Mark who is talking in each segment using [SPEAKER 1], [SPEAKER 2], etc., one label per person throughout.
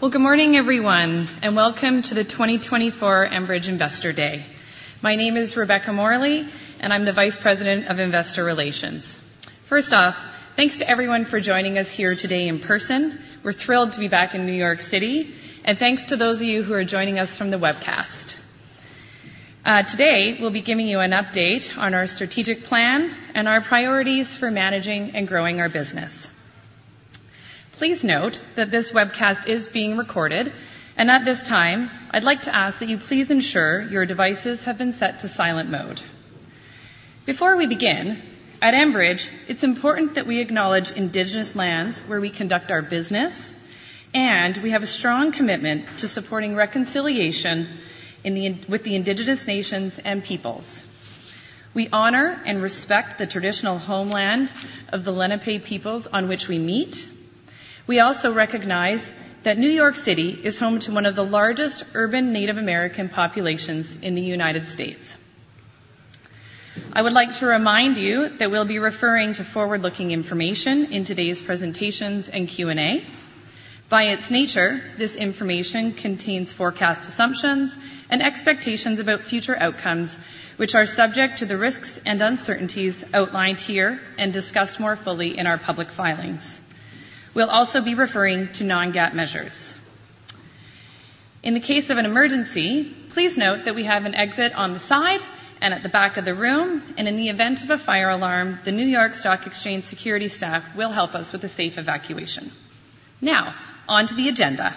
[SPEAKER 1] Well, good morning, everyone, and welcome to the 2024 Enbridge Investor Day. My name is Rebecca Morley, and I'm the Vice President of Investor Relations. First off, thanks to everyone for joining us here today in person. We're thrilled to be back in New York City, and thanks to those of you who are joining us from the webcast. Today, we'll be giving you an update on our strategic plan and our priorities for managing and growing our business. Please note that this webcast is being recorded, and at this time, I'd like to ask that you please ensure your devices have been set to silent mode. Before we begin, at Enbridge, it's important that we acknowledge Indigenous lands where we conduct our business, and we have a strong commitment to supporting reconciliation with the Indigenous nations and peoples. We honor and respect the traditional homeland of the Lenape peoples on which we meet. We also recognize that New York City is home to one of the largest urban Native American populations in the United States. I would like to remind you that we'll be referring to forward-looking information in today's presentations and Q&A. By its nature, this information contains forecast assumptions and expectations about future outcomes, which are subject to the risks and uncertainties outlined here and discussed more fully in our public filings. We'll also be referring to non-GAAP measures. In the case of an emergency, please note that we have an exit on the side and at the back of the room, and in the event of a fire alarm, the New York Stock Exchange security staff will help us with a safe evacuation. Now, on to the agenda.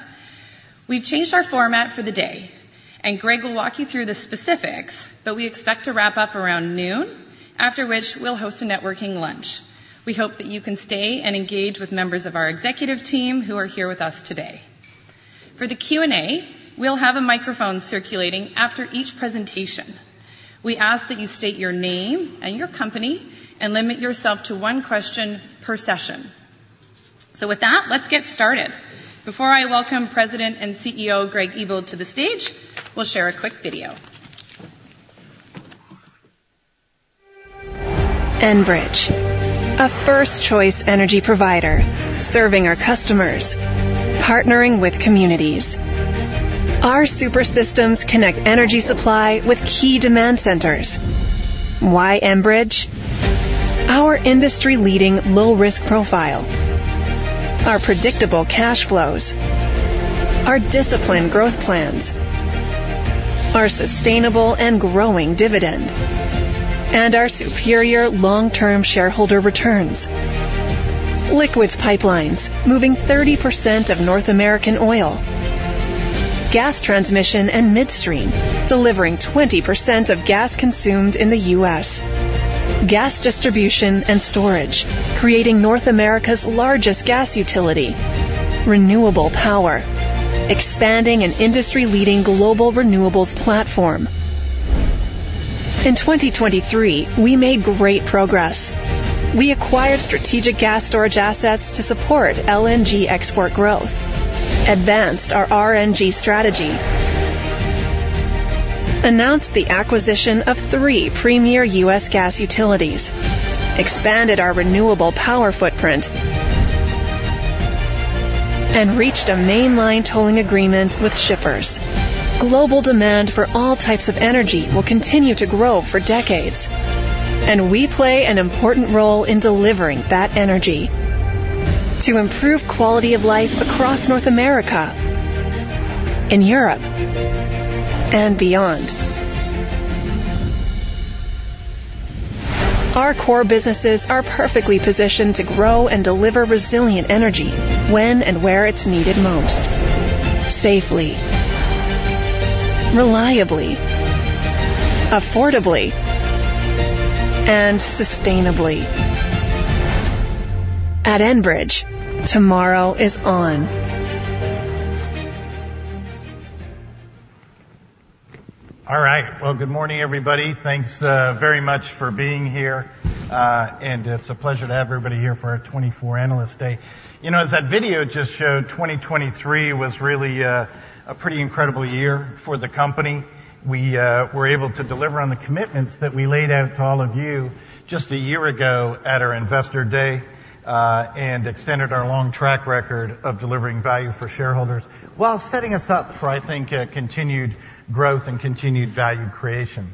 [SPEAKER 1] We've changed our format for the day, and Greg will walk you through the specifics, but we expect to wrap up around noon, after which we'll host a networking lunch. We hope that you can stay and engage with members of our executive team who are here with us today. For the Q&A, we'll have a microphone circulating after each presentation. We ask that you state your name and your company and limit yourself to one question per session. So with that, let's get started. Before I welcome President and Chief Executive Officer, Greg Ebel, to the stage, we'll share a quick video.
[SPEAKER 2] Enbridge, a first-choice energy provider serving our customers, partnering with communities. Our super systems connect energy supply with key demand centers. Why Enbridge? Our industry-leading low-risk profile, our predictable cash flows, our disciplined growth plans, our sustainable and growing dividend, and our superior long-term shareholder returns. Liquids Pipelines, moving 30% of North American oil. Gas Transmission and Midstream, delivering 20% of gas consumed in the U.S.. Gas Distribution and Storage, creating North America's largest gas utility. Renewable Power, expanding an industry-leading global renewables platform. In 2023, we made great progress. We acquired strategic gas storage assets to support LNG export growth, advanced our RNG strategy, announced the acquisition of three premier U.S. gas utilities, expanded our Renewable Power footprint, and reached a Mainline tolling agreement with shippers. Global demand for all types of energy will continue to grow for decades, and we play an important role in delivering that energy to improve quality of life across North America, in Europe, and beyond. Our core businesses are perfectly positioned to grow and deliver resilient energy when and where it's needed most, safely, reliably, affordably, and sustainably. At Enbridge, tomorrow is on.
[SPEAKER 3] All right. Well, good morning, everybody. Thanks, very much for being here. And it's a pleasure to have everybody here for Our 2024 Analyst Day. You know, as that video just showed, 2023 was really a pretty incredible year for the company. We were able to deliver on the commitments that we laid out to all of you just a year ago at our Investor Day, and extended our long track record of delivering value for shareholders while setting us up for, I think, a continued growth and continued value creation.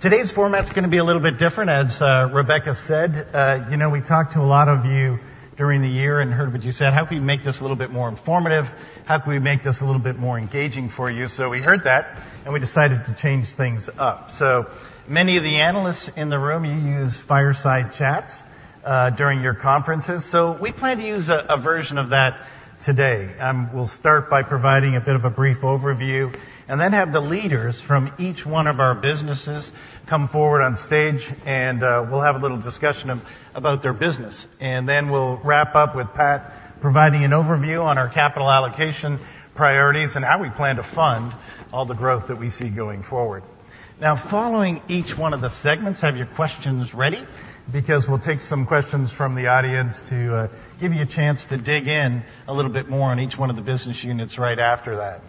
[SPEAKER 3] Today's format is gonna be a little bit different, as Rebecca said. You know, we talked to a lot of you during the year and heard what you said. How can we make this a little bit more informative? How can we make this a little bit more engaging for you? So we heard that, and we decided to change things up. So many of the analysts in the room, you use fireside chats during your conferences, so we plan to use a version of that today. We'll start by providing a bit of a brief overview, and then have the leaders from each one of our businesses come forward on stage, and we'll have a little discussion about their business. Then we'll wrap up with Pat providing an overview on our capital allocation priorities and how we plan to fund all the growth that we see going forward. Now, following each one of the segments, have your questions ready, because we'll take some questions from the audience to give you a chance to dig in a little bit more on each one of the business units right after that...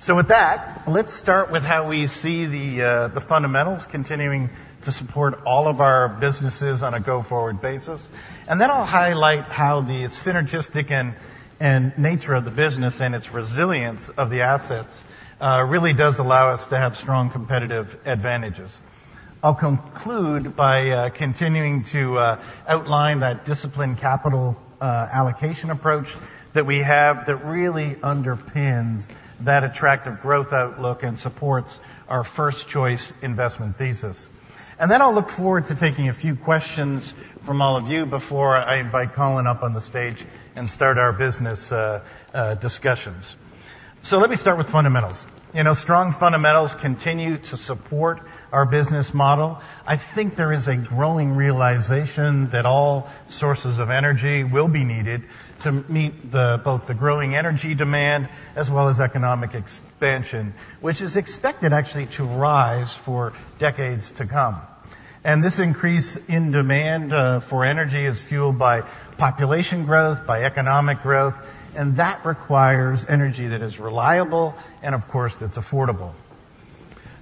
[SPEAKER 3] So with that, let's start with how we see the fundamentals continuing to support all of our businesses on a go-forward basis. And then I'll highlight how the synergistic and nature of the business and its resilience of the assets really does allow us to have strong competitive advantages. I'll conclude by continuing to outline that disciplined capital allocation approach that we have that really underpins that attractive growth outlook and supports our first-choice investment thesis. And then I'll look forward to taking a few questions from all of you before I invite Colin up on the stage and start our business discussions. So let me start with fundamentals. You know, strong fundamentals continue to support our business model. I think there is a growing realization that all sources of energy will be needed to meet both the growing energy demand as well as economic expansion, which is expected actually to rise for decades to come. And this increase in demand for energy is fueled by population growth, by economic growth, and that requires energy that is reliable and, of course, that's affordable.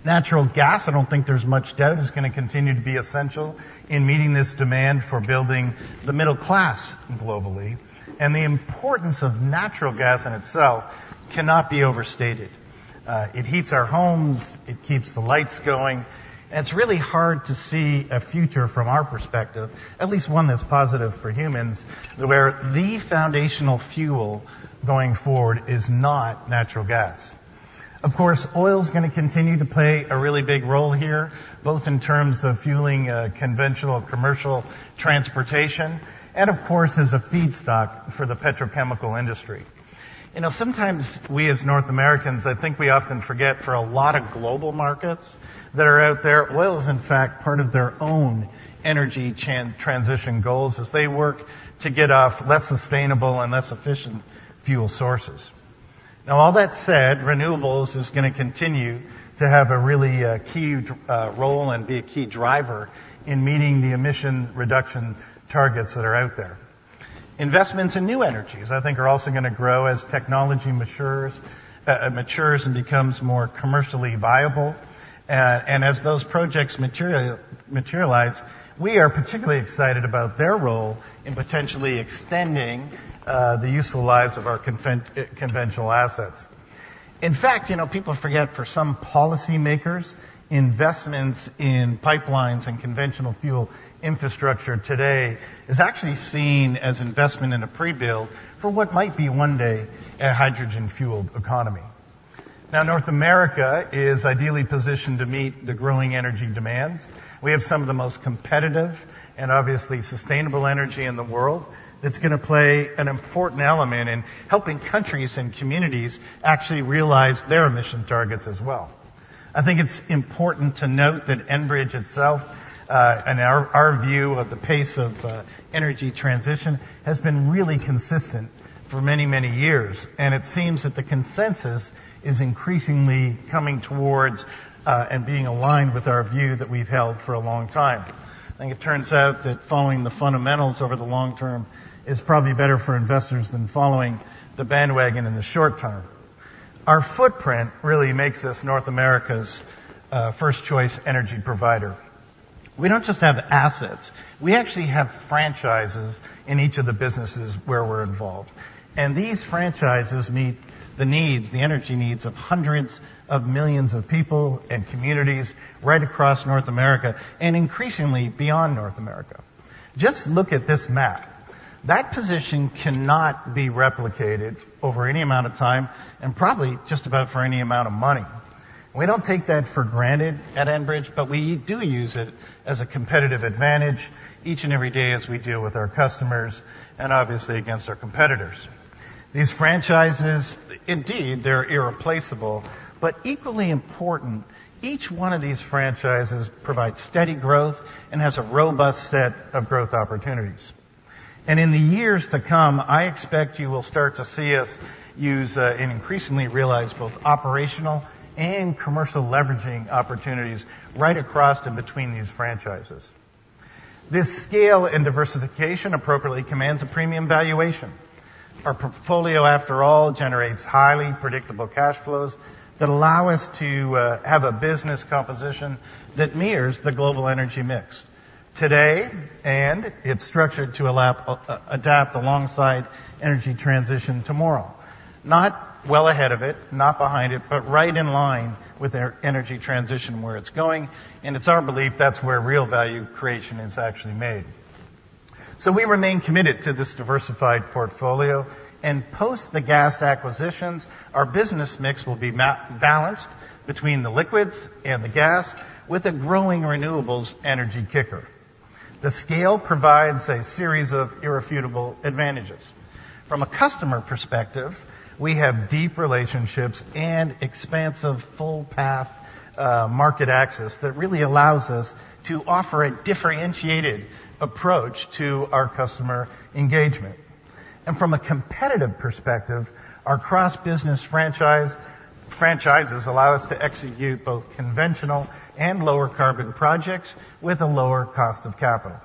[SPEAKER 3] Natural gas, I don't think there's much doubt, is gonna continue to be essential in meeting this demand for building the middle class globally, and the importance of natural gas in itself cannot be overstated. It heats our homes, it keeps the lights going, and it's really hard to see a future from our perspective, at least one that's positive for humans, where the foundational fuel going forward is not natural gas. Of course, oil's gonna continue to play a really big role here, both in terms of fueling conventional commercial transportation and, of course, as a feedstock for the petrochemical industry. You know, sometimes we, as North Americans, I think we often forget, for a lot of global markets that are out there, oil is, in fact, part of their own energy transition goals as they work to get off less sustainable and less efficient fuel sources. Now, all that said, renewables is gonna continue to have a really key role and be a key driver in meeting the emission reduction targets that are out there. Investments in new energies, I think, are also gonna grow as technology matures and becomes more commercially viable. As those projects materialize, we are particularly excited about their role in potentially extending the useful lives of our conventional assets. In fact, you know, people forget, for some policymakers, investments in pipelines and conventional fuel infrastructure today is actually seen as investment in a pre-build for what might be one day a hydrogen-fueled economy. Now, North America is ideally positioned to meet the growing energy demands. We have some of the most competitive and obviously sustainable energy in the world that's gonna play an important element in helping countries and communities actually realize their emission targets as well. I think it's important to note that Enbridge itself, and our, our view of the pace of, energy transition has been really consistent for many, many years, and it seems that the consensus is increasingly coming towards, and being aligned with our view that we've held for a long time. I think it turns out that following the fundamentals over the long term is probably better for investors than following the bandwagon in the short term. Our footprint really makes us North America's, first-choice energy provider. We don't just have assets, we actually have franchises in each of the businesses where we're involved, and these franchises meet the needs, the energy needs, of hundreds of millions of people and communities right across North America, and increasingly beyond North America. Just look at this map. That position cannot be replicated over any amount of time and probably just about for any amount of money. We don't take that for granted at Enbridge, but we do use it as a competitive advantage each and every day as we deal with our customers and obviously against our competitors. These franchises, indeed, they're irreplaceable, but equally important, each one of these franchises provides steady growth and has a robust set of growth opportunities. And in the years to come, I expect you will start to see us use, and increasingly realize both operational and commercial leveraging opportunities right across and between these franchises. This scale and diversification appropriately commands a premium valuation. Our portfolio, after all, generates highly predictable cash flows that allow us to have a business composition that mirrors the global energy mix today, and it's structured to allow adapt alongside energy transition tomorrow. Not well ahead of it, not behind it, but right in line with our energy transition, where it's going, and it's our belief that's where real value creation is actually made. So we remain committed to this diversified portfolio, and post the gas acquisitions, our business mix will be balanced between the liquids and the gas, with a growing renewables energy kicker. The scale provides a series of irrefutable advantages. From a customer perspective, we have deep relationships and expansive full path market access that really allows us to offer a differentiated approach to our customer engagement. From a competitive perspective, our cross-business franchises allow us to execute both conventional and lower carbon projects with a lower cost of capital.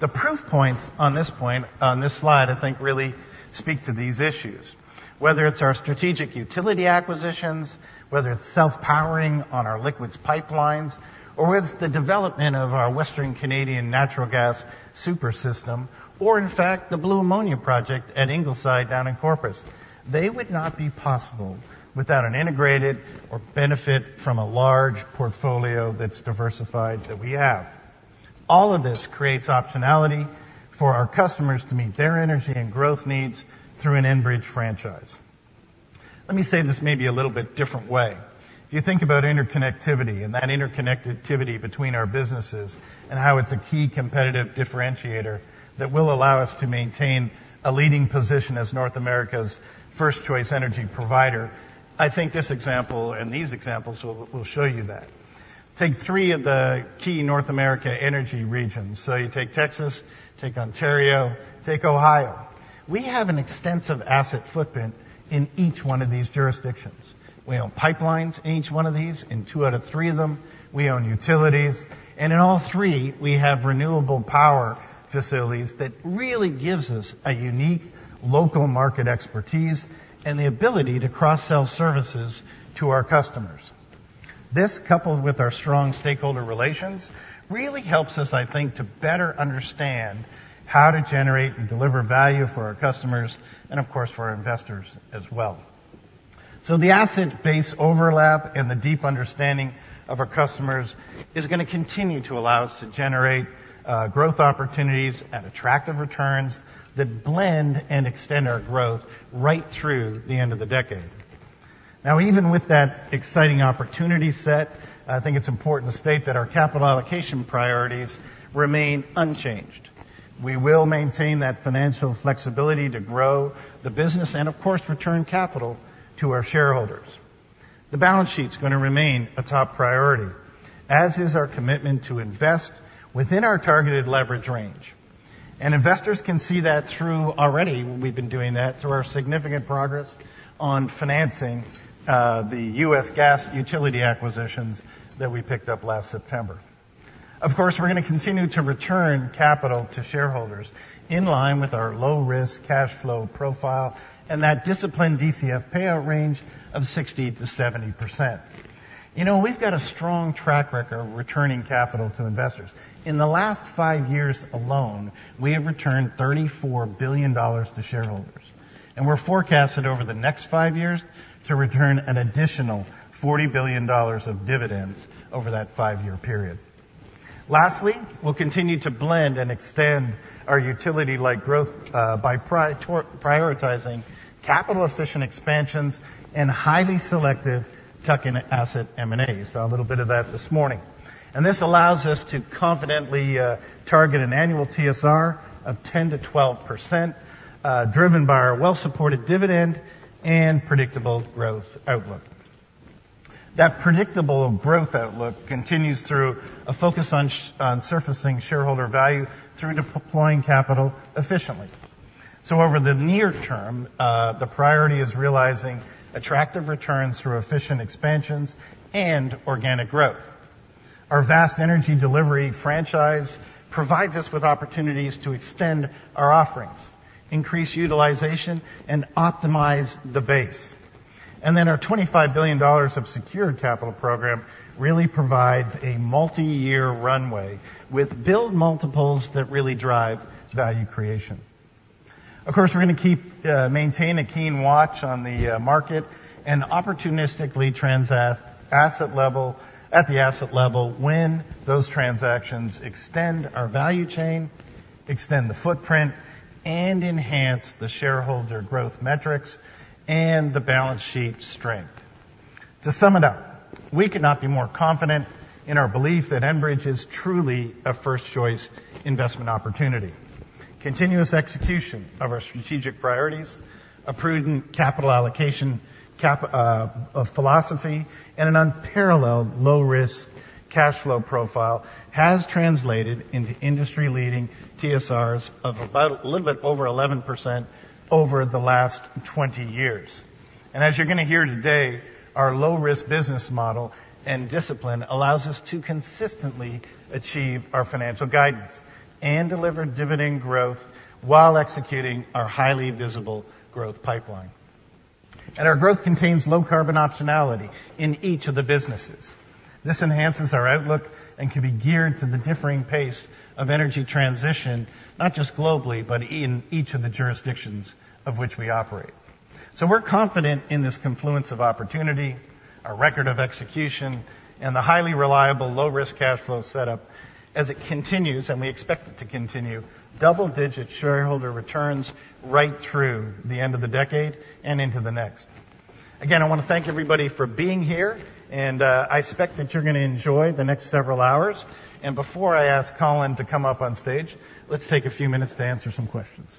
[SPEAKER 3] The proof points on this point, on this slide, I think, really speak to these issues. Whether it's our strategic utility acquisitions, whether it's self-powering on our Liquids Pipelines, or whether it's the development of our Western Canadian Natural Gas Super System, or in fact, the blue ammonia project at Ingleside down in Corpus. They would not be possible without an integrated or benefit from a large portfolio that's diversified that we have. All of this creates optionality for our customers to meet their energy and growth needs through an Enbridge franchise. Let me say this maybe a little bit different way. If you think about interconnectivity, and that interconnectivity between our businesses and how it's a key competitive differentiator that will allow us to maintain a leading position as North America's first-choice energy provider, I think this example, and these examples, will show you that. Take three of the key North America energy regions. So you take Texas, take Ontario, take Ohio. We have an extensive asset footprint in each one of these jurisdictions. We own pipelines in each one of these. In two out of three of them, we own utilities, and in all three, we have Renewable Power facilities that really gives us a unique local market expertise and the ability to cross-sell services to our customers. This, coupled with our strong stakeholder relations, really helps us, I think, to better understand how to generate and deliver value for our customers, and of course, for our investors as well. So the asset base overlap and the deep understanding of our customers is gonna continue to allow us to generate growth opportunities at attractive returns that blend and extend our growth right through the end of the decade. Now, even with that exciting opportunity set, I think it's important to state that our capital allocation priorities remain unchanged. We will maintain that financial flexibility to grow the business and, of course, return capital to our shareholders. The balance sheet's gonna remain a top priority, as is our commitment to invest within our targeted leverage range. Investors can see that through already, we've been doing that, through our significant progress on financing the U.S. gas utility acquisitions that we picked up last September. Of course, we're gonna continue to return capital to shareholders in line with our low-risk cash flow profile and that disciplined DCF payout range of 60%-70%. You know, we've got a strong track record of returning capital to investors. In the last five years alone, we have returned 34 billion dollars to shareholders, and we're forecasted over the next five years to return an additional 40 billion dollars of dividends over that five-year period. Lastly, we'll continue to blend and extend our utility-like growth by prioritizing capital-efficient expansions and highly selective tuck-in asset M&As. Saw a little bit of that this morning. This allows us to confidently target an annual TSR of 10%-12%, driven by our well-supported dividend and predictable growth outlook. That predictable growth outlook continues through a focus on surfacing shareholder value through deploying capital efficiently. Over the near term, the priority is realizing attractive returns through efficient expansions and organic growth. Our vast energy delivery franchise provides us with opportunities to extend our offerings, increase utilization, and optimize the base. Then our 25 billion dollars of secured capital program really provides a multiyear runway, with build multiples that really drive value creation. Of course, we're gonna keep maintain a keen watch on the market and opportunistically transact at the asset level, when those transactions extend our value chain, extend the footprint, and enhance the shareholder growth metrics and the balance sheet strength. To sum it up, we could not be more confident in our belief that Enbridge is truly a first-choice investment opportunity. Continuous execution of our strategic priorities, a prudent capital allocation cap, of philosophy, and an unparalleled low-risk cash flow profile has translated into industry-leading TSRs of about a little bit over 11% over the last 20 years. And as you're gonna hear today, our low-risk business model and discipline allows us to consistently achieve our financial guidance and deliver dividend growth while executing our highly visible growth pipeline. And our growth contains low-carbon optionality in each of the businesses. This enhances our outlook and can be geared to the differing pace of energy transition, not just globally, but in each of the jurisdictions of which we operate. So we're confident in this confluence of opportunity, our record of execution, and the highly reliable, low-risk cash flow setup as it continues, and we expect it to continue, double-digit shareholder returns right through the end of the decade and into the next. Again, I wanna thank everybody for being here, and I expect that you're gonna enjoy the next several hours. And before I ask Colin to come up on stage, let's take a few minutes to answer some questions.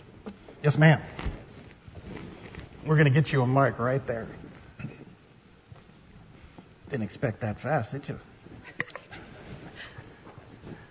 [SPEAKER 3] Yes, ma'am? We're gonna get you a mic right there. Didn't expect that fast, did you?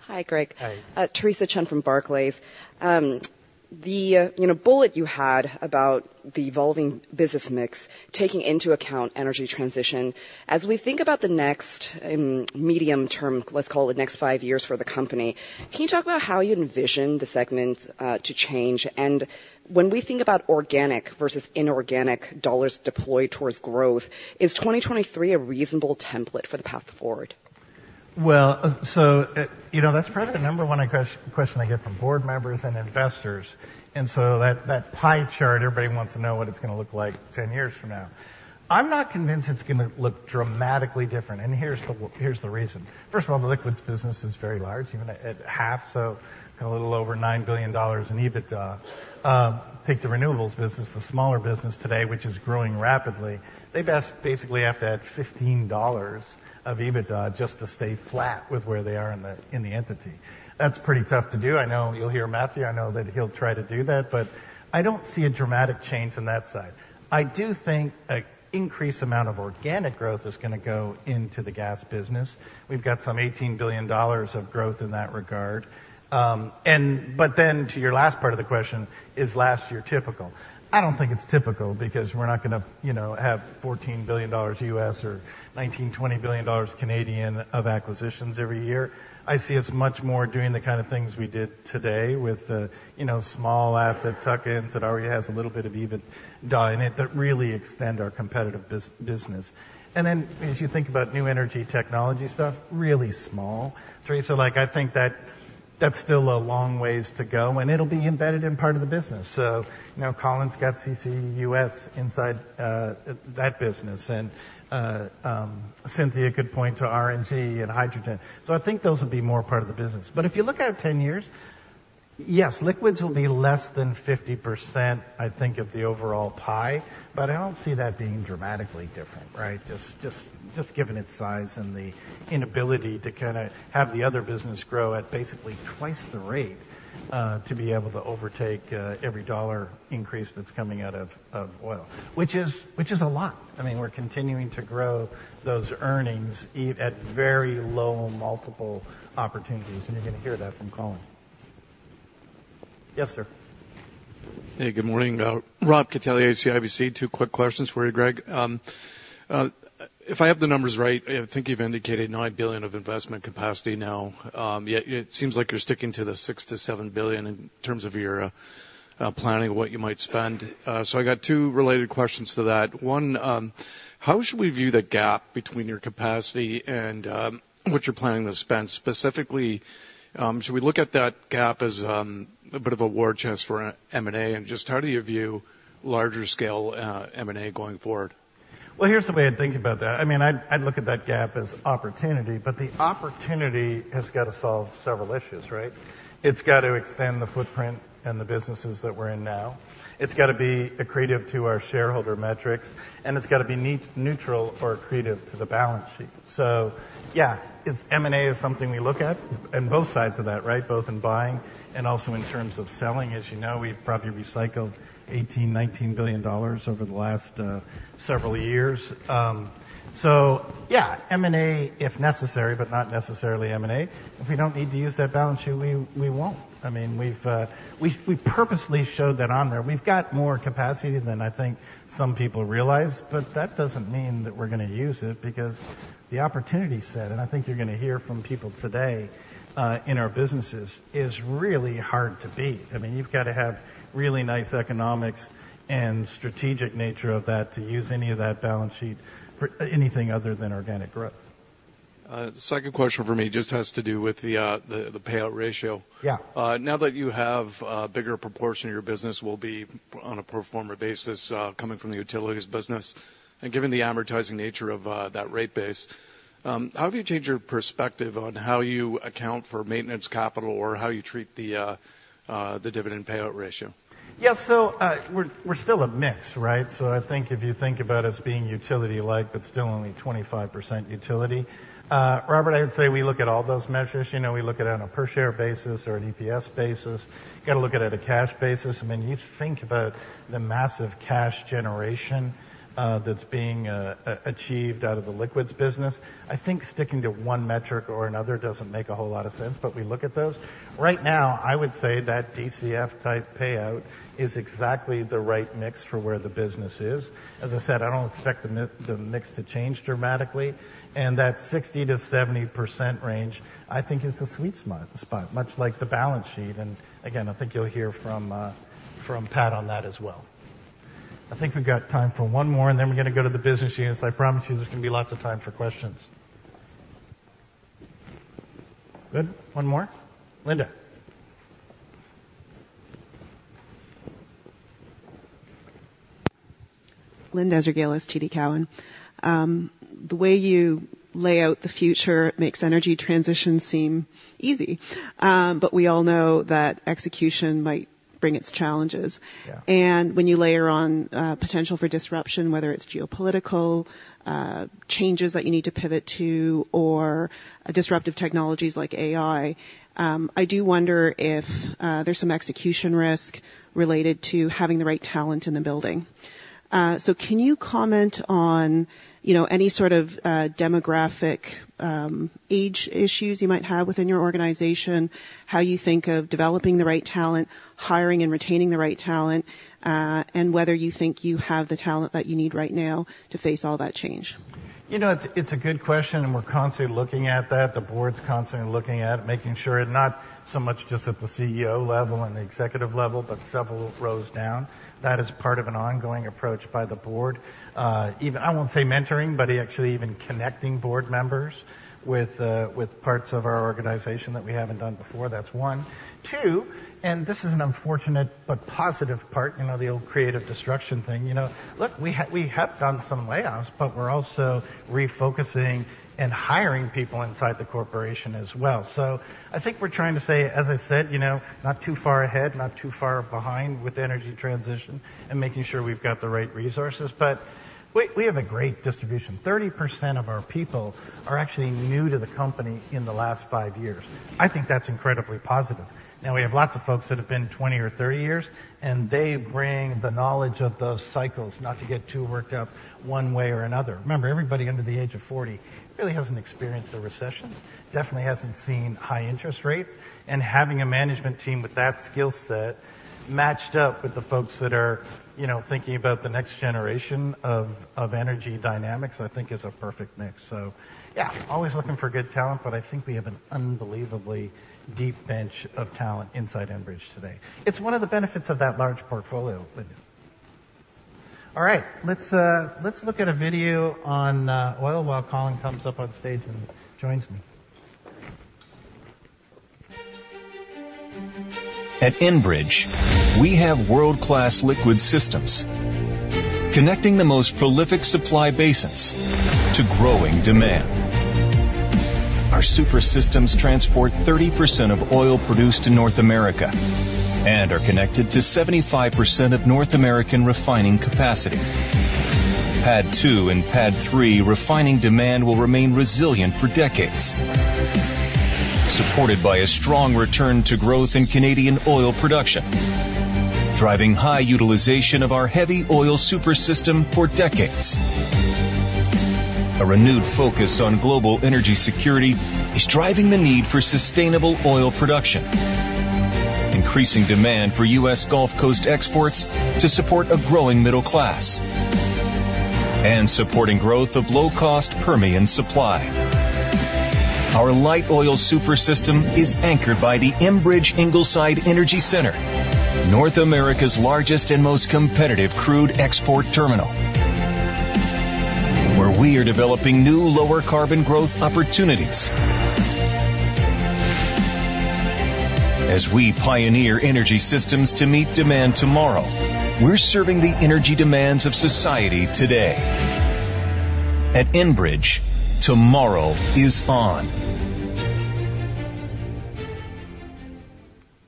[SPEAKER 4] Hi, Greg.
[SPEAKER 3] Hi.
[SPEAKER 4] Theresa Chen from Barclays.... the, you know, bullet you had about the evolving business mix, taking into account energy transition. As we think about the next medium term, let's call it the next five years for the company, can you talk about how you envision the segments to change? And when we think about organic vs inorganic dollars deployed towards growth, is 2023 a reasonable template for the path forward?
[SPEAKER 3] Well, so, you know, that's probably the number one question I get from board members and investors, and so that, that pie chart, everybody wants to know what it's gonna look like 10 years from now. I'm not convinced it's gonna look dramatically different, and here's the reason. First of all, the liquids business is very large, even at half, so a little over 9 billion dollars in EBITDA. Take the renewables business, the smaller business today, which is growing rapidly, they basically have to add 15 dollars of EBITDA just to stay flat with where they are in the entity. That's pretty tough to do. I know you'll hear Matthew, I know that he'll try to do that, but I don't see a dramatic change on that side. I do think an increased amount of organic growth is gonna go into the gas business. We've got some 18 billion dollars of growth in that regard. And but then to your last part of the question, is last year typical? I don't think it's typical because we're not gonna, you know, have $14 billion or 19 billion-20 billion dollars of acquisitions every year. I see us much more doing the kind of things we did today with, you know, small asset tuck-ins that already has a little bit of EBITDA in it that really extend our competitive business. And then as you think about new energy technology stuff, really small, Theresa. Like, I think that that's still a long ways to go, and it'll be embedded in part of the business. So, you know, Colin’s got CCUS inside that business, and Cynthia could point to RNG and hydrogen. So I think those will be more part of the business. But if you look out 10 years, yes, liquids will be less than 50%, I think, of the overall pie, but I don’t see that being dramatically different, right? Just, just, just given its size and the inability to kinda have the other business grow at basically twice the rate to be able to overtake every dollar increase that’s coming out of oil, which is, which is a lot. I mean, we’re continuing to grow those earnings at very low multiple opportunities, and you’re gonna hear that from Colin. Yes, sir.
[SPEAKER 5] Hey, good morning. Robert Catellier, CIBC. Two quick questions for you, Greg. If I have the numbers right, I think you've indicated 9 billion of investment capacity now. Yet it seems like you're sticking to the 6 billion-7 billion in terms of your planning, what you might spend. So I got two related questions to that. One, how should we view the gap between your capacity and what you're planning to spend? Specifically, should we look at that gap as a bit of a war chest for M&A, and just how do you view larger scale M&A going forward?
[SPEAKER 3] Well, here's the way I think about that. I mean, I'd look at that gap as opportunity, but the opportunity has got to solve several issues, right? It's got to extend the footprint and the businesses that we're in now. It's got to be accretive to our shareholder metrics, and it's got to be neutral or accretive to the balance sheet. So yeah, it's M&A is something we look at, in both sides of that, right? Both in buying and also in terms of selling. As you know, we've probably recycled 18-19 billion dollars over the last several years. So yeah, M&A, if necessary, but not necessarily M&A. If we don't need to use that balance sheet, we won't. I mean, we've purposely showed that on there. We've got more capacity than I think some people realize, but that doesn't mean that we're gonna use it, because the opportunity set, and I think you're gonna hear from people today, in our businesses, is really hard to beat. I mean, you've got to have really nice economics and strategic nature of that to use any of that balance sheet for anything other than organic growth.
[SPEAKER 5] Second question for me just has to do with the payout ratio?
[SPEAKER 3] Yeah.
[SPEAKER 5] Now that you have a bigger proportion of your business will be on a pro forma basis, coming from the utilities business, and given the amortizing nature of that rate base, how have you changed your perspective on how you account for maintenance capital or how you treat the dividend payout ratio?
[SPEAKER 3] Yeah. So, we're still a mix, right? So I think if you think about us being utility-like, but still only 25% utility. Robert, I'd say we look at all those measures. You know, we look at it on a per share basis or an EPS basis. You got to look at it on a cash basis. I mean, you think about the massive cash generation that's being achieved out of the liquids business. I think sticking to one metric or another doesn't make a whole lot of sense, but we look at those. Right now, I would say that DCF-type payout is exactly the right mix for where the business is. As I said, I don't expect the mix to change dramatically, and that 60%-70% range, I think, is a sweet spot, much like the balance sheet. Again, I think you'll hear from Pat on that as well. I think we've got time for one more, and then we're gonna go to the business units. I promise you there's gonna be lots of time for questions. Good. One more. Linda.
[SPEAKER 6] Linda Ezergailis, TD Cowen. The way you lay out the future makes energy transition seem easy, but we all know that execution might bring its challenges.
[SPEAKER 3] Yeah.
[SPEAKER 6] And when you layer on, potential for disruption, whether it's geopolitical, changes that you need to pivot to, or disruptive technologies like AI, I do wonder if, there's some execution risk related to having the right talent in the building. So can you comment on, you know, any sort of, demographic, age issues you might have within your organization, how you think of developing the right talent, hiring and retaining the right talent, and whether you think you have the talent that you need right now to face all that change?...
[SPEAKER 3] You know, it's, it's a good question, and we're constantly looking at that. The board's constantly looking at it, making sure it not so much just at the CEO level and the executive level, but several rows down. That is part of an ongoing approach by the board. Even, I won't say mentoring, but actually even connecting board members with, with parts of our organization that we haven't done before. That's one. Two, and this is an unfortunate but positive part, you know, the old creative destruction thing, you know. Look, we have done some layoffs, but we're also refocusing and hiring people inside the corporation as well. So I think we're trying to say, as I said, you know, not too far ahead, not too far behind with energy transition and making sure we've got the right resources. But we have a great distribution. 30% of our people are actually new to the company in the last five years. I think that's incredibly positive. Now, we have lots of folks that have been 20 or 30 years, and they bring the knowledge of those cycles not to get too worked up one way or another. Remember, everybody under the age of 40 really hasn't experienced a recession, definitely hasn't seen high interest rates, and having a management team with that skill set matched up with the folks that are, you know, thinking about the next generation of energy dynamics, I think is a perfect mix. So yeah, always looking for good talent, but I think we have an unbelievably deep bench of talent inside Enbridge today. It's one of the benefits of that large portfolio. All right, let's look at a video on oil while Colin comes up on stage and joins me.
[SPEAKER 7] At Enbridge, we have world-class liquid systems connecting the most prolific supply basins to growing demand. Our super systems transport 30% of oil produced in North America and are connected to 75% of North American refining capacity. PADD 2 and PADD 3 refining demand will remain resilient for decades, supported by a strong return to growth in Canadian oil production, driving high utilization of our heavy oil super system for decades. A renewed focus on global energy security is driving the need for sustainable oil production, increasing demand for U.S. Gulf Coast exports to support a growing middle class and supporting growth of low-cost Permian supply. Our light oil super system is anchored by the Enbridge Ingleside Energy Center, North America's largest and most competitive crude export terminal, where we are developing new, lower carbon growth opportunities. As we pioneer energy systems to meet demand tomorrow, we're serving the energy demands of society today. At Enbridge, tomorrow is on.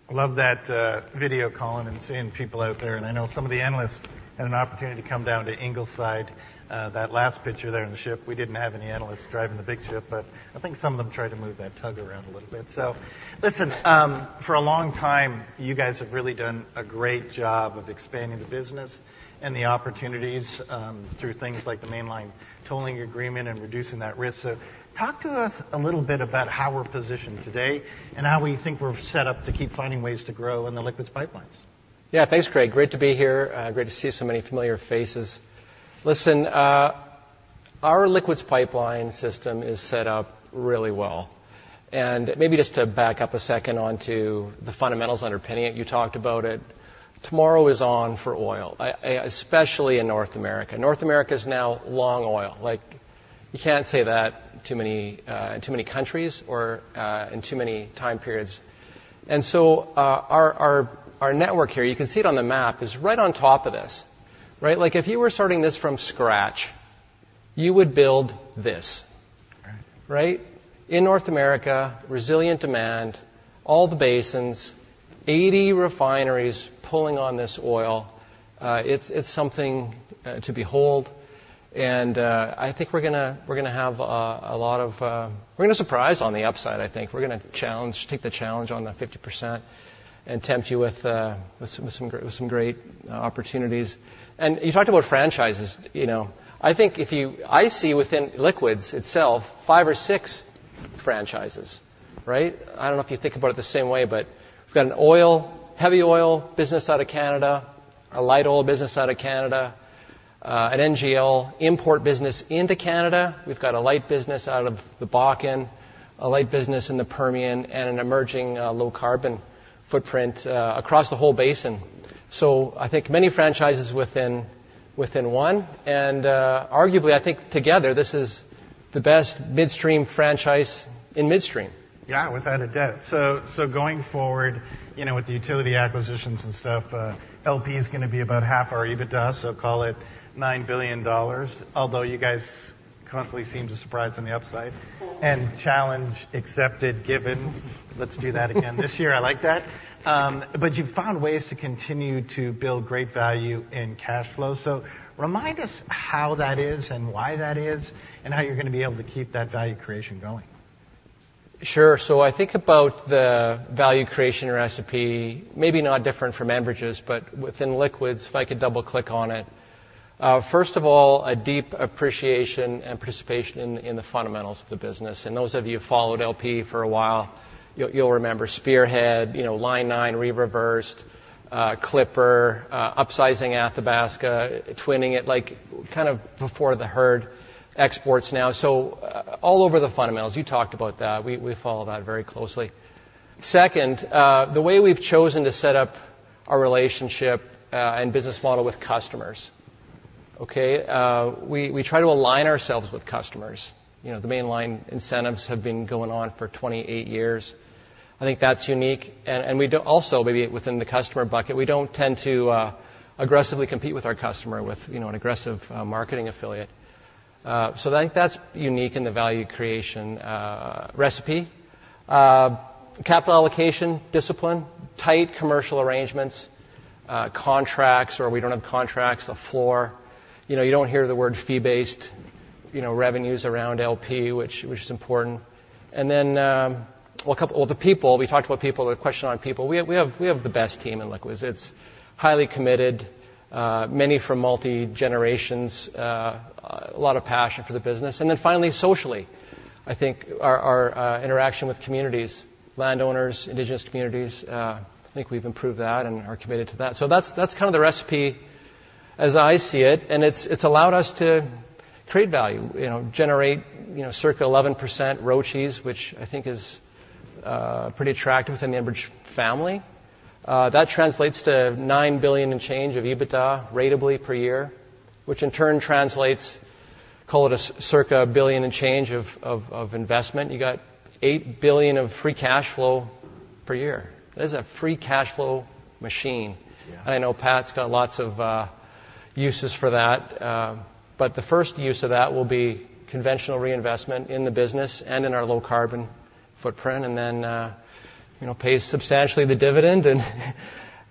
[SPEAKER 3] I love that video, Colin, and seeing people out there. I know some of the analysts had an opportunity to come down to Ingleside. That last picture there on the ship, we didn't have any analysts driving the big ship, but I think some of them tried to move that tug around a little bit. So listen, for a long time, you guys have really done a great job of expanding the business and the opportunities, through things like the Mainline tolling agreement and reducing that risk. So talk to us a little bit about how we're positioned today and how we think we're set up to keep finding ways to grow in the Liquids Pipelines.
[SPEAKER 8] Yeah. Thanks, Greg. Great to be here. Great to see so many familiar faces. Listen, our liquids pipeline system is set up really well, and maybe just to back up a second onto the fundamentals underpinning it, you talked about it. Tomorrow is on for oil, especially in North America. North America is now long oil. Like, you can't say that too many in too many countries or in too many time periods. And so, our network here, you can see it on the map, is right on top of this, right? Like, if you were starting this from scratch, you would build this.
[SPEAKER 3] Right.
[SPEAKER 8] Right? In North America, resilient demand, all the basins, 80 refineries pulling on this oil, it's, it's something to behold, and, I think we're gonna, we're gonna have a lot of... We're gonna surprise on the upside, I think. We're gonna challenge, take the challenge on the 50% and tempt you with, with some, with some great, with some great opportunities. And you talked about franchises, you know. I think if you, I see within liquids itself, five or six franchises, right? I don't know if you think about it the same way, but we've got an oil, heavy oil business out of Canada, a light oil business out of Canada, an NGL import business into Canada. We've got a light business out of the Bakken, a light business in the Permian, and an emerging low-carbon footprint across the whole basin. So I think many franchises within one, and arguably, I think together, this is the best midstream franchise in midstream.
[SPEAKER 3] Yeah, without a doubt. So, so going forward, you know, with the utility acquisitions and stuff, LP is gonna be about half our EBITDA, so call it 9 billion dollars, although you guys constantly seem to surprise on the upside. And challenge accepted, given. Let's do that again this year. I like that. But you've found ways to continue to build great value in cash flow. So remind us how that is and why that is, and how you're gonna be able to keep that value creation going.
[SPEAKER 8] Sure. So I think about the value creation recipe, maybe not different from Enbridge's, but within liquids, if I could double-click on it. First of all, a deep appreciation and participation in the fundamentals of the business. And those of you who followed LP for a while, you, you'll remember Spearhead, you know, Line 9, reversed, Clipper, upsizing Athabasca, twinning it, like, kind of before the herd exports now. So all over the fundamentals, you talked about that. We followed that very closely. Second, the way we've chosen to set up our relationship and business model with customers, okay? We try to align ourselves with customers. You know, the Mainline incentives have been going on for 28 years. I think that's unique, and we don't also, maybe within the customer bucket, we don't tend to aggressively compete with our customer with, you know, an aggressive marketing affiliate. So I think that's unique in the value creation recipe. Capital allocation, discipline, tight commercial arrangements, contracts, or we don't have contracts, a floor. You know, you don't hear the word fee-based, you know, revenues around LP, which is important. And then, well, the people, we talked about people, the question on people. We have the best team in liquids. It's highly committed, many from multi-generations, a lot of passion for the business. And then finally, socially, I think our interaction with communities, landowners, indigenous communities, I think we've improved that and are committed to that. So that's kind of the recipe as I see it, and it's allowed us to create value, you know, generate, you know, circa 11% ROIC, which I think is pretty attractive within the average family. That translates to 9 billion and change of EBITDA ratably per year, which in turn translates, call it circa a billion and change of investment. You got 8 billion of free cash flow per year. That is a free cash flow machine.
[SPEAKER 3] Yeah.
[SPEAKER 8] I know Pat's got lots of uses for that, but the first use of that will be conventional reinvestment in the business and in our low carbon footprint, and then, you know, pay substantially the dividend and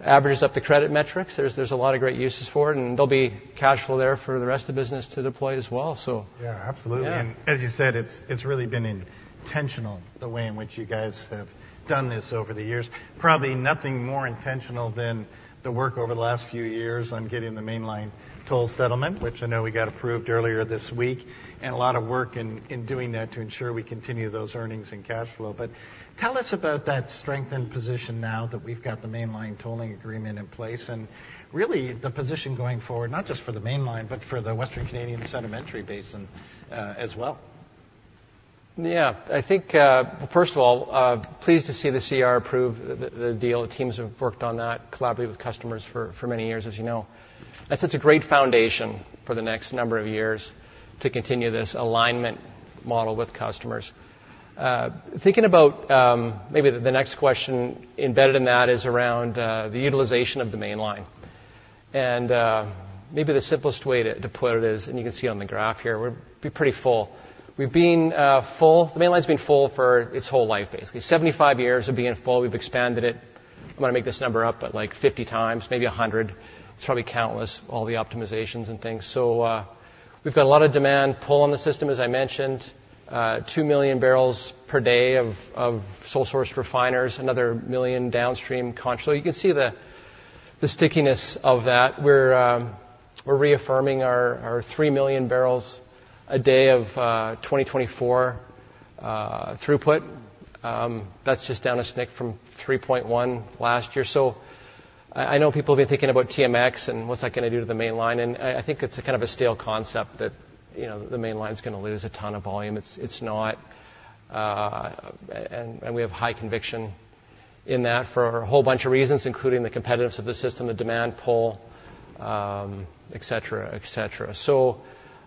[SPEAKER 8] averages up the credit metrics. There's a lot of great uses for it, and there'll be cash flow there for the rest of business to deploy as well, so-
[SPEAKER 3] Yeah, absolutely.
[SPEAKER 8] Yeah.
[SPEAKER 3] As you said, it's, it's really been intentional, the way in which you guys have done this over the years. Probably nothing more intentional than the work over the last few years on getting the Mainline toll settlement, which I know we got approved earlier this week, and a lot of work in, in doing that to ensure we continue those earnings and cash flow. But tell us about that strengthened position now that we've got the Mainline tolling agreement in place, and really, the position going forward, not just for the Mainline, but for the Western Canadian Sedimentary Basin, as well.
[SPEAKER 8] Yeah. I think, first of all, pleased to see the CER approve the, the deal. The teams have worked on that, collaborated with customers for, for many years, as you know. That sets a great foundation for the next number of years to continue this alignment model with customers. Thinking about, maybe the next question embedded in that is around, the utilization of the Mainline. And, maybe the simplest way to, to put it is, and you can see on the graph here, we're pretty full. We've been, full—the Mainline's been full for its whole life, basically. 75 years of being full, we've expanded it. I'm gonna make this number up, but like 50 times, maybe 100. It's probably countless, all the optimizations and things. So, we've got a lot of demand pull on the system, as I mentioned, 2 million barrels per day of sole source refiners, another million downstream con... So you can see the stickiness of that. We're reaffirming our 3 million barrels a day of 2024 throughput. That's just down a snick from 3.1 last year. So I know people have been thinking about TMX and what's that gonna do to the mainline, and I think it's a kind of a stale concept that, you know, the mainline's gonna lose a ton of volume. It's not, and we have high conviction in that for a whole bunch of reasons, including the competitiveness of the system, the demand pull, et cetera, et cetera. So,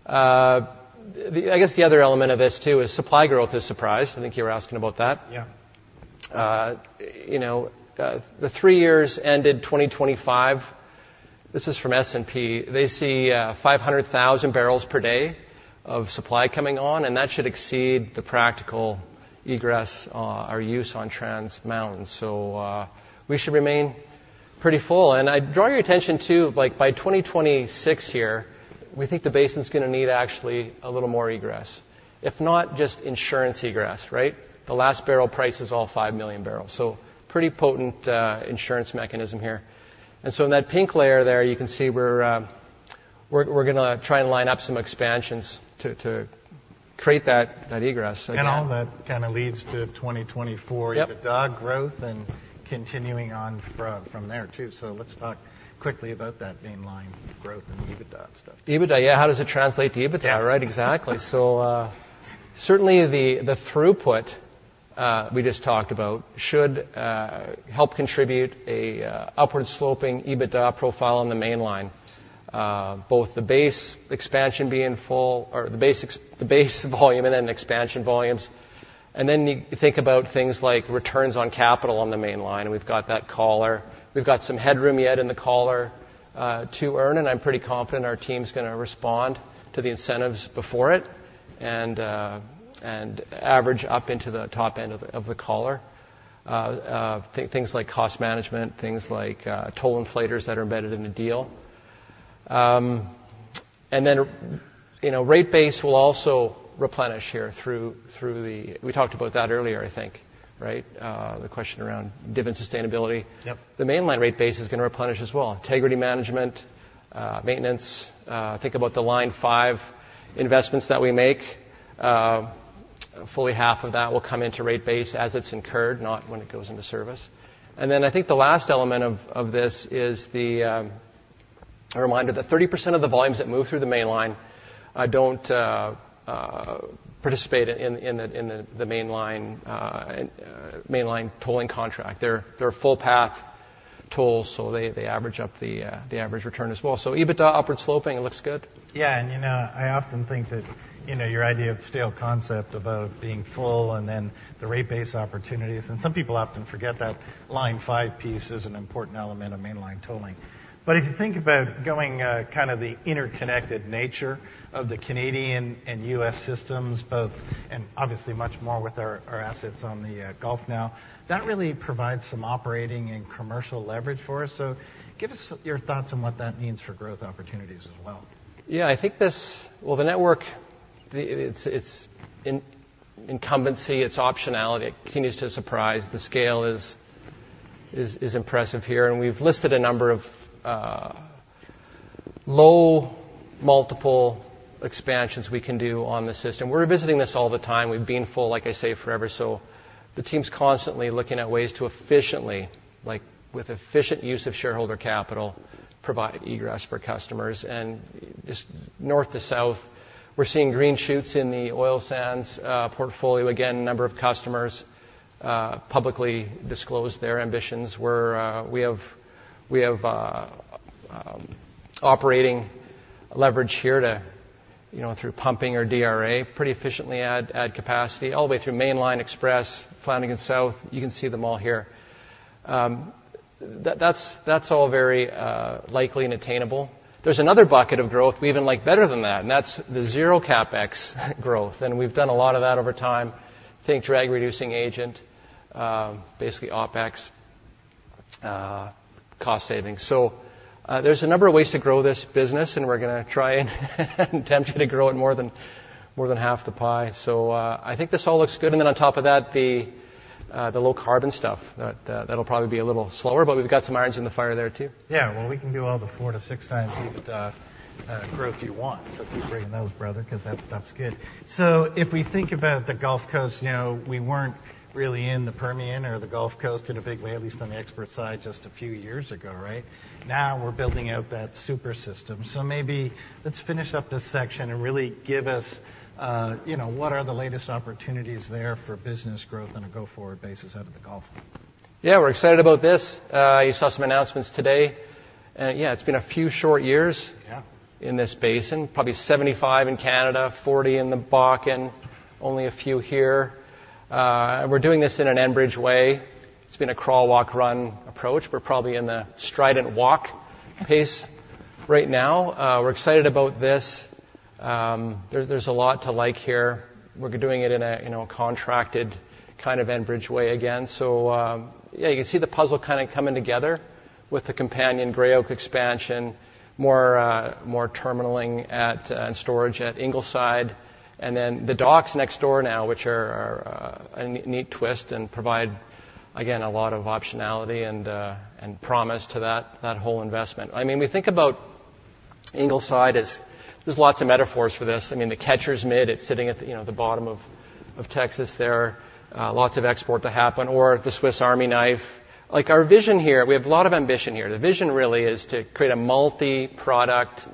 [SPEAKER 8] the... I guess the other element of this, too, is supply growth is surprise. I think you were asking about that.
[SPEAKER 3] Yeah.
[SPEAKER 8] You know, the three years ended 2025, this is from S&P. They see 500,000 barrels per day of supply coming on, and that should exceed the practical egress or use on Trans Mountain. So we should remain pretty full. And I draw your attention to, like, by 2026 here, we think the basin's gonna need actually a little more egress, if not just insurance egress, right? The last barrel price is all 5 million barrels, so pretty potent insurance mechanism here. And so in that pink layer there, you can see we're, we're, we're gonna try and line up some expansions to, to create that, that egress again.
[SPEAKER 3] All that kinda leads to 2024-
[SPEAKER 8] Yep.
[SPEAKER 3] EBITDA growth and continuing on from there, too. So let's talk quickly about that Mainline growth and the EBITDA stuff.
[SPEAKER 8] EBITDA, yeah, how does it translate to EBITDA?
[SPEAKER 3] Yeah.
[SPEAKER 8] Right, exactly. So, certainly, the throughput we just talked about should help contribute an upward sloping EBITDA profile on the Mainline. Both the base expansion being full or the base volume and then expansion volumes. And then you think about things like returns on capital on the Mainline. We've got that collar. We've got some headroom yet in the collar to earn, and I'm pretty confident our team's gonna respond to the incentives before it, and average up into the top end of the collar. Things like cost management, things like toll inflators that are embedded in the deal. And then, you know, rate base will also replenish here through the... We talked about that earlier, I think, right? The question around div and sustainability.
[SPEAKER 3] Yep.
[SPEAKER 8] The mainline rate base is gonna replenish as well. Integrity management, maintenance, think about the Line 5 investments that we make. Fully half of that will come into rate base as it's incurred, not when it goes into service. And then I think the last element of this is a reminder that 30% of the volumes that move through the mainline don't participate in the Mainline Tolling contract. They're full path tolls, so they average up the average return as well. So EBITDA upward sloping, it looks good? Yeah, and, you know, I often think that, you know, your idea of stale concept about being full and then the rate base opportunities, and some people often forget that Line 5 piece is an important element of Mainline tolling. But if you think about going, kind of the interconnected nature of the Canadian and U.S. systems both, and obviously much more with our, our assets on the, Gulf now, that really provides some operating and commercial leverage for us. So give us your thoughts on what that means for growth opportunities as well. Yeah, I think this. Well, the network, the, it's incumbency, it's optionality. It continues to surprise. The scale is impressive here, and we've listed a number of low multiple expansions we can do on the system. We're revisiting this all the time. We've been full, like I say, forever, so the team's constantly looking at ways to efficiently, like, with efficient use of shareholder capital, provide egress for customers. And just north to south, we're seeing green shoots in the oil sands portfolio. Again, a number of customers publicly disclosed their ambitions, where we have operating leverage here to, you know, through pumping or DRA, pretty efficiently add capacity all the way through Mainline, Express, Flanagan South. You can see them all here. That's all very likely and attainable. There's another bucket of growth we even like better than that, and that's the zero CapEx growth, and we've done a lot of that over time. Think Drag Reducing Agent, basically OpEx, cost savings. So, there's a number of ways to grow this business, and we're gonna try and tempt you to grow it more than, more than half the pie. So, I think this all looks good, and then on top of that, the low-carbon stuff. That, that'll probably be a little slower, but we've got some irons in the fire there, too.
[SPEAKER 3] Yeah, well, we can do all the 4-6x EBITDA growth you want, so keep bringing those, brother, because that stuff's good. So if we think about the Gulf Coast, you know, we weren't really in the Permian or the Gulf Coast in a big way, at least on the export side, just a few years ago, right? Now we're building out that super system. So maybe let's finish up this section and really give us, you know, what are the latest opportunities there for business growth on a go-forward basis out of the Gulf?
[SPEAKER 8] Yeah, we're excited about this. You saw some announcements today, and, yeah, it's been a few short years-
[SPEAKER 3] Yeah...
[SPEAKER 8] in this basin. Probably 75 in Canada, 40 in the Bakken, only a few here. We're doing this in an Enbridge way. It's been a crawl, walk, run approach. We're probably in the strident walk pace right now. We're excited about this. There, there's a lot to like here. We're doing it in a, you know, contracted kind of Enbridge way again. So, yeah, you can see the puzzle kind of coming together with the companion Gray Oak expansion, more, more terminalling at, and storage at Ingleside, and then the docks next door now, which are a, a neat twist and provide, again, a lot of optionality and, and promise to that, that whole investment. I mean, we think about Ingleside as... There's lots of metaphors for this. I mean, the catcher's mitt, it's sitting at, you know, the bottom of Texas there, lots of export to happen, or the Swiss Army knife. Like, our vision here, we have a lot of ambition here. The vision really is to create a multi-product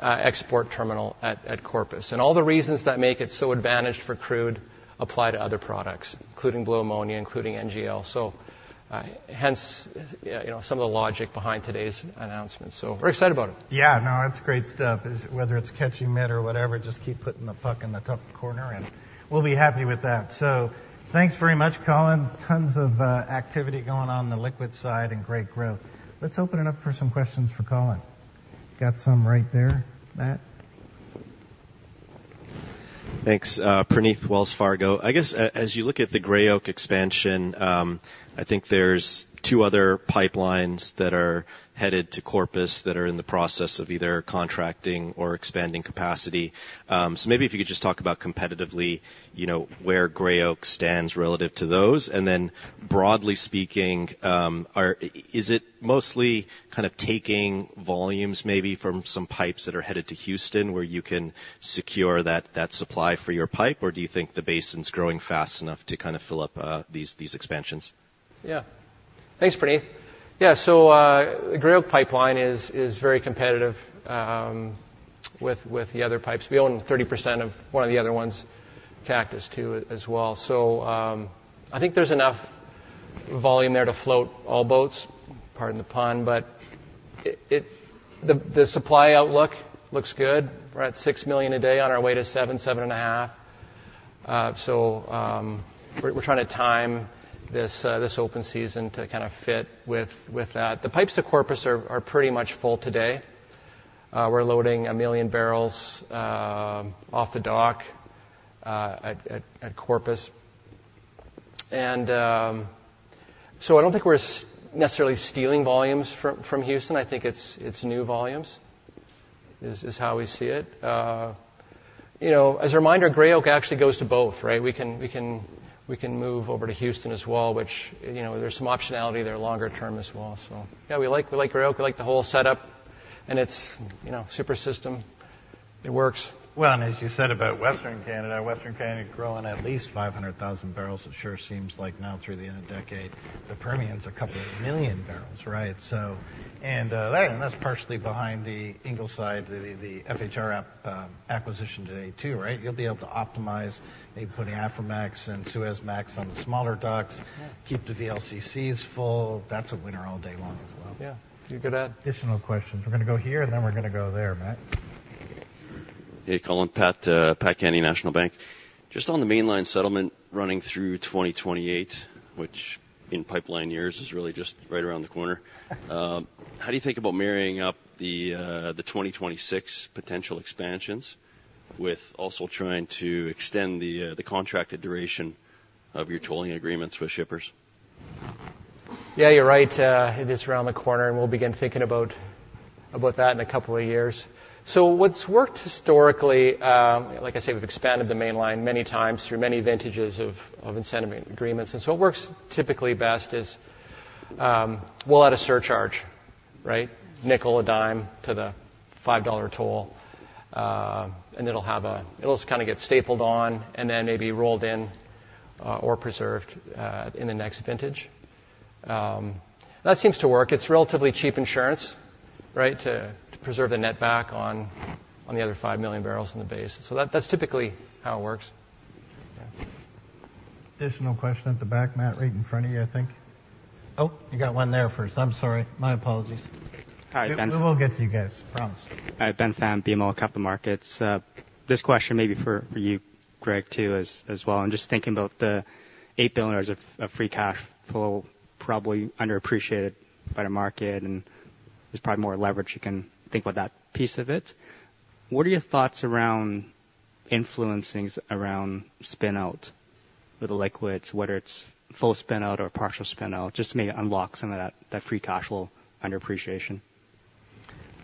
[SPEAKER 8] export terminal at Corpus, and all the reasons that make it so advantaged for crude apply to other products, including Blue Ammonia, including NGL. So, hence, you know, some of the logic behind today's announcement, so we're excited about it.
[SPEAKER 3] Yeah. No, it's great stuff. Whether it's catching mitt or whatever, just keep putting the puck in the top corner, and we'll be happy with that. So thanks very much, Colin. Tons of activity going on in the liquid side and great growth. Let's open it up for some questions for Colin. Got some right there, Satish?
[SPEAKER 9] Thanks. Praneeth, Wells Fargo. I guess as you look at the Gray Oak expansion, I think there's two other pipelines that are headed to Corpus that are in the process of either contracting or expanding capacity. So maybe if you could just talk about competitively, you know, where Gray Oak stands relative to those. And then, broadly speaking, is it mostly kind of taking volumes, maybe from some pipes that are headed to Houston, where you can secure that, that supply for your pipe, or do you think the basin's growing fast enough to kind of fill up these, these expansions?
[SPEAKER 8] Yeah. Thanks, Praneeth. Yeah, so the Gray Oak Pipeline is very competitive with the other pipes. We own 30% of one of the other ones, Cactus II, as well. So I think there's enough volume there to float all boats. Pardon the pun, but it... The supply outlook looks good. We're at 6 million a day on our way to 7, 7.5. So we're trying to time this open season to kind of fit with that. The pipes to Corpus are pretty much full today. We're loading 1 million barrels off the dock at Corpus. And so I don't think we're necessarily stealing volumes from Houston. I think it's new volumes, is how we see it. You know, as a reminder, Gray Oak actually goes to both, right? We can, we can, we can move over to Houston as well, which, you know, there's some optionality there longer term as well. So yeah, we like, we like Gray Oak. We like the whole setup, and it's, you know, super system.... It works.
[SPEAKER 3] Well, and as you said about Western Canada, Western Canada growing at least 500,000 barrels, it sure seems like now through the end of decade, the Permian's 2 million barrels, right? So, and that's partially behind the Ingleside, the FHR acquisition today, too, right? You'll be able to optimize maybe putting Aframax and Suezmax on the smaller docks-
[SPEAKER 8] Yeah.
[SPEAKER 3] Keep the VLCCs full. That's a winner all day long as well.
[SPEAKER 8] Yeah. You could add-
[SPEAKER 3] Additional questions. We're gonna go here, and then we're gonna go there, Matt.
[SPEAKER 10] Hey, Colin, Pat, Patrick Kenny, National Bank. Just on the Mainline settlement running through 2028, which in pipeline years is really just right around the corner, how do you think about marrying up the 2026 potential expansions with also trying to extend the contracted duration of your tolling agreements with shippers?
[SPEAKER 8] Yeah, you're right, it is around the corner, and we'll begin thinking about that in a couple of years. So what's worked historically, like I said, we've expanded the mainline many times through many vintages of incentive agreements, and so what works typically best is, we'll add a surcharge, right? A nickel, a dime to the 5 dollar toll, and it'll kind of get stapled on and then maybe rolled in, or preserved, in the next vintage. That seems to work. It's relatively cheap insurance, right, to preserve the net back on the other 5 million barrels in the base. So that, that's typically how it works.
[SPEAKER 3] Additional question at the back, Matt, right in front of you, I think. Oh, you got one there first. I'm sorry. My apologies.
[SPEAKER 11] Hi.
[SPEAKER 3] We will get to you guys, promise.
[SPEAKER 11] Hi, Ben Pham, BMO Capital Markets. This question may be for you, Greg, too, as well. I'm just thinking about the 8 billion dollars of free cash flow, probably underappreciated by the market, and there's probably more leverage you can think about that piece of it. What are your thoughts around influencers around spin out with the liquids, whether it's full spin out or partial spin out, just maybe unlock some of that free cash flow underappreciation?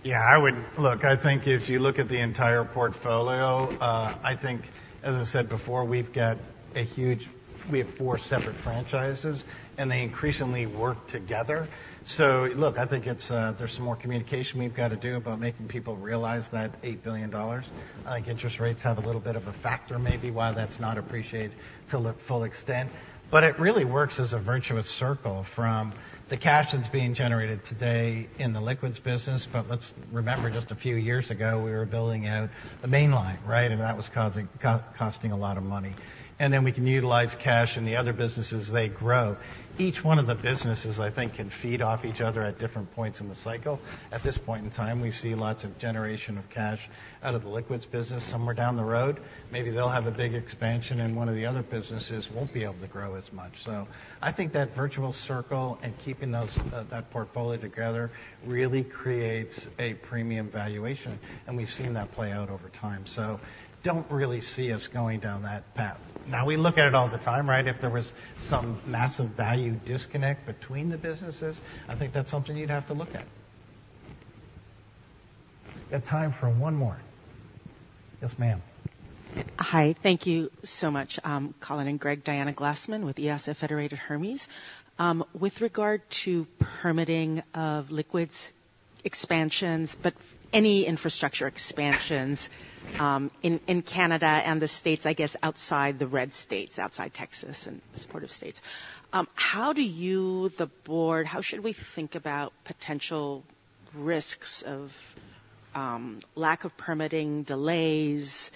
[SPEAKER 3] Yeah, I would. Look, I think if you look at the entire portfolio, I think, as I said before, we have four separate franchises, and they increasingly work together. So look, I think it's, there's some more communication we've got to do about making people realize that 8 billion dollars, interest rates have a little bit of a factor, maybe why that's not appreciated to the full extent. But it really works as a virtuous circle from the cash that's being generated today in the liquids business. But let's remember, just a few years ago, we were building out the mainline, right? And that was causing costing a lot of money. And then we can utilize cash in the other businesses, they grow. Each one of the businesses, I think, can feed off each other at different points in the cycle. At this point in time, we see lots of generation of cash out of the liquids business. Somewhere down the road, maybe they'll have a big expansion, and one of the other businesses won't be able to grow as much. So I think that virtuous circle and keeping those, that portfolio together really creates a premium valuation, and we've seen that play out over time. So don't really see us going down that path. Now, we look at it all the time, right? If there was some massive value disconnect between the businesses, I think that's something you'd have to look at. Got time for one more. Yes, ma'am.
[SPEAKER 12] Hi, thank you so much, Colin and Greg, Diana Glassman with EOS at Federated Hermes. With regard to permitting of liquids expansions, but any infrastructure expansions, in Canada and the States, I guess, outside the red states, outside Texas and supportive states, how do you, the board, how should we think about potential risks of lack of permitting, delays,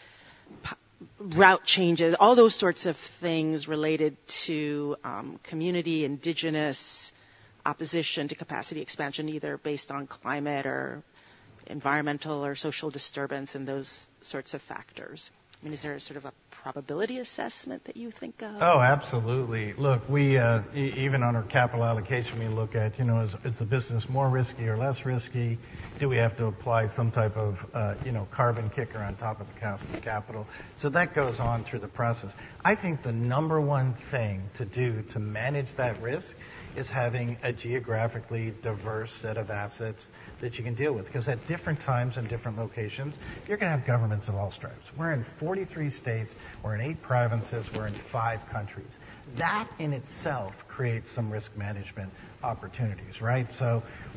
[SPEAKER 12] route changes, all those sorts of things related to community, indigenous opposition to capacity expansion, either based on climate or environmental or social disturbance and those sorts of factors? I mean, is there a sort of a probability assessment that you think of?
[SPEAKER 3] Oh, absolutely. Look, we even on our capital allocation, we look at, you know, is the business more risky or less risky? Do we have to apply some type of, you know, carbon kicker on top of the cost of capital? So that goes on through the process. I think the number one thing to do to manage that risk is having a geographically diverse set of assets that you can deal with, because at different times in different locations, you're gonna have governments of all stripes. We're in 43 states, we're in eight provinces, we're in five countries. That in itself creates some risk management opportunities, right?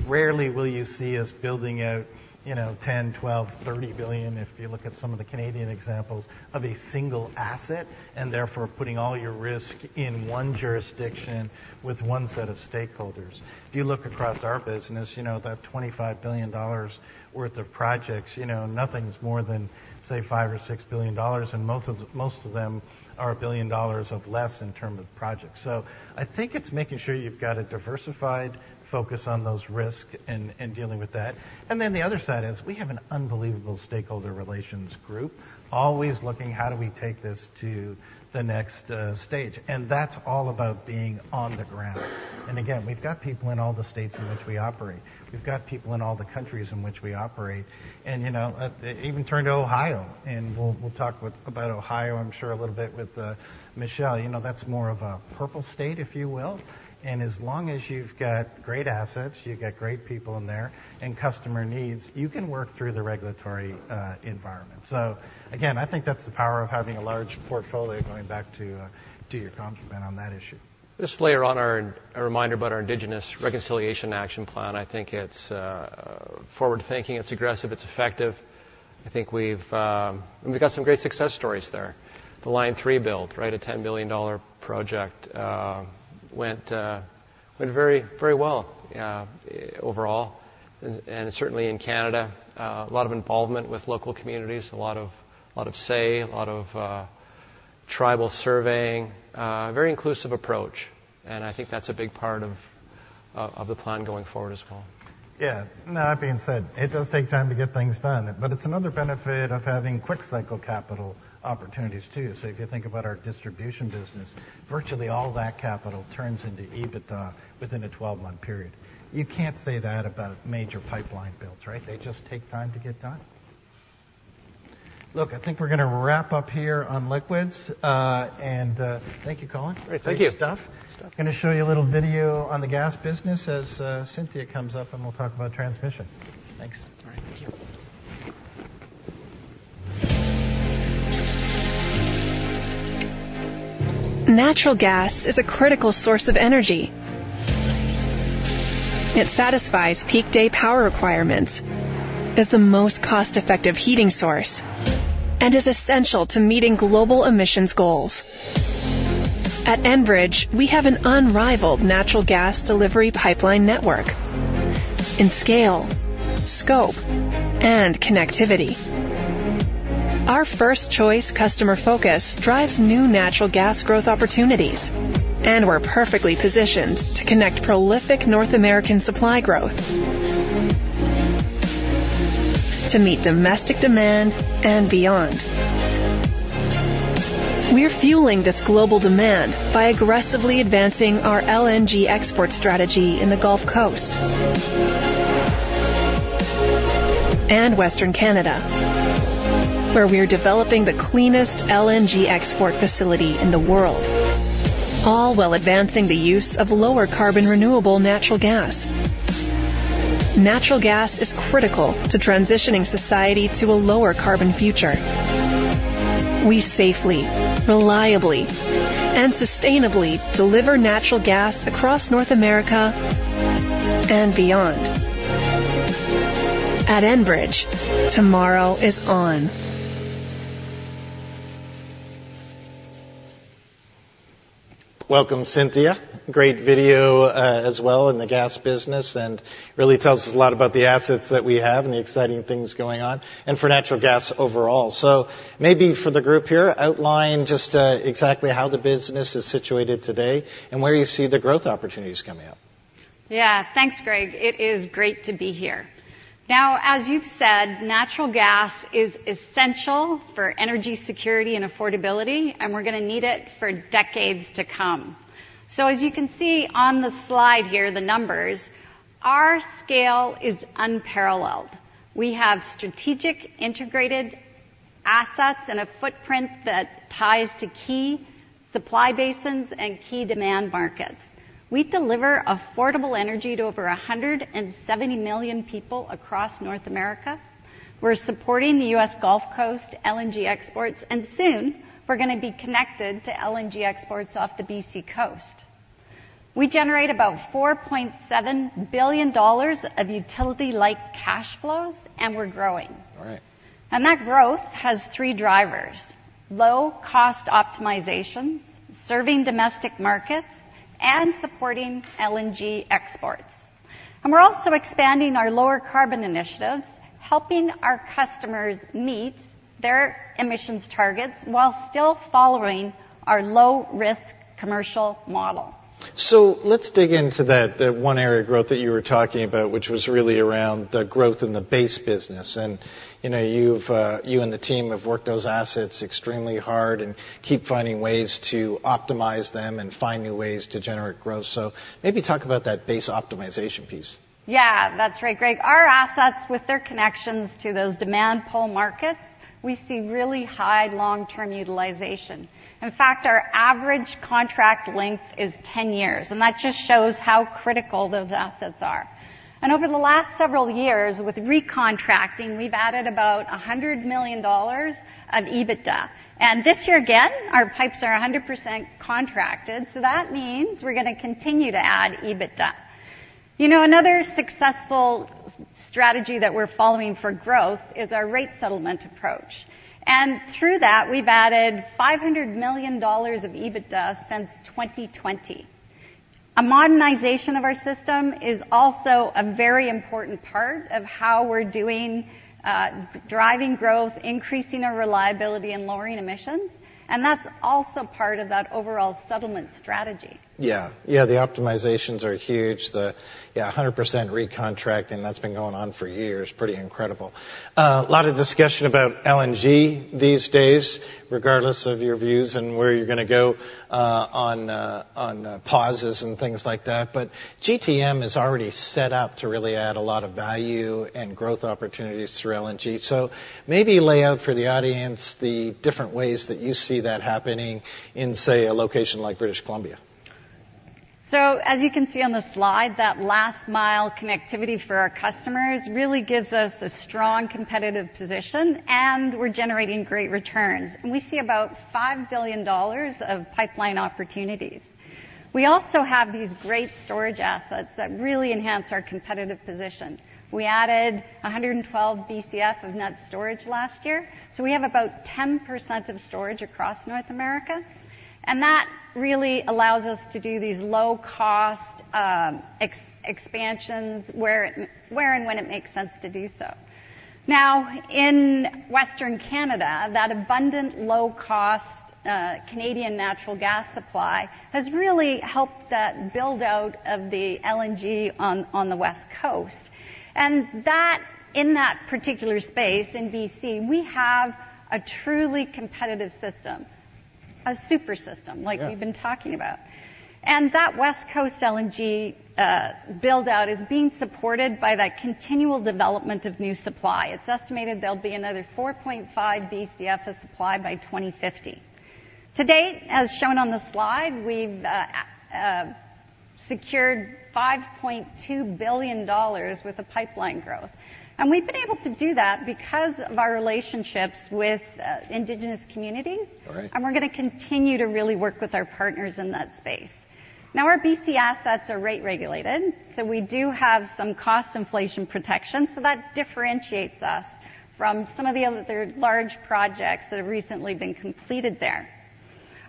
[SPEAKER 3] Rarely will you see us building out, you know, 10 billion, 12 billion, 30 billion, if you look at some of the Canadian examples of a single asset, and therefore, putting all your risk in one jurisdiction with one set of stakeholders. If you look across our business, you know, that 25 billion dollars worth of projects, you know, nothing's more than, say, 5 billion or 6 billion dollars, and most of, most of them are 1 billion dollars or less in terms of projects. So I think it's making sure you've got a diversified focus on those risks and, and dealing with that. And then the other side is, we have an unbelievable stakeholder relations group, always looking, how do we take this to the next stage? And that's all about being on the ground. And again, we've got people in all the states in which we operate. We've got people in all the countries in which we operate, and, you know, even turn to Ohio, and we'll talk with Michele about Ohio, I'm sure a little bit. You know, that's more of a purple state, if you will, and as long as you've got great assets, you've got great people in there, and customer needs, you can work through the regulatory environment. So again, I think that's the power of having a large portfolio going back to your comment on that issue.
[SPEAKER 8] Just later on, a reminder about our Indigenous Reconciliation Action Plan. I think it's forward-thinking, it's aggressive, it's effective. I think we've and we've got some great success stories there. The Line 3 build, right? A CAD 10 billion project, went very, very well, overall, and certainly in Canada. A lot of involvement with local communities, a lot of, a lot of say, a lot of tribal surveying, very inclusive approach, and I think that's a big part of of the plan going forward as well.
[SPEAKER 3] Yeah. Now, that being said, it does take time to get things done, but it's another benefit of having quick cycle capital opportunities, too. So if you think about our distribution business, virtually all that capital turns into EBITDA within a 12-month period. You can't say that about major pipeline builds, right? They just take time to get done. Look, I think we're gonna wrap up here on liquids, and thank you, Colin.
[SPEAKER 8] Great. Thank you.
[SPEAKER 3] Great stuff. Gonna show you a little video on the gas business as Cynthia comes up, and we'll talk about transmission. Thanks.
[SPEAKER 8] All right, thank you.
[SPEAKER 2] Natural gas is a critical source of energy. It satisfies peak day power requirements, is the most cost-effective heating source, and is essential to meeting global emissions goals. At Enbridge, we have an unrivaled natural gas delivery pipeline network in scale, scope, and connectivity. Our first-choice customer focus drives new natural gas growth opportunities, and we're perfectly positioned to connect prolific North American supply growth, to meet domestic demand and beyond. We're fueling this global demand by aggressively advancing our LNG export strategy in the Gulf Coast... and Western Canada, where we're developing the cleanest LNG export facility in the world, all while advancing the use of lower carbon, renewable natural gas. Natural gas is critical to transitioning society to a lower carbon future. We safely, reliably, and sustainably deliver natural gas across North America and beyond. At Enbridge, tomorrow is on.
[SPEAKER 3] Welcome, Cynthia. Great video, as well in the gas business, and really tells us a lot about the assets that we have and the exciting things going on, and for natural gas overall. So maybe for the group here, outline just exactly how the business is situated today and where you see the growth opportunities coming up.
[SPEAKER 13] Yeah. Thanks, Greg. It is great to be here. Now, as you've said, natural gas is essential for energy security and affordability, and we're gonna need it for decades to come. So as you can see on the slide here, the numbers, our scale is unparalleled. We have strategic, integrated assets and a footprint that ties to key supply basins and key demand markets. We deliver affordable energy to over 170 million people across North America. We're supporting the U.S. Gulf Coast LNG exports, and soon, we're gonna be connected to LNG exports off the BC coast. We generate about 4.7 billion dollars of utility-like cash flows, and we're growing.
[SPEAKER 3] All right.
[SPEAKER 13] That growth has three drivers: low cost optimizations, serving domestic markets, and supporting LNG exports. We're also expanding our lower carbon initiatives, helping our customers meet their emissions targets while still following our low-risk commercial model.
[SPEAKER 3] So let's dig into that, that one area of growth that you were talking about, which was really around the growth in the base business. You know, you've, you and the team have worked those assets extremely hard and keep finding ways to optimize them and find new ways to generate growth. So maybe talk about that base optimization piece.
[SPEAKER 13] Yeah. That's right, Greg. Our assets, with their connections to those demand pull markets, we see really high long-term utilization. In fact, our average contract length is 10 years, and that just shows how critical those assets are. And over the last several years, with recontracting, we've added about 100 million dollars of EBITDA. And this year, again, our pipes are 100% contracted, so that means we're gonna continue to add EBITDA. You know, another successful strategy that we're following for growth is our rate settlement approach, and through that, we've added 500 million dollars of EBITDA since 2020. A modernization of our system is also a very important part of how we're doing, driving growth, increasing our reliability, and lowering emissions, and that's also part of that overall settlement strategy.
[SPEAKER 3] Yeah. Yeah, the optimizations are huge. The... Yeah, 100% recontracting, that's been going on for years. Pretty incredible. A lot of discussion about LNG these days, regardless of your views and where you're gonna go, on, on, pauses and things like that, but GTM is already set up to really add a lot of value and growth opportunities through LNG. So maybe lay out for the audience the different ways that you see that happening in, say, a location like British Columbia.
[SPEAKER 13] So as you can see on the slide, that last-mile connectivity for our customers really gives us a strong competitive position, and we're generating great returns, and we see about 5 billion dollars of pipeline opportunities. We also have these great storage assets that really enhance our competitive position. We added 112 Bcf of net storage last year, so we have about 10% of storage across North America...and that really allows us to do these low-cost expansions where and when it makes sense to do so. Now, in Western Canada, that abundant, low-cost Canadian natural gas supply has really helped that build-out of the LNG on the West Coast. And that in that particular space, in BC, we have a truly competitive system, a super system-
[SPEAKER 3] Yeah.
[SPEAKER 13] Like we've been talking about. And that West Coast LNG build-out is being supported by that continual development of new supply. It's estimated there'll be another 4.5 Bcf of supply by 2050. To date, as shown on the slide, we've secured 5.2 billion dollars with the pipeline growth, and we've been able to do that because of our relationships with indigenous communities.
[SPEAKER 3] All right.
[SPEAKER 13] And we're gonna continue to really work with our partners in that space. Now, our BC assets are rate regulated, so we do have some cost inflation protection, so that differentiates us from some of the other large projects that have recently been completed there.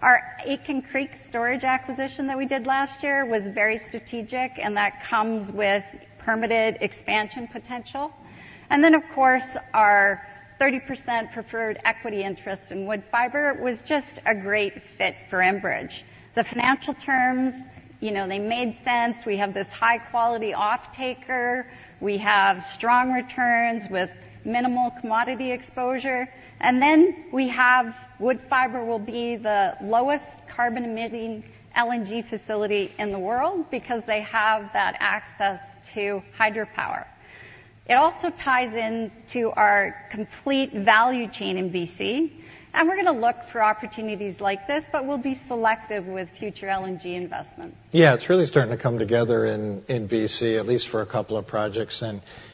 [SPEAKER 13] Our Aitken Creek Storage acquisition that we did last year was very strategic, and that comes with permitted expansion potential. And then, of course, our 30% preferred equity interest in Woodfibre was just a great fit for Enbridge. The financial terms, you know, they made sense. We have this high-quality offtaker. We have strong returns with minimal commodity exposure, and then we have Woodfibre will be the lowest carbon-emitting LNG facility in the world because they have that access to hydropower. It also ties into our complete value chain in BC, and we're gonna look for opportunities like this, but we'll be selective with future LNG investments.
[SPEAKER 3] Yeah, it's really starting to come together in BC, at least for a couple of projects,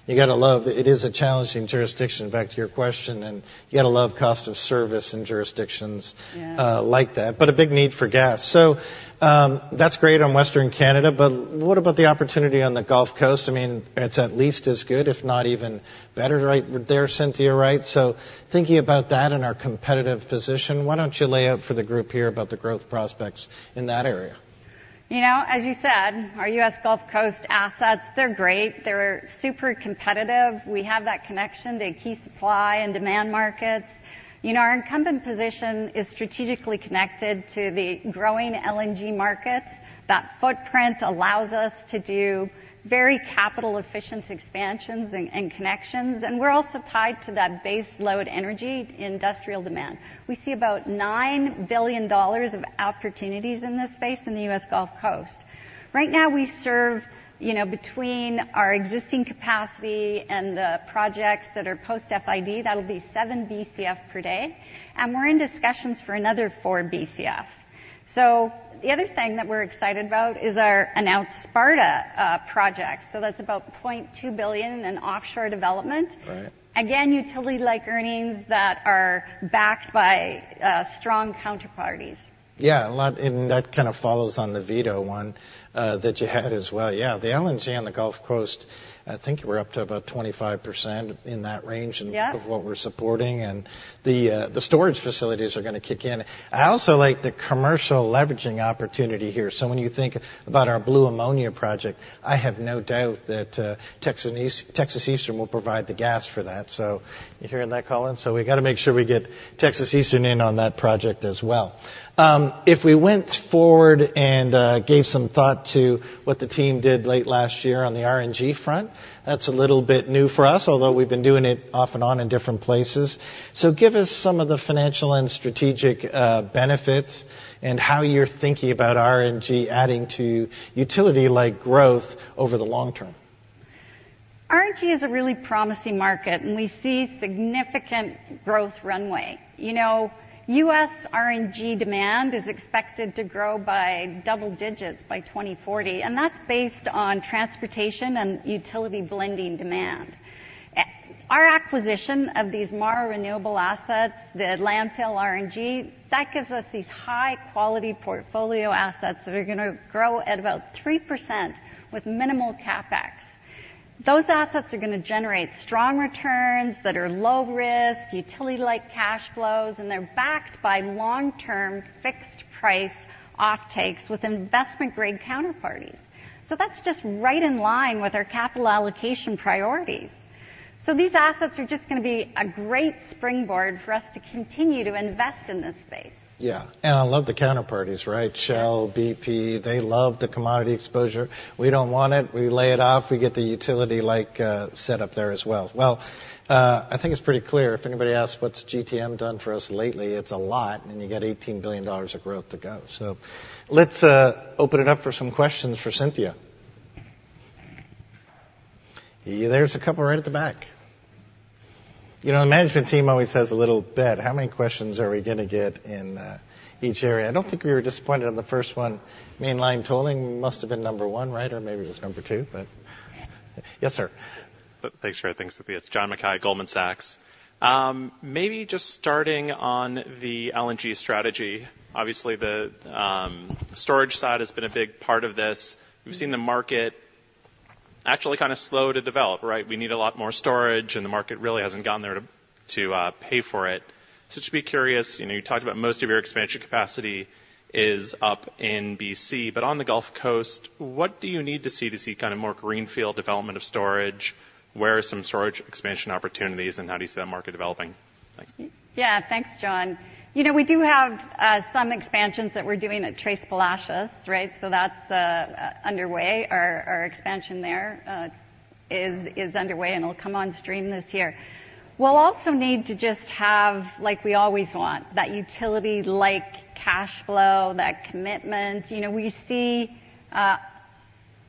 [SPEAKER 3] and you gotta love... It is a challenging jurisdiction, back to your question, and you gotta love cost of service in jurisdictions-
[SPEAKER 13] Yeah.
[SPEAKER 3] like that, but a big need for gas. So, that's great on Western Canada, but what about the opportunity on the Gulf Coast? I mean, it's at least as good, if not even better, right there, Cynthia, right? So thinking about that and our competitive position, why don't you lay out for the group here about the growth prospects in that area?
[SPEAKER 13] You know, as you said, our U.S. Gulf Coast assets, they're great, they're super competitive. We have that connection to key supply and demand markets. You know, our incumbent position is strategically connected to the growing LNG markets. That footprint allows us to do very capital-efficient expansions and, and connections, and we're also tied to that base load energy, industrial demand. We see about 9 billion dollars of opportunities in this space in the U.S. Gulf Coast. Right now, we serve, you know, between our existing capacity and the projects that are post-FID, that'll be 7 Bcf per day, and we're in discussions for another 4 Bcf. So the other thing that we're excited about is our announced Sparta project. So that's about 0.2 billion in offshore development.
[SPEAKER 3] Right.
[SPEAKER 13] Again, utility-like earnings that are backed by strong counterparties.
[SPEAKER 3] Yeah, a lot, and that kind of follows on the Vito one, that you had as well. Yeah, the LNG on the Gulf Coast, I think we're up to about 25%, in that range-
[SPEAKER 13] Yeah
[SPEAKER 3] of what we're supporting, and the, the storage facilities are gonna kick in. I also like the commercial leveraging opportunity here. So when you think about our Blue Ammonia project, I have no doubt that, Texas Eastern will provide the gas for that. So you hearing that, Colin? So we gotta make sure we get Texas Eastern in on that project as well. If we went forward and, gave some thought to what the team did late last year on the RNG front, that's a little bit new for us, although we've been doing it off and on in different places. So give us some of the financial and strategic, benefits and how you're thinking about RNG adding to utility-like growth over the long term.
[SPEAKER 13] RNG is a really promising market, and we see significant growth runway. You know, U.S. RNG demand is expected to grow by double digits by 2040, and that's based on transportation and utility blending demand. Our acquisition of these Morrow Renewables assets, the landfill RNG, that gives us these high-quality portfolio assets that are gonna grow at about 3% with minimal CapEx. Those assets are gonna generate strong returns that are low risk, utility-like cash flows, and they're backed by long-term, fixed price offtakes with investment-grade counterparties. So that's just right in line with our capital allocation priorities. So these assets are just gonna be a great springboard for us to continue to invest in this space.
[SPEAKER 3] Yeah, and I love the counterparties, right?
[SPEAKER 13] Yeah.
[SPEAKER 3] Shell, BP, they love the commodity exposure. We don't want it. We lay it off. We get the utility-like set up there as well. Well, I think it's pretty clear. If anybody asks, "What's GTM done for us lately?" It's a lot, and you get 18 billion dollars of growth to go. So let's open it up for some questions for Cynthia. There's a couple right at the back. You know, the management team always has a little bet. How many questions are we gonna get in each area? I don't think we were disappointed on the first one. Mainline tolling must have been number one, right, or maybe it was number two, but... Yes, sir.
[SPEAKER 14] Thanks, Greg. Thanks, Cynthia. It's John Mackay, Goldman Sachs. Maybe just starting on the LNG strategy. Obviously, the storage side has been a big part of this. We've seen the market-... actually kind of slow to develop, right? We need a lot more storage, and the market really hasn't gotten there to, to pay for it. So just be curious, you know, you talked about most of your expansion capacity is up in BC, but on the Gulf Coast, what do you need to see to see kind of more greenfield development of storage? Where are some storage expansion opportunities, and how do you see that market developing? Thanks.
[SPEAKER 13] Yeah, thanks, John. You know, we do have some expansions that we're doing at Tres Palacios, right? So that's underway. Our expansion there is underway, and it'll come on stream this year. We'll also need to just have, like we always want, that utility-like cash flow, that commitment. You know, we see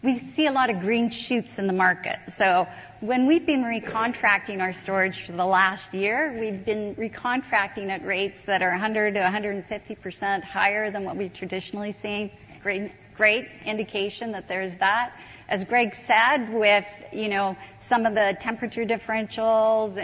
[SPEAKER 13] we see a lot of green shoots in the market. So when we've been recontracting our storage for the last year, we've been recontracting at rates that are 100%-150% higher than what we traditionally see. Great, great indication that there's that. As Greg said, with, you know, some of the temperature differentials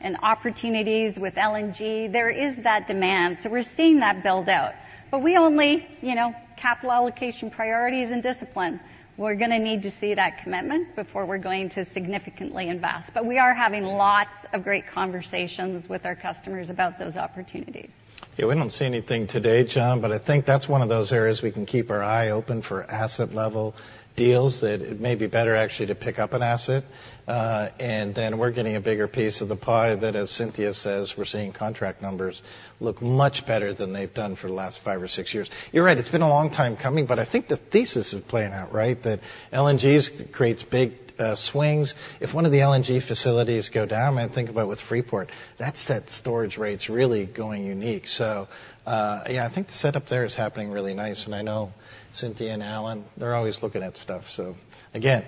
[SPEAKER 13] and opportunities with LNG, there is that demand, so we're seeing that build out. But we only, you know, capital allocation priorities and discipline. We're gonna need to see that commitment before we're going to significantly invest. But we are having lots of great conversations with our customers about those opportunities.
[SPEAKER 3] Yeah, we don't see anything today, John, but I think that's one of those areas we can keep our eye open for asset-level deals, that it may be better actually to pick up an asset, and then we're getting a bigger piece of the pie that, as Cynthia says, we're seeing contract numbers look much better than they've done for the last five or six years. You're right, it's been a long time coming, but I think the thesis is playing out, right? That LNGs creates big swings. If one of the LNG facilities go down, I think about with Freeport, that sets storage rates really going unique. So, yeah, I think the setup there is happening really nice, and I know Cynthia and Allen, they're always looking at stuff. So again,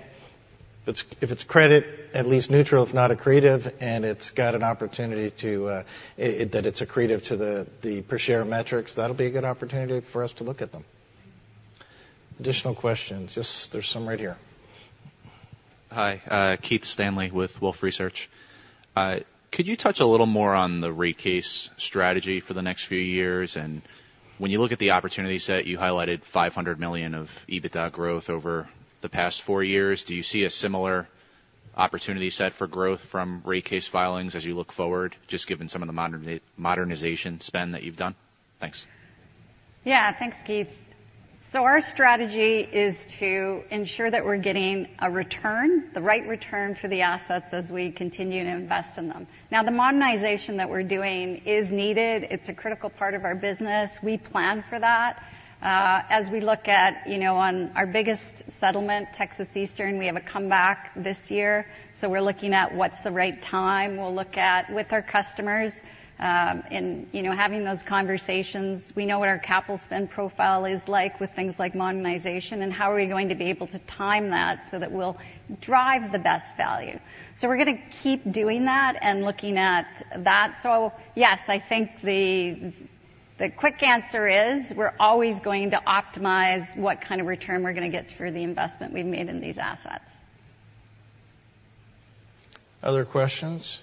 [SPEAKER 3] it's if it's credit, at least neutral, if not accretive, and it's got an opportunity to that it's accretive to the per share metrics, that'll be a good opportunity for us to look at them. Additional questions? Just, there's some right here.
[SPEAKER 15] Hi, Keith Stanley with Wolfe Research. Could you touch a little more on the rate case strategy for the next few years? And when you look at the opportunity set, you highlighted 500 million of EBITDA growth over the past four years. Do you see a similar opportunity set for growth from rate case filings as you look forward, just given some of the modernization spend that you've done? Thanks.
[SPEAKER 13] Yeah. Thanks, Keith. So our strategy is to ensure that we're getting a return, the right return for the assets as we continue to invest in them. Now, the modernization that we're doing is needed. It's a critical part of our business. We plan for that. As we look at, you know, on our biggest settlement, Texas Eastern, we have a comeback this year, so we're looking at what's the right time. We'll look at, with our customers, and, you know, having those conversations. We know what our capital spend profile is like with things like modernization, and how are we going to be able to time that so that we'll drive the best value? So we're gonna keep doing that and looking at that. So yes, I think the quick answer is, we're always going to optimize what kind of return we're gonna get for the investment we've made in these assets.
[SPEAKER 3] Other questions?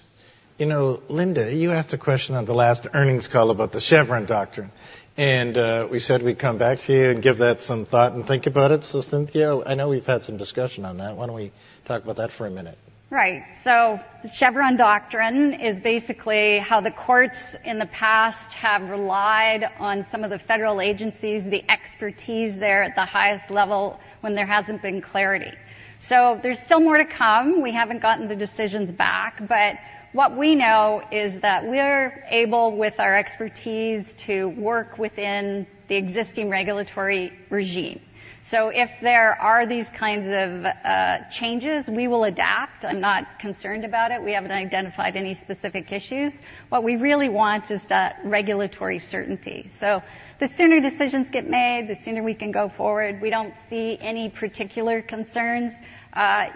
[SPEAKER 3] You know, Linda, you asked a question on the last earnings call about the Chevron doctrine, and, we said we'd come back to you and give that some thought and think about it. So, Cynthia, I know we've had some discussion on that. Why don't we talk about that for a minute?
[SPEAKER 13] Right. So the Chevron doctrine is basically how the courts in the past have relied on some of the federal agencies, the expertise there at the highest level when there hasn't been clarity. So there's still more to come. We haven't gotten the decisions back, but what we know is that we're able, with our expertise, to work within the existing regulatory regime. So if there are these kinds of changes, we will adapt. I'm not concerned about it. We haven't identified any specific issues. What we really want is the regulatory certainty. So the sooner decisions get made, the sooner we can go forward. We don't see any particular concerns.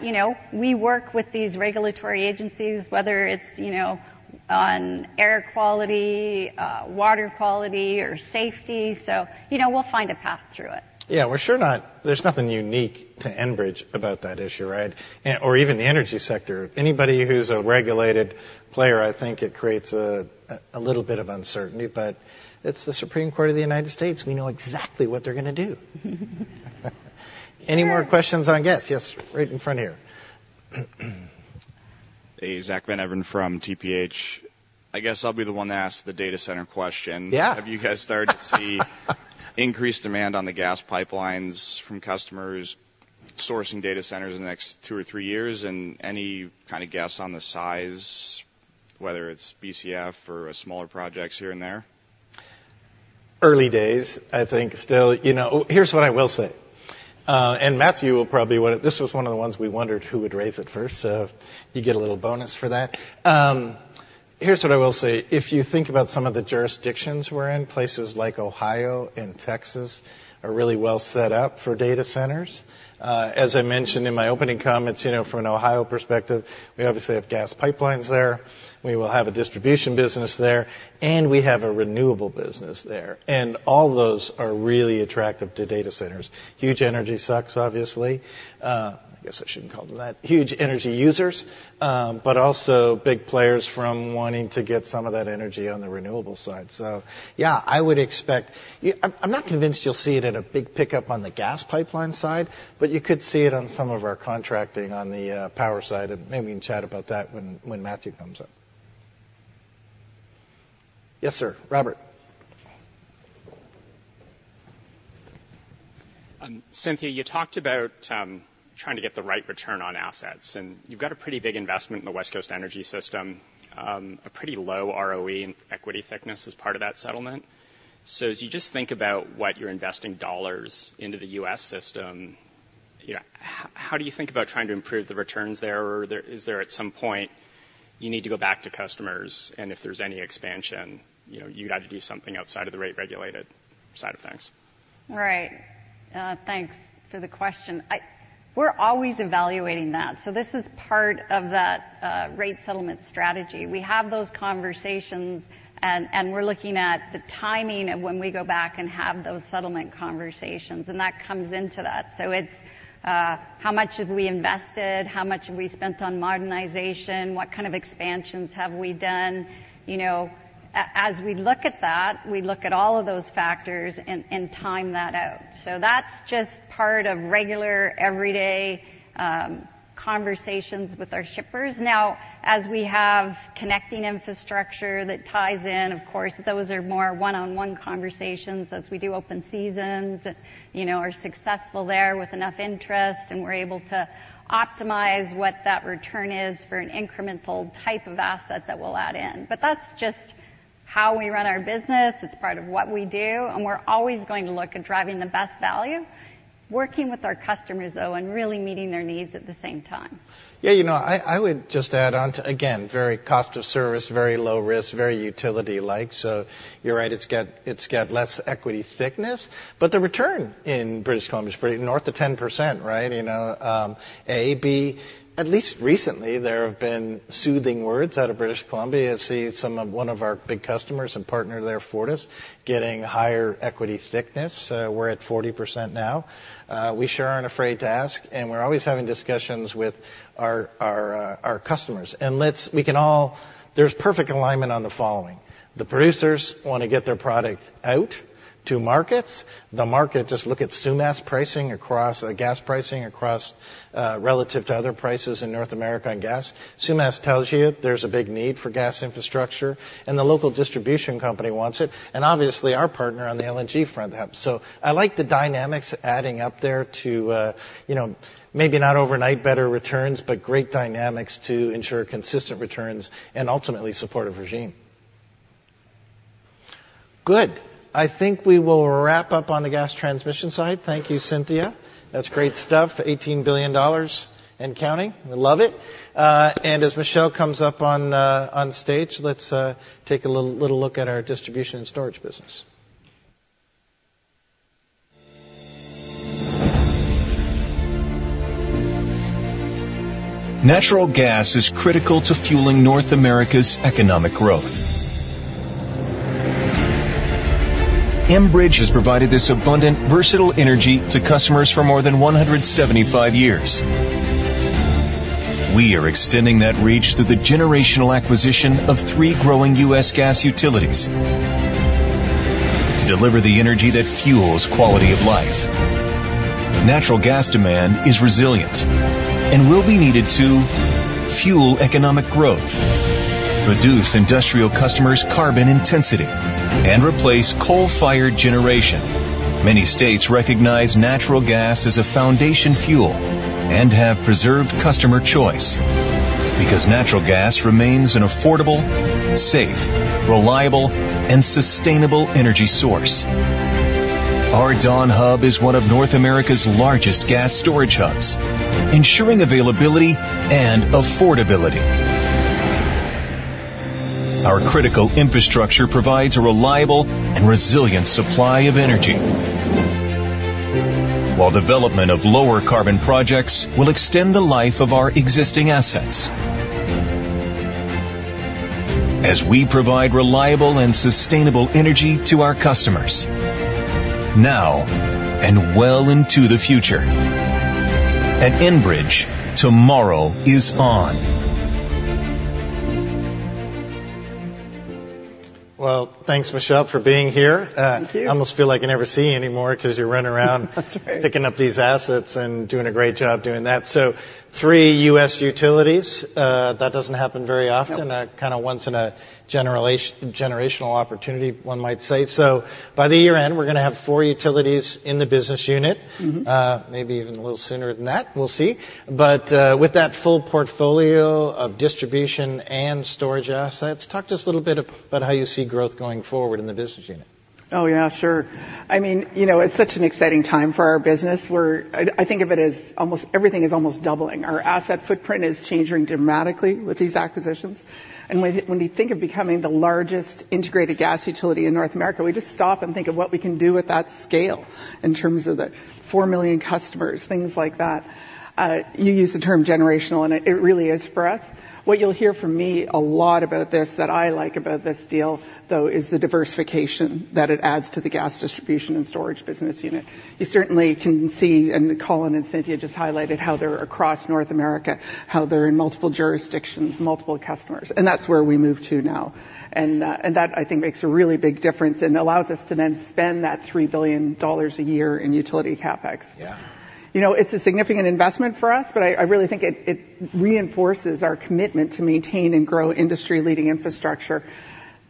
[SPEAKER 13] You know, we work with these regulatory agencies, whether it's, you know, on air quality, water quality, or safety. So, you know, we'll find a path through it.
[SPEAKER 3] Yeah, we're sure not—there's nothing unique to Enbridge about that issue, right? And/or even the energy sector. Anybody who's a regulated player, I think, creates a little bit of uncertainty, but it's the Supreme Court of the United States. We know exactly what they're gonna do.
[SPEAKER 13] Sure.
[SPEAKER 3] Any more questions on... Yes, yes, right in front here.
[SPEAKER 16] Hey, Zack Van Everen from TPH. I guess I'll be the one to ask the data center question.
[SPEAKER 3] Yeah.
[SPEAKER 16] Have you guys started to see increased demand on the gas pipelines from customers sourcing data centers in the next two or three years? And any kind of guess on the size, whether it's Bcf or smaller projects here and there?
[SPEAKER 3] Early days, I think still. You know, here's what I will say, and Matthew will probably want it, this was one of the ones we wondered who would raise it first, so you get a little bonus for that. Here's what I will say. If you think about some of the jurisdictions we're in, places like Ohio and Texas are really well set up for data centers. As I mentioned in my opening comments, you know, from an Ohio perspective, we obviously have gas pipelines there, we will have a distribution business there, and we have a renewable business there, and all those are really attractive to data centers. Huge energy sucks, obviously. I guess I shouldn't call them that. Huge energy users, but also big players from wanting to get some of that energy on the renewable side. So yeah, I would expect... I'm not convinced you'll see it at a big pickup on the gas pipeline side, but you could see it on some of our contracting on the power side, and maybe we can chat about that when Matthew comes up.... Yes, sir, Robert?
[SPEAKER 16] Cynthia, you talked about trying to get the right return on assets, and you've got a pretty big investment in the West Coast energy system, a pretty low ROE and equity thickness as part of that settlement. So as you just think about what you're investing dollars into the U.S. system, you know, how do you think about trying to improve the returns there? Or, is there, at some point, you need to go back to customers, and if there's any expansion, you know, you'd have to do something outside of the rate-regulated side of things?
[SPEAKER 13] Right. Thanks for the question. We're always evaluating that, so this is part of that rate settlement strategy. We have those conversations, and we're looking at the timing of when we go back and have those settlement conversations, and that comes into that. So it's how much have we invested? How much have we spent on modernization? What kind of expansions have we done? You know, as we look at that, we look at all of those factors and time that out. So that's just part of regular, everyday conversations with our shippers. Now, as we have connecting infrastructure that ties in, of course, those are more one-on-one conversations as we do open seasons, and, you know, are successful there with enough interest, and we're able to optimize what that return is for an incremental type of asset that we'll add in. But that's just how we run our business. It's part of what we do, and we're always going to look at driving the best value, working with our customers, though, and really meeting their needs at the same time.
[SPEAKER 3] Yeah, you know, I would just add on to, again, very cost of service, very low risk, very utility-like, so you're right, it's got less equity thickness, but the return in British Columbia is pretty north of 10%, right? You know, at least recently, there have been soothing words out of British Columbia. I see some of one of our big customers and partner there, Fortis, getting higher equity thickness. We're at 40% now. We sure aren't afraid to ask, and we're always having discussions with our customers. Let's—we can all... There's perfect alignment on the following. The producers wanna get their product out to markets. The market, just look at Sumas pricing across gas pricing across relative to other prices in North America on gas. Sumas tells you there's a big need for gas infrastructure, and the local distribution company wants it, and obviously, our partner on the LNG front helps. So I like the dynamics adding up there to, you know, maybe not overnight better returns, but great dynamics to ensure consistent returns and ultimately supportive regime. Good. I think we will wrap up on the gas transmission side. Thank you, Cynthia. That's great stuff, 18 billion dollars and counting. I love it. And as Michele comes up on stage, let's take a little look at our distribution and storage business.
[SPEAKER 7] Natural gas is critical to fueling North America's economic growth. Enbridge has provided this abundant, versatile energy to customers for more than 175 years. We are extending that reach through the generational acquisition of three growing U.S. gas utilities to deliver the energy that fuels quality of life. Natural gas demand is resilient and will be needed to fuel economic growth, reduce industrial customers' carbon intensity, and replace coal-fired generation. Many states recognize natural gas as a foundation fuel and have preserved customer choice because natural gas remains an affordable, safe, reliable, and sustainable energy source. Our Dawn Hub is one of North America's largest gas storage hubs, ensuring availability and affordability. Our critical infrastructure provides a reliable and resilient supply of energy, while development of lower carbon projects will extend the life of our existing assets as we provide reliable and sustainable energy to our customers, now and well into the future. At Enbridge, tomorrow is on.
[SPEAKER 3] Well, thanks, Michele, for being here.
[SPEAKER 17] Thank you.
[SPEAKER 3] I almost feel like I never see you anymore because you're running around-
[SPEAKER 17] That's right.
[SPEAKER 3] picking up these assets and doing a great job doing that. So three U.S. utilities, that doesn't happen very often.
[SPEAKER 17] Nope.
[SPEAKER 3] Kind of once in a generational opportunity, one might say. So by the year-end, we're gonna have four utilities in the business unit.
[SPEAKER 17] Mm-hmm.
[SPEAKER 3] Maybe even a little sooner than that. We'll see. But, with that full portfolio of distribution and storage assets, talk to us a little bit about how you see growth going forward in the business unit?
[SPEAKER 17] Oh, yeah, sure. I mean, you know, it's such an exciting time for our business, where I, I think of it as almost everything is almost doubling. Our asset footprint is changing dramatically with these acquisitions. And when, when we think of becoming the largest integrated gas utility in North America, we just stop and think of what we can do with that scale in terms of the 4 million customers, things like that. You used the term generational, and it, it really is for us. What you'll hear from me a lot about this, that I like about this deal, though, is the diversification that it adds to the Gas Distribution and Storage business unit. You certainly can see, and Colin and Cynthia just highlighted how they're across North America, how they're in multiple jurisdictions, multiple customers, and that's where we move to now. That, I think, makes a really big difference and allows us to then spend that 3 billion dollars a year in utility CapEx.
[SPEAKER 3] Yeah. ...
[SPEAKER 17] You know, it's a significant investment for us, but I really think it reinforces our commitment to maintain and grow industry-leading infrastructure.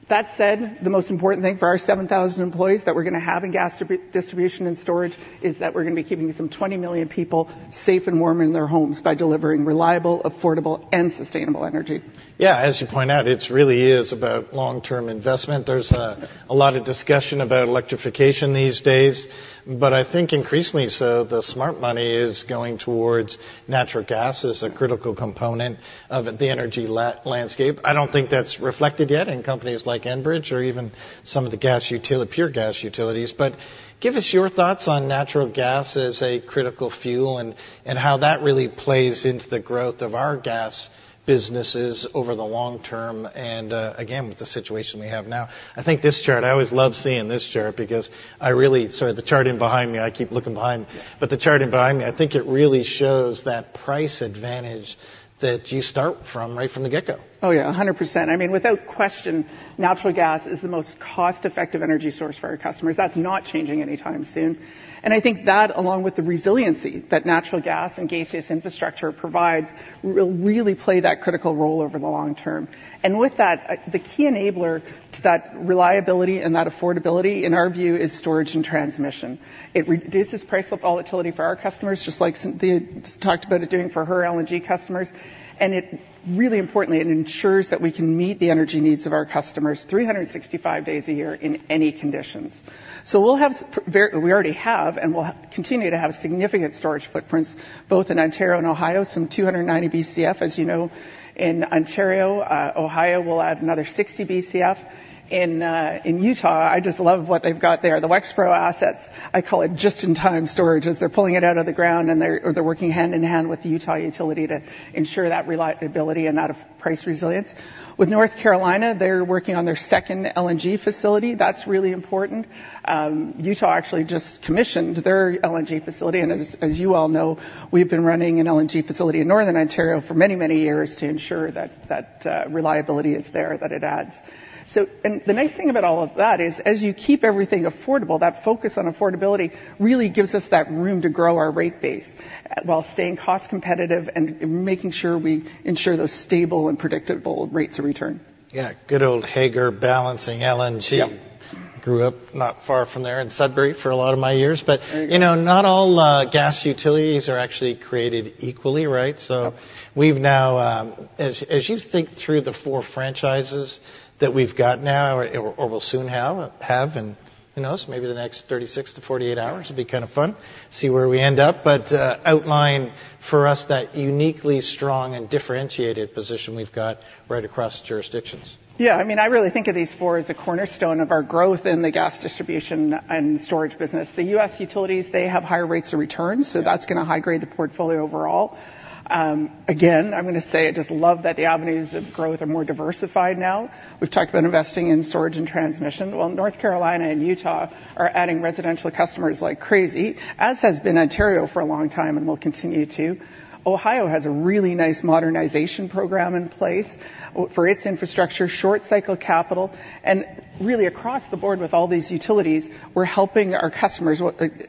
[SPEAKER 17] That said, the most important thing for our 7,000 employees that we're gonna have in Gas Distribution and Storage is that we're gonna be keeping some 20 million people safe and warm in their homes by delivering reliable, affordable, and sustainable energy.
[SPEAKER 3] Yeah, as you point out, it really is about long-term investment. There's a lot of discussion about electrification these days, but I think increasingly so, the smart money is going towards natural gas as a critical component of the energy landscape. I don't think that's reflected yet in companies like Enbridge or even some of the pure gas utilities. But give us your thoughts on natural gas as a critical fuel, and how that really plays into the growth of our gas businesses over the long term, and again, with the situation we have now. I think this chart. I always love seeing this chart because sorry, the chart behind me. I keep looking behind me. But the chart behind me, I think it really shows that price advantage that you start from right from the get-go.
[SPEAKER 17] Oh, yeah, 100%. I mean, without question, natural gas is the most cost-effective energy source for our customers. That's not changing anytime soon. And I think that, along with the resiliency that natural gas and gas infrastructure provides, will really play that critical role over the long term. And with that, the key enabler to that reliability and that affordability, in our view, is storage and transmission. It reduces price volatility for our customers, just like Cynthia talked about it doing for her LNG customers. And it, really importantly, it ensures that we can meet the energy needs of our customers 365 days a year in any conditions. So we'll have very... We already have, and we'll have- continue to have significant storage footprints, both in Ontario and Ohio, some 290 Bcf, as you know, in Ontario. Ohio, we'll add another 60 Bcf. In Utah, I just love what they've got there. The Wexpro assets, I call it just-in-time storage, as they're pulling it out of the ground, and they're working hand in hand with the Utah utility to ensure that reliability and that price resilience. With North Carolina, they're working on their second LNG facility. That's really important. Utah actually just commissioned their LNG facility, and as you all know, we've been running an LNG facility in northern Ontario for many, many years to ensure that reliability is there, that it adds. The nice thing about all of that is, as you keep everything affordable, that focus on affordability really gives us that room to grow our rate base, while staying cost competitive and making sure we ensure those stable and predictable rates of return.
[SPEAKER 3] Yeah, good old Hagar balancing LNG.
[SPEAKER 17] Yep.
[SPEAKER 3] Grew up not far from there in Sudbury for a lot of my years.
[SPEAKER 17] There you go.
[SPEAKER 3] You know, not all gas utilities are actually created equally, right?
[SPEAKER 17] Yep.
[SPEAKER 3] So we've now, as you think through the four franchises that we've got now or will soon have, and who knows, maybe the next 36-48 hours, it'll be kind of fun, see where we end up, but outline for us that uniquely strong and differentiated position we've got right across jurisdictions.
[SPEAKER 17] Yeah. I mean, I really think of these four as a cornerstone of our growth in the Gas Distribution and Storage business. The U.S. utilities, they have higher rates of return, so that's gonna high grade the portfolio overall. Again, I'm gonna say, I just love that the avenues of growth are more diversified now. We've talked about investing in storage and transmission. Well, North Carolina and Utah are adding residential customers like crazy, as has been Ontario for a long time and will continue to. Ohio has a really nice modernization program in place for its infrastructure, short cycle capital, and really across the board with all these utilities, we're helping our customers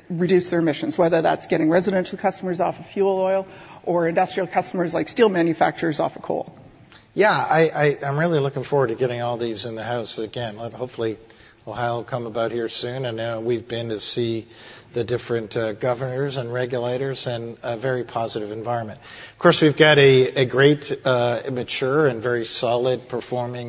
[SPEAKER 17] reduce their emissions, whether that's getting residential customers off of fuel oil or industrial customers, like steel manufacturers, off of coal.
[SPEAKER 3] Yeah, I’m really looking forward to getting all these in the house again. Hopefully, Ohio will come about here soon, and now we’ve been to see the different governors and regulators, and a very positive environment. Of course, we’ve got a great, mature and very solid-performing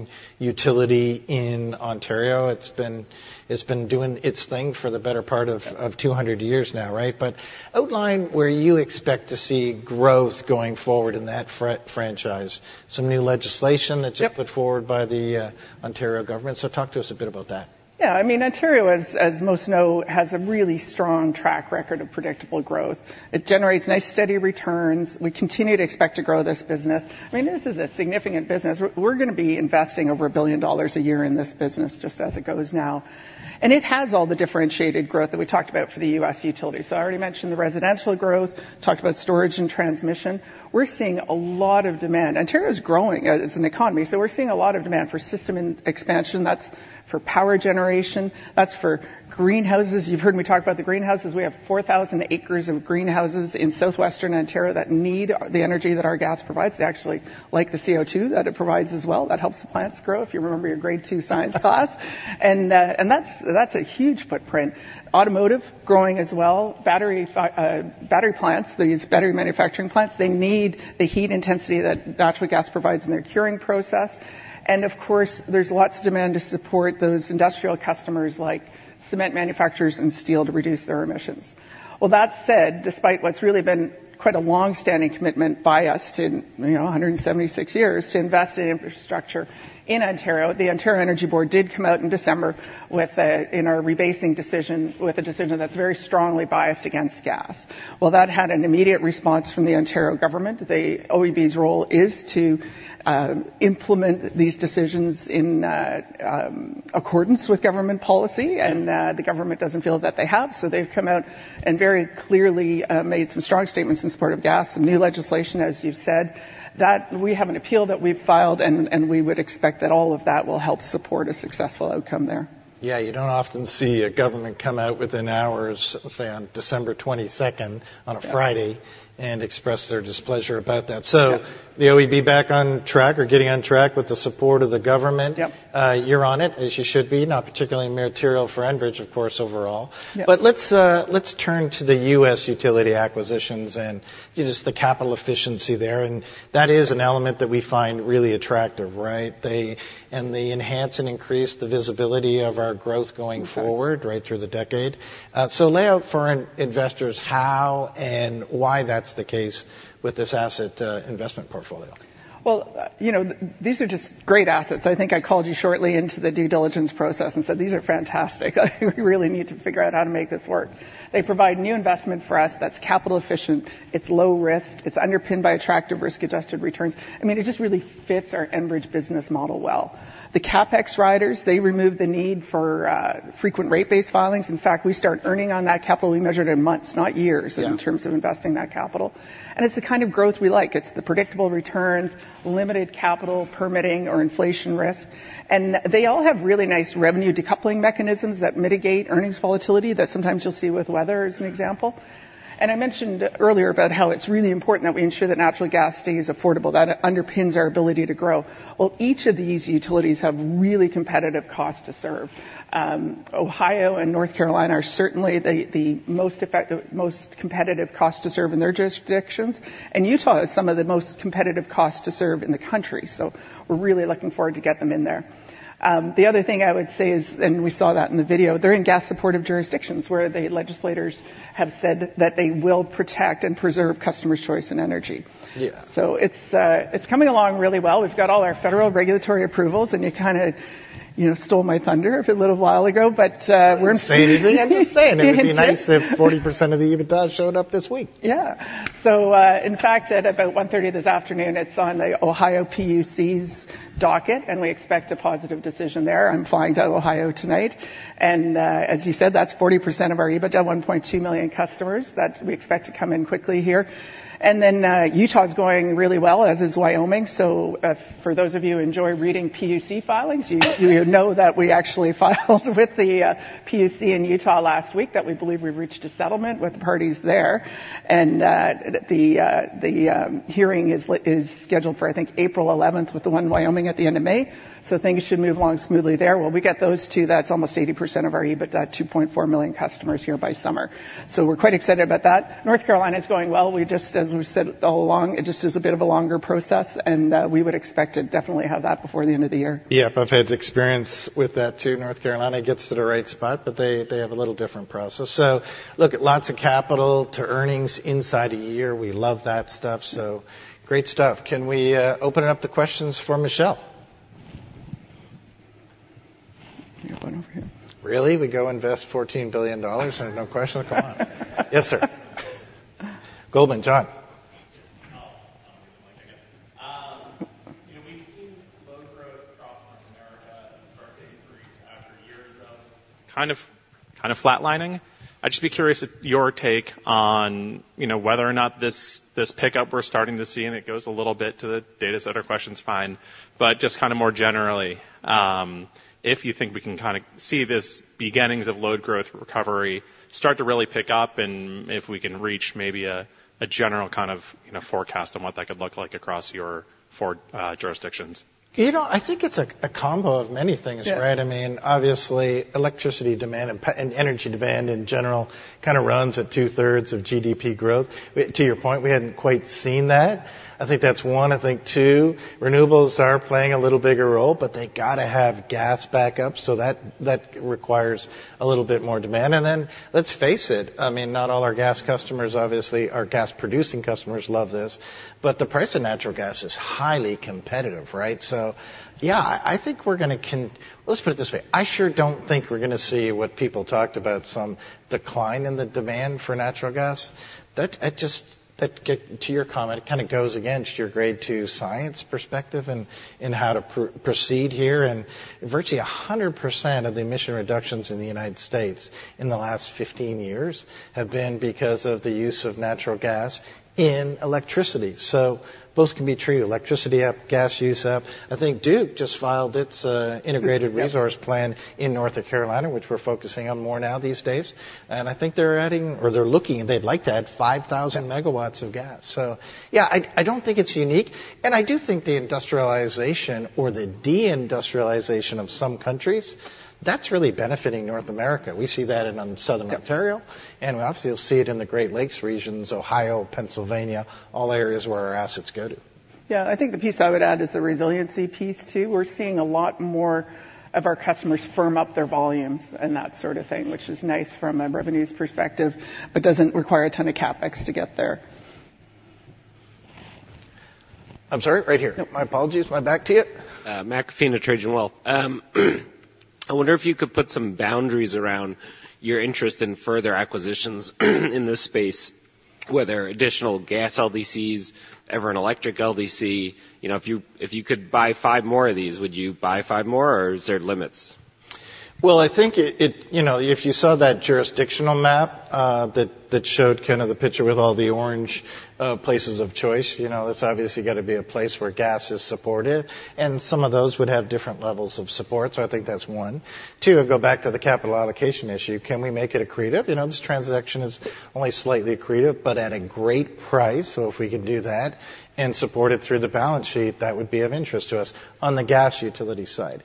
[SPEAKER 3] utility in Ontario. It’s been doing its thing for the better part of two hundred years now, right? But outline where you expect to see growth going forward in that franchise. Some new legislation-
[SPEAKER 17] Yep...
[SPEAKER 3] that you put forward by the, Ontario government. So talk to us a bit about that.
[SPEAKER 17] Yeah, I mean, Ontario, as, as most know, has a really strong track record of predictable growth. It generates nice, steady returns. We continue to expect to grow this business. I mean, this is a significant business. We're, we're gonna be investing over 1 billion dollars a year in this business just as it goes now. And it has all the differentiated growth that we talked about for the U.S. utilities. So I already mentioned the residential growth, talked about storage and transmission. We're seeing a lot of demand. Ontario is growing as an economy, so we're seeing a lot of demand for system and expansion. That's for power generation, that's for greenhouses. You've heard me talk about the greenhouses. We have 4,000 acres of greenhouses in southwestern Ontario that need the energy that our gas provides. They actually like the CO2 that it provides as well. That helps the plants grow, if you remember your grade two science class. And, and that's a huge footprint. Automotive, growing as well. Battery plants, these battery manufacturing plants, they need the heat intensity that natural gas provides in their curing process. And of course, there's lots of demand to support those industrial customers, like cement manufacturers and steel, to reduce their emissions. Well, that said, despite what's really been quite a long-standing commitment by us to, you know, 176 years, to invest in infrastructure in Ontario, the Ontario Energy Board did come out in December with a decision in our rebasing decision that's very strongly biased against gas. Well, that had an immediate response from the Ontario government. The OEB's role is to implement these decisions in accordance with government policy, and the government doesn't feel that they have. So they've come out and very clearly made some strong statements in support of gas and new legislation, as you've said. That we have an appeal that we've filed, and we would expect that all of that will help support a successful outcome there.
[SPEAKER 3] Yeah, you don't often see a government come out within hours, say, on December 22nd, on a Friday-
[SPEAKER 17] Yeah...
[SPEAKER 3] and express their displeasure about that.
[SPEAKER 17] Yep.
[SPEAKER 3] The OEB back on track or getting on track with the support of the government.
[SPEAKER 17] Yep.
[SPEAKER 3] You're on it, as you should be. Not particularly material for Enbridge, of course, overall.
[SPEAKER 17] Yep.
[SPEAKER 3] But let's turn to the U.S. utility acquisitions and just the capital efficiency there, and that is an element that we find really attractive, right? And they enhance and increase the visibility of our growth going forward-
[SPEAKER 17] Exactly...
[SPEAKER 3] right through the decade. So lay out for investors how and why that's the case with this asset, investment portfolio.
[SPEAKER 17] Well, you know, these are just great assets. I think I called you shortly into the due diligence process and said: "These are fantastic. We really need to figure out how to make this work." They provide new investment for us that's capital efficient, it's low risk, it's underpinned by attractive risk-adjusted returns. I mean, it just really fits our Enbridge business model well. The CapEx riders, they remove the need for frequent rate base filings. In fact, we start earning on that capital. We measured in months, not years-
[SPEAKER 3] Yeah...
[SPEAKER 17] in terms of investing that capital. It's the kind of growth we like. It's the predictable returns, limited capital, permitting or inflation risk, and they all have really nice revenue decoupling mechanisms that mitigate earnings volatility that sometimes you'll see with weather, as an example. I mentioned earlier about how it's really important that we ensure that natural gas stays affordable. That underpins our ability to grow. Well, each of these utilities have really competitive cost to serve. Ohio and North Carolina are certainly the most effective, most competitive cost to serve in their jurisdictions, and Utah has some of the most competitive costs to serve in the country. We're really looking forward to get them in there.... The other thing I would say is, and we saw that in the video, they're in gas supportive jurisdictions, where the legislators have said that they will protect and preserve customer choice and energy.
[SPEAKER 3] Yeah.
[SPEAKER 17] So it's coming along really well. We've got all our federal regulatory approvals, and you kinda, you know, stole my thunder a little while ago, but we're-
[SPEAKER 3] I'm just saying, I'm just saying it would be nice if 40% of the EBITDA showed up this week.
[SPEAKER 17] Yeah. So, in fact, at about 1:30 P.M. this afternoon, it's on the Ohio PUC's docket, and we expect a positive decision there. I'm flying to Ohio tonight, and, as you said, that's 40% of our EBITDA, 1.2 million customers that we expect to come in quickly here. And then, Utah's going really well, as is Wyoming. So, for those of you who enjoy reading PUC filings—you know that we actually filed with the PUC in Utah last week, that we believe we've reached a settlement with the parties there. And, the hearing is scheduled for, I think, April 11, with the one in Wyoming at the end of May, so things should move along smoothly there. When we get those two, that's almost 80% of our EBITDA, 2.4 million customers here by summer. So we're quite excited about that. North Carolina is going well. We just, as we've said all along, it just is a bit of a longer process, and we would expect to definitely have that before the end of the year.
[SPEAKER 3] Yep, I've had experience with that, too. North Carolina gets to the right spot, but they, they have a little different process. So look, at lots of capital to earnings inside a year, we love that stuff, so great stuff. Can we open it up the questions for Michele?
[SPEAKER 17] You have one over here.
[SPEAKER 3] Really? We go invest 14 billion dollars, and there are no questions. Come on. Yes, sir. Goldman, John.
[SPEAKER 14] You know, we've seen load growth across North America start to increase after years of kind of, kind of flatlining. I'd just be curious your take on, you know, whether or not this, this pickup we're starting to see, and it goes a little bit to the data center question is fine, but just kinda more generally, if you think we can kinda see this beginnings of load growth recovery start to really pick up, and if we can reach maybe a, a general kind of, you know, forecast on what that could look like across your four jurisdictions.
[SPEAKER 3] You know, I think it's a combo of many things-
[SPEAKER 17] Yeah...
[SPEAKER 3] right? I mean, obviously, electricity demand and energy demand, in general, kinda runs at two-thirds of GDP growth. To your point, we hadn't quite seen that. I think that's one. I think two, renewables are playing a little bigger role, but they gotta have gas back up, so that requires a little bit more demand. And then let's face it, I mean, not all our gas customers, obviously, our gas-producing customers love this, but the price of natural gas is highly competitive, right? So yeah, I think we're gonna, let's put it this way, I sure don't think we're gonna see what people talked about, some decline in the demand for natural gas. That just, to your comment, it kind of goes against your grade two science perspective and how to proceed here. Virtually, 100% of the emission reductions in the United States in the last 15 years have been because of the use of natural gas in electricity. So both can be true, electricity up, gas use up. I think Duke just filed its integrated-
[SPEAKER 17] Yep...
[SPEAKER 3] resource plan in North Carolina, which we're focusing on more now these days, and I think they're adding or they're looking, and they'd like to add 5,000 megawatts of gas. So yeah, I, I don't think it's unique, and I do think the industrialization or the de-industrialization of some countries, that's really benefiting North America. We see that in Southern Ontario-
[SPEAKER 17] Yep...
[SPEAKER 3] and obviously, you'll see it in the Great Lakes regions, Ohio, Pennsylvania, all areas where our assets go to.
[SPEAKER 17] Yeah, I think the piece I would add is the resiliency piece, too. We're seeing a lot more of our customers firm up their volumes and that sort of thing, which is nice from a revenues perspective, but doesn't require a ton of CapEx to get there.
[SPEAKER 3] I'm sorry, right here.
[SPEAKER 17] Yep.
[SPEAKER 3] My apologies. Right back to you.
[SPEAKER 18] Matt Coffina at Trajan Wealth. I wonder if you could put some boundaries around your interest in further acquisitions in this space, whether additional gas LDCs, ever an electric LDC. You know, if you, if you could buy five more of these, would you buy five more, or is there limits?
[SPEAKER 3] Well, I think it. You know, if you saw that jurisdictional map, that showed kind of the picture with all the orange places of choice, you know, that's obviously gotta be a place where gas is supported, and some of those would have different levels of support. So I think that's one. Two, go back to the capital allocation issue. Can we make it accretive? You know, this transaction is only slightly accretive, but at a great price. So if we could do that and support it through the balance sheet, that would be of interest to us on the gas utility side.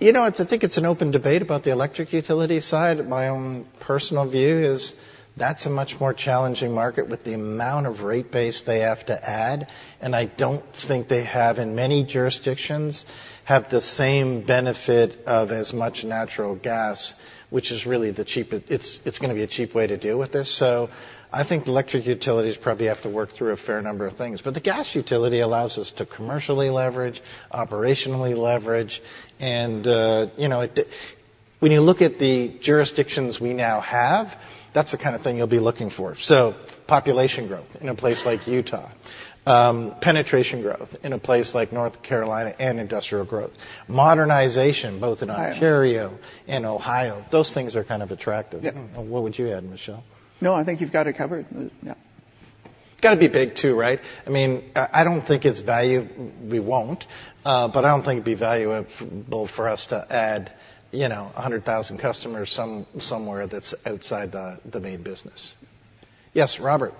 [SPEAKER 3] You know, it's, I think it's an open debate about the electric utility side. My own personal view is that's a much more challenging market with the amount of rate base they have to add, and I don't think they have, in many jurisdictions, have the same benefit of as much natural gas, which is really the cheap—it's, it's gonna be a cheap way to deal with this. So I think electric utilities probably have to work through a fair number of things. But the gas utility allows us to commercially leverage, operationally leverage, and, you know, it, the, when you look at the jurisdictions we now have, that's the kind of thing you'll be looking for. So population growth in a place like Utah, penetration growth in a place like North Carolina and industrial growth, modernization, both in-
[SPEAKER 17] Ohio...
[SPEAKER 3] Ontario and Ohio, those things are kind of attractive.
[SPEAKER 17] Yep.
[SPEAKER 3] What would you add, Michele?
[SPEAKER 17] No, I think you've got it covered. Yep.
[SPEAKER 3] Gotta be big too, right? I mean, I don't think it's value, we won't, but I don't think it'd be valuable for us to add, you know, 100,000 customers somewhere that's outside the main business. Yes, Robert?...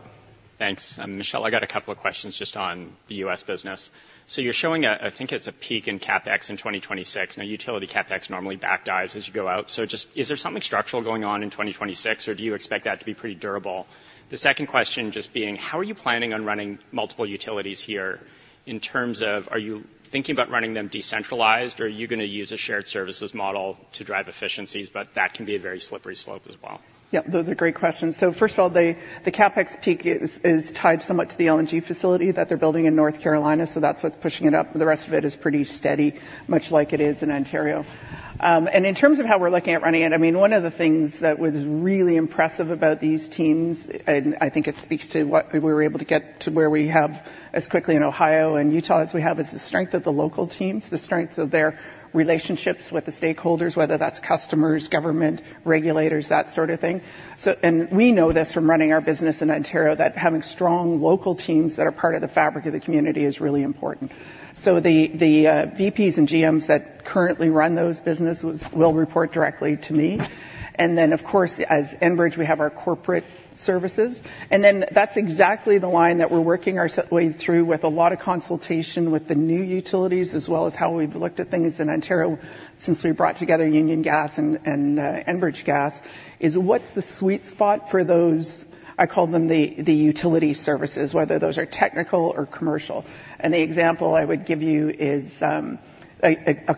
[SPEAKER 5] Thanks. Michele, I got a couple of questions just on the U.S. business. So you're showing a, I think it's a peak in CapEx in 2026. Now, utility CapEx normally back dives as you go out. So just, is there something structural going on in 2026, or do you expect that to be pretty durable? The second question just being: How are you planning on running multiple utilities here, in terms of are you thinking about running them decentralized, or are you gonna use a shared services model to drive efficiencies? But that can be a very slippery slope as well.
[SPEAKER 17] Yep, those are great questions. So first of all, the CapEx peak is tied somewhat to the LNG facility that they're building in North Carolina, so that's what's pushing it up. The rest of it is pretty steady, much like it is in Ontario. And in terms of how we're looking at running it, I mean, one of the things that was really impressive about these teams, and I think it speaks to what we were able to get to where we have as quickly in Ohio and Utah as we have, is the strength of the local teams, the strength of their relationships with the stakeholders, whether that's customers, government, regulators, that sort of thing. And we know this from running our business in Ontario, that having strong local teams that are part of the fabric of the community is really important. So the VPs and GMs that currently run those businesses will report directly to me. And then, of course, as Enbridge, we have our corporate services. And then that's exactly the line that we're working our way through with a lot of consultation with the new utilities, as well as how we've looked at things in Ontario since we brought together Union Gas and Enbridge Gas, is what's the sweet spot for those, I call them the utility services, whether those are technical or commercial. And the example I would give you is a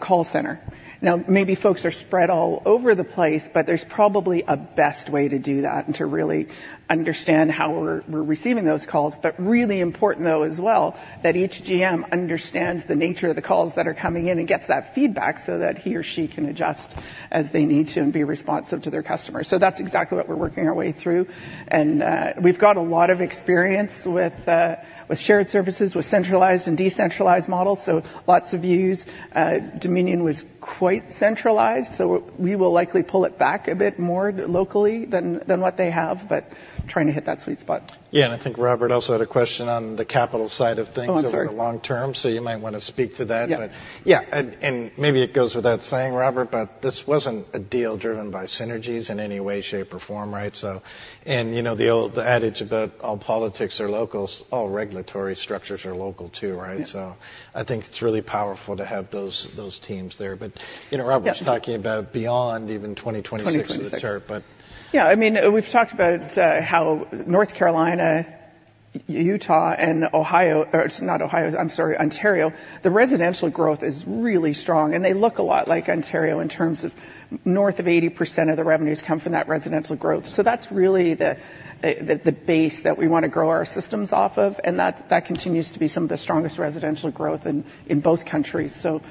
[SPEAKER 17] call center. Now, maybe folks are spread all over the place, but there's probably a best way to do that and to really understand how we're receiving those calls. But really important, though, as well, that each GM understands the nature of the calls that are coming in and gets that feedback so that he or she can adjust as they need to and be responsive to their customers. So that's exactly what we're working our way through, and, we've got a lot of experience with, with shared services, with centralized and decentralized models, so lots of views. Dominion was quite centralized, so we will likely pull it back a bit more locally than what they have, but trying to hit that sweet spot.
[SPEAKER 3] Yeah, and I think Robert also had a question on the capital side of things.
[SPEAKER 17] Oh, I'm sorry.
[SPEAKER 3] Over the long term, so you might want to speak to that.
[SPEAKER 17] Yeah.
[SPEAKER 3] Yeah, and maybe it goes without saying, Robert, but this wasn't a deal driven by synergies in any way, shape, or form, right? So... And, you know, the old adage about all politics is local, all regulatory structures are local, too, right?
[SPEAKER 17] Yeah.
[SPEAKER 3] So I think it's really powerful to have those, those teams there. But, you know, Robert-
[SPEAKER 17] Yeah...
[SPEAKER 3] was talking about beyond even 2026.
[SPEAKER 17] 2026.
[SPEAKER 3] But-
[SPEAKER 17] Yeah, I mean, we've talked about how North Carolina, Utah, and Ohio, not Ohio, I'm sorry, Ontario, the residential growth is really strong, and they look a lot like Ontario in terms of north of 80% of the revenues come from that residential growth. So that's really the base that we want to grow our systems off of, and that continues to be some of the strongest residential growth in both countries. So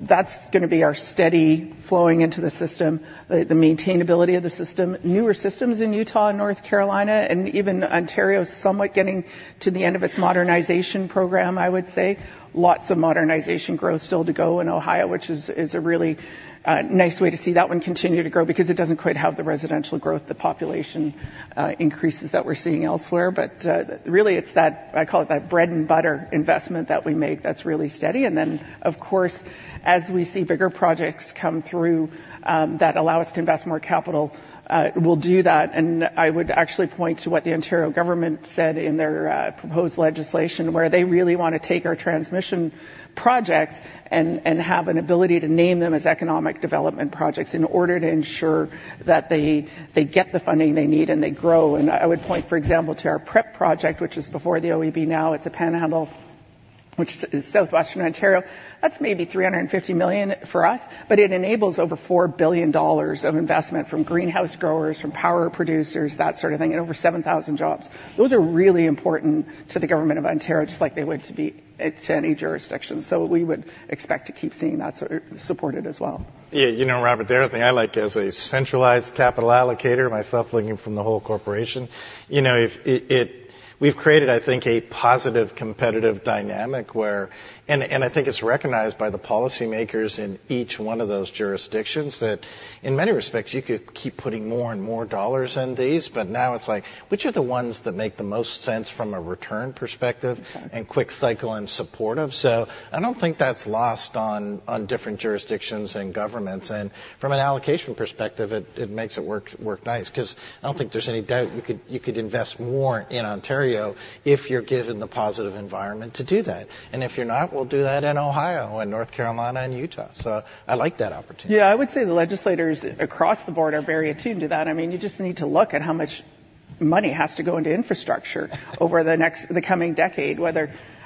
[SPEAKER 17] that's gonna be our steady flowing into the system, the maintainability of the system. Newer systems in Utah and North Carolina, and even Ontario is somewhat getting to the end of its modernization program, I would say. Lots of modernization growth still to go in Ohio, which is a really nice way to see that one continue to grow because it doesn't quite have the residential growth, the population increases that we're seeing elsewhere. But really, it's that, I call it that bread-and-butter investment that we make that's really steady. And then, of course, as we see bigger projects come through, that allow us to invest more capital, we'll do that. And I would actually point to what the Ontario government said in their proposed legislation, where they really want to take our transmission projects and have an ability to name them as economic development projects in order to ensure that they get the funding they need, and they grow. And I would point, for example, to our PREP project, which is before the OEB now. It's a Panhandle, which is southwestern Ontario. That's maybe 350 million for us, but it enables over 4 billion dollars of investment from greenhouse growers, from power producers, that sort of thing, and over 7,000 jobs. Those are really important to the government of Ontario, just like they would to be to any jurisdiction. So we would expect to keep seeing that sort of supported as well.
[SPEAKER 3] Yeah, you know, Robert, the other thing I like as a centralized capital allocator myself, looking from the whole corporation, you know, if it. We've created, I think, a positive competitive dynamic where, and I think it's recognized by the policymakers in each one of those jurisdictions, that in many respects, you could keep putting more and more dollars in these. But now it's like, which are the ones that make the most sense from a return perspective-
[SPEAKER 17] Mm-hmm...
[SPEAKER 3] and quick cycle and supportive? So I don't think that's lost on different jurisdictions and governments, and from an allocation perspective, it makes it work nice because I don't think there's any doubt you could invest more in Ontario if you're given the positive environment to do that. And if you're not, we'll do that in Ohio and North Carolina and Utah. So I like that opportunity.
[SPEAKER 17] Yeah, I would say the legislators across the board are very attuned to that. I mean, you just need to look at how much money has to go into infrastructure over the next- the coming decade.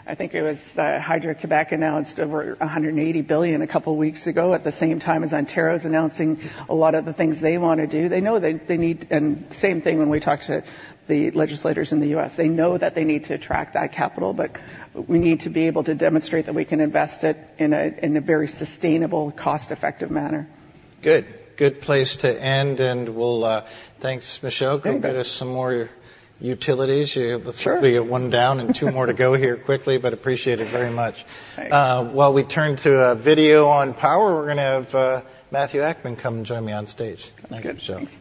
[SPEAKER 17] I think it was Hydro-Québec announced over 180 billion a couple of weeks ago, at the same time as Ontario's announcing a lot of the things they want to do. They know they need. And same thing when we talk to the legislators in the U.S. They know that they need to attract that capital, but we need to be able to demonstrate that we can invest it in a very sustainable, cost-effective manner.
[SPEAKER 3] Good. Good place to end, and we'll. Thanks, Michele.
[SPEAKER 17] Yeah.
[SPEAKER 3] Go get us some more utilities.
[SPEAKER 17] Sure.
[SPEAKER 3] You're one down and two more to go here quickly, but appreciate it very much.
[SPEAKER 17] Thanks.
[SPEAKER 3] While we turn to a video on power, we're gonna have Matthew Akman come and join me on stage.
[SPEAKER 17] That's good.
[SPEAKER 3] Thanks,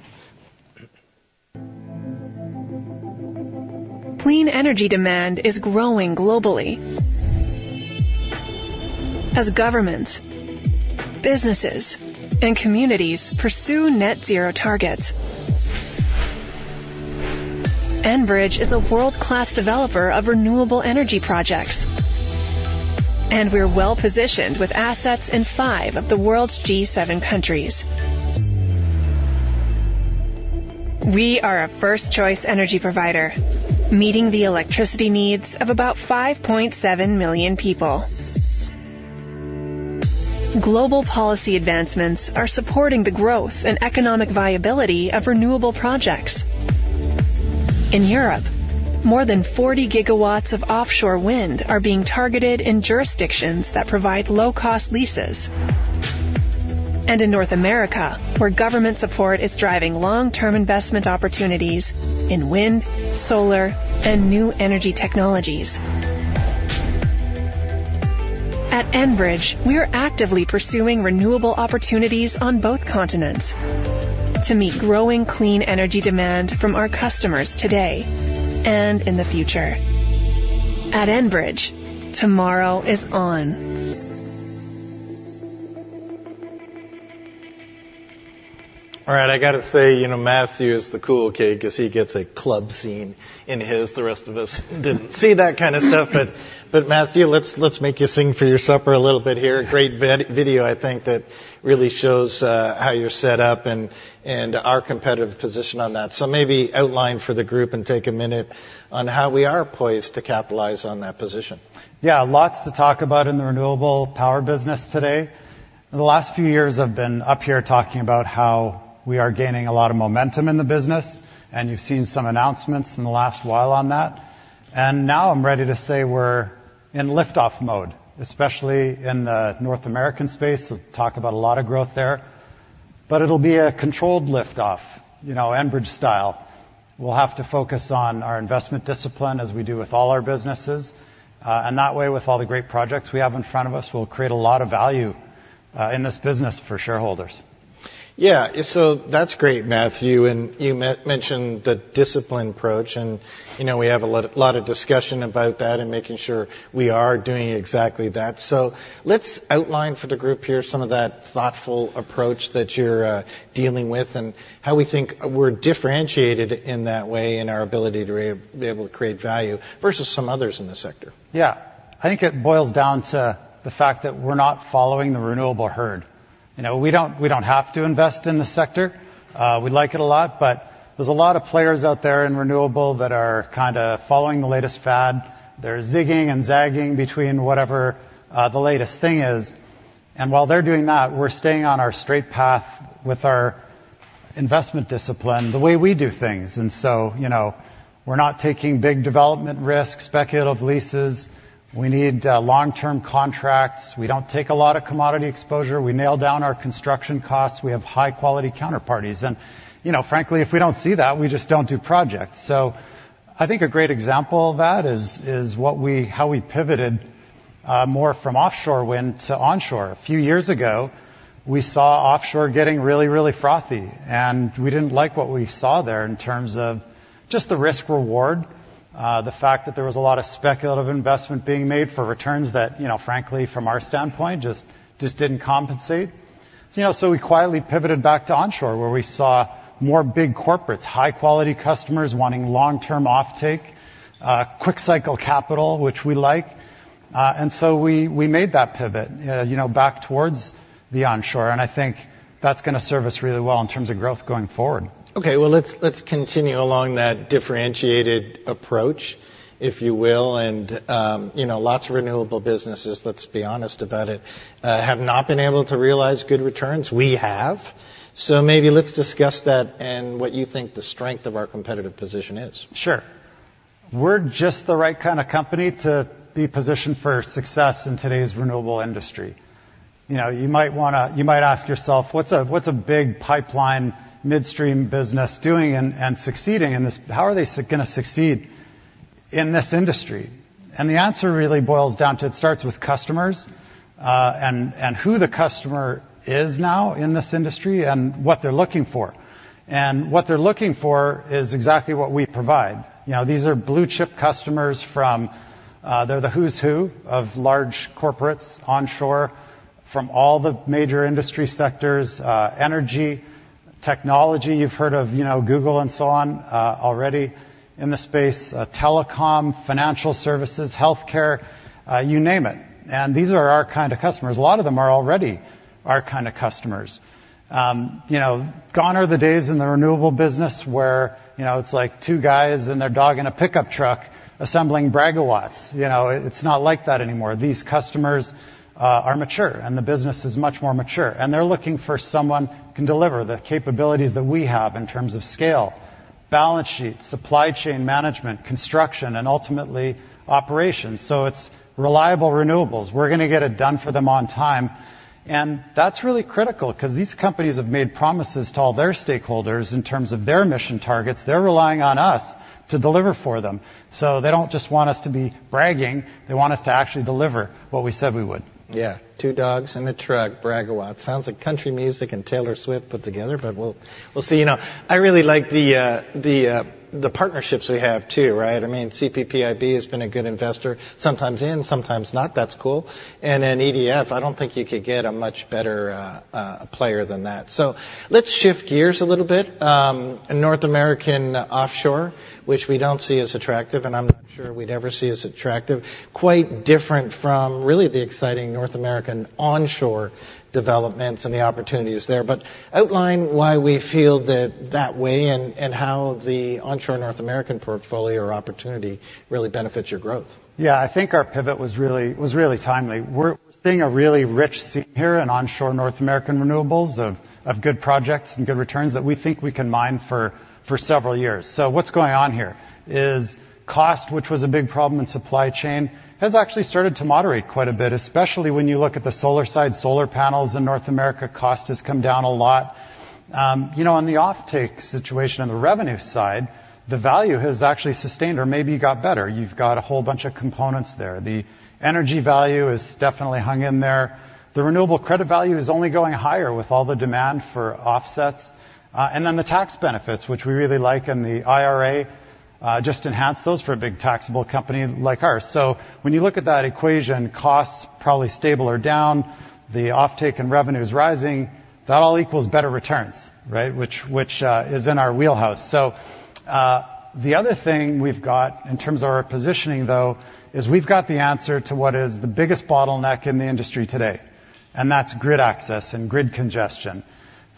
[SPEAKER 3] Michele.
[SPEAKER 2] Clean energy demand is growing globally. As governments, businesses, and communities pursue net zero targets. Enbridge is a world-class developer of renewable energy projects, and we're well-positioned with assets in five of the world's G7 countries. We are a first-choice energy provider, meeting the electricity needs of about 5.7 million people. Global policy advancements are supporting the growth and economic viability of renewable projects. In Europe, more than 40 gigawatts of offshore wind are being targeted in jurisdictions that provide low-cost leases. And in North America, where government support is driving long-term investment opportunities in wind, solar, and new energy technologies. At Enbridge, we are actively pursuing renewable opportunities on both continents to meet growing clean energy demand from our customers today and in the future. At Enbridge, tomorrow is on.
[SPEAKER 3] All right, I got to say, you know, Matthew is the cool kid 'cause he gets a club scene in his. The rest of us didn't see that kind of stuff. But Matthew, let's make you sing for your supper a little bit here. A great video, I think, that really shows how you're set up and our competitive position on that. So maybe outline for the group and take a minute on how we are poised to capitalize on that position.
[SPEAKER 19] Yeah, lots to talk about in the Renewable Power business today. The last few years have been up here talking about how we are gaining a lot of momentum in the business, and you've seen some announcements in the last while on that. And now I'm ready to say we're in lift-off mode, especially in the North American space. We'll talk about a lot of growth there. But it'll be a controlled lift-off, you know, Enbridge style. We'll have to focus on our investment discipline as we do with all our businesses, and that way, with all the great projects we have in front of us, we'll create a lot of value in this business for shareholders.
[SPEAKER 3] Yeah, so that's great, Matthew, and you mentioned the discipline approach, and, you know, we have a lot, lot of discussion about that and making sure we are doing exactly that. So let's outline for the group here some of that thoughtful approach that you're dealing with and how we think we're differentiated in that way in our ability to really be able to create value vs some others in the sector.
[SPEAKER 19] Yeah. I think it boils down to the fact that we're not following the renewable herd. You know, we don't, we don't have to invest in the sector. We like it a lot, but there's a lot of players out there in renewable that are kinda following the latest fad. They're zigging and zagging between whatever, the latest thing is, and while they're doing that, we're staying on our straight path with our investment discipline, the way we do things. And so, you know, we're not taking big development risks, speculative leases. We need long-term contracts. We don't take a lot of commodity exposure. We nail down our construction costs. We have high-quality counterparties, and, you know, frankly, if we don't see that, we just don't do projects. So I think a great example of that is how we pivoted more from offshore wind to onshore. A few years ago, we saw offshore getting really, really frothy, and we didn't like what we saw there in terms of just the risk/reward, the fact that there was a lot of speculative investment being made for returns that, you know, frankly, from our standpoint, just didn't compensate. You know, so we quietly pivoted back to onshore, where we saw more big corporates, high-quality customers wanting long-term offtake, quick cycle capital, which we like. And so we made that pivot, you know, back towards the onshore, and I think that's gonna serve us really well in terms of growth going forward.
[SPEAKER 3] Okay, well, let's continue along that differentiated approach, if you will, and, you know, lots of renewable businesses, let's be honest about it, have not been able to realize good returns. We have. So maybe let's discuss that and what you think the strength of our competitive position is.
[SPEAKER 19] Sure. We're just the right kind of company to be positioned for success in today's renewable industry. You know, you might ask yourself, "What's a Big Pipeline Midstream business doing and succeeding in this? How are they gonna succeed in this industry?" And the answer really boils down to, it starts with customers, and who the customer is now in this industry and what they're looking for. And what they're looking for is exactly what we provide. You know, these are blue-chip customers from... They're the who's who of large corporates, onshore, from all the major industry sectors, energy, technology. You've heard of, you know, Google and so on, already in the space, telecom, financial services, healthcare, you name it, and these are our kind of customers. A lot of them are already our kind of customers. You know, gone are the days in the renewable business where, you know, it's like two guys and their dog in a pickup truck assembling megawatts. You know, it's not like that anymore. These customers are mature, and the business is much more mature, and they're looking for someone can deliver the capabilities that we have in terms of scale, balance sheet, supply chain management, construction, and ultimately, operations. So it's reliable renewables. We're gonna get it done for them on time, and that's really critical because these companies have made promises to all their stakeholders in terms of their emission targets. They're relying on us to deliver for them. So they don't just want us to be bragging; they want us to actually deliver what we said we would.
[SPEAKER 3] Yeah, two dogs in a truck, Bragawatt. Sounds like country music and Taylor Swift put together, but we'll see. You know, I really like the partnerships we have, too, right? I mean, CPPIB has been a good investor, sometimes in, sometimes not. That's cool. And then EDF, I don't think you could get a much better player than that. So let's shift gears a little bit. In North American offshore, which we don't see as attractive, and I'm not sure we'd ever see as attractive, quite different from really the exciting North American onshore developments and the opportunities there. But outline why we feel that way and how the onshore North American portfolio or opportunity really benefits your growth.
[SPEAKER 19] Yeah, I think our pivot was really, was really timely. We're seeing a really rich scene here in onshore North American renewables, of, of good projects and good returns that we think we can mine for, for several years. So what's going on here is cost, which was a big problem in supply chain, has actually started to moderate quite a bit, especially when you look at the solar side. Solar panels in North America, cost has come down a lot.... You know, on the offtake situation, on the revenue side, the value has actually sustained or maybe got better. You've got a whole bunch of components there. The energy value has definitely hung in there. The renewable credit value is only going higher with all the demand for offsets. and then the tax benefits, which we really like, and the IRA, just enhanced those for a big taxable company like ours. So when you look at that equation, costs probably stable or down, the offtake and revenue is rising, that all equals better returns, right? Which, which, is in our wheelhouse. So, the other thing we've got in terms of our positioning, though, is we've got the answer to what is the biggest bottleneck in the industry today, and that's grid access and grid congestion.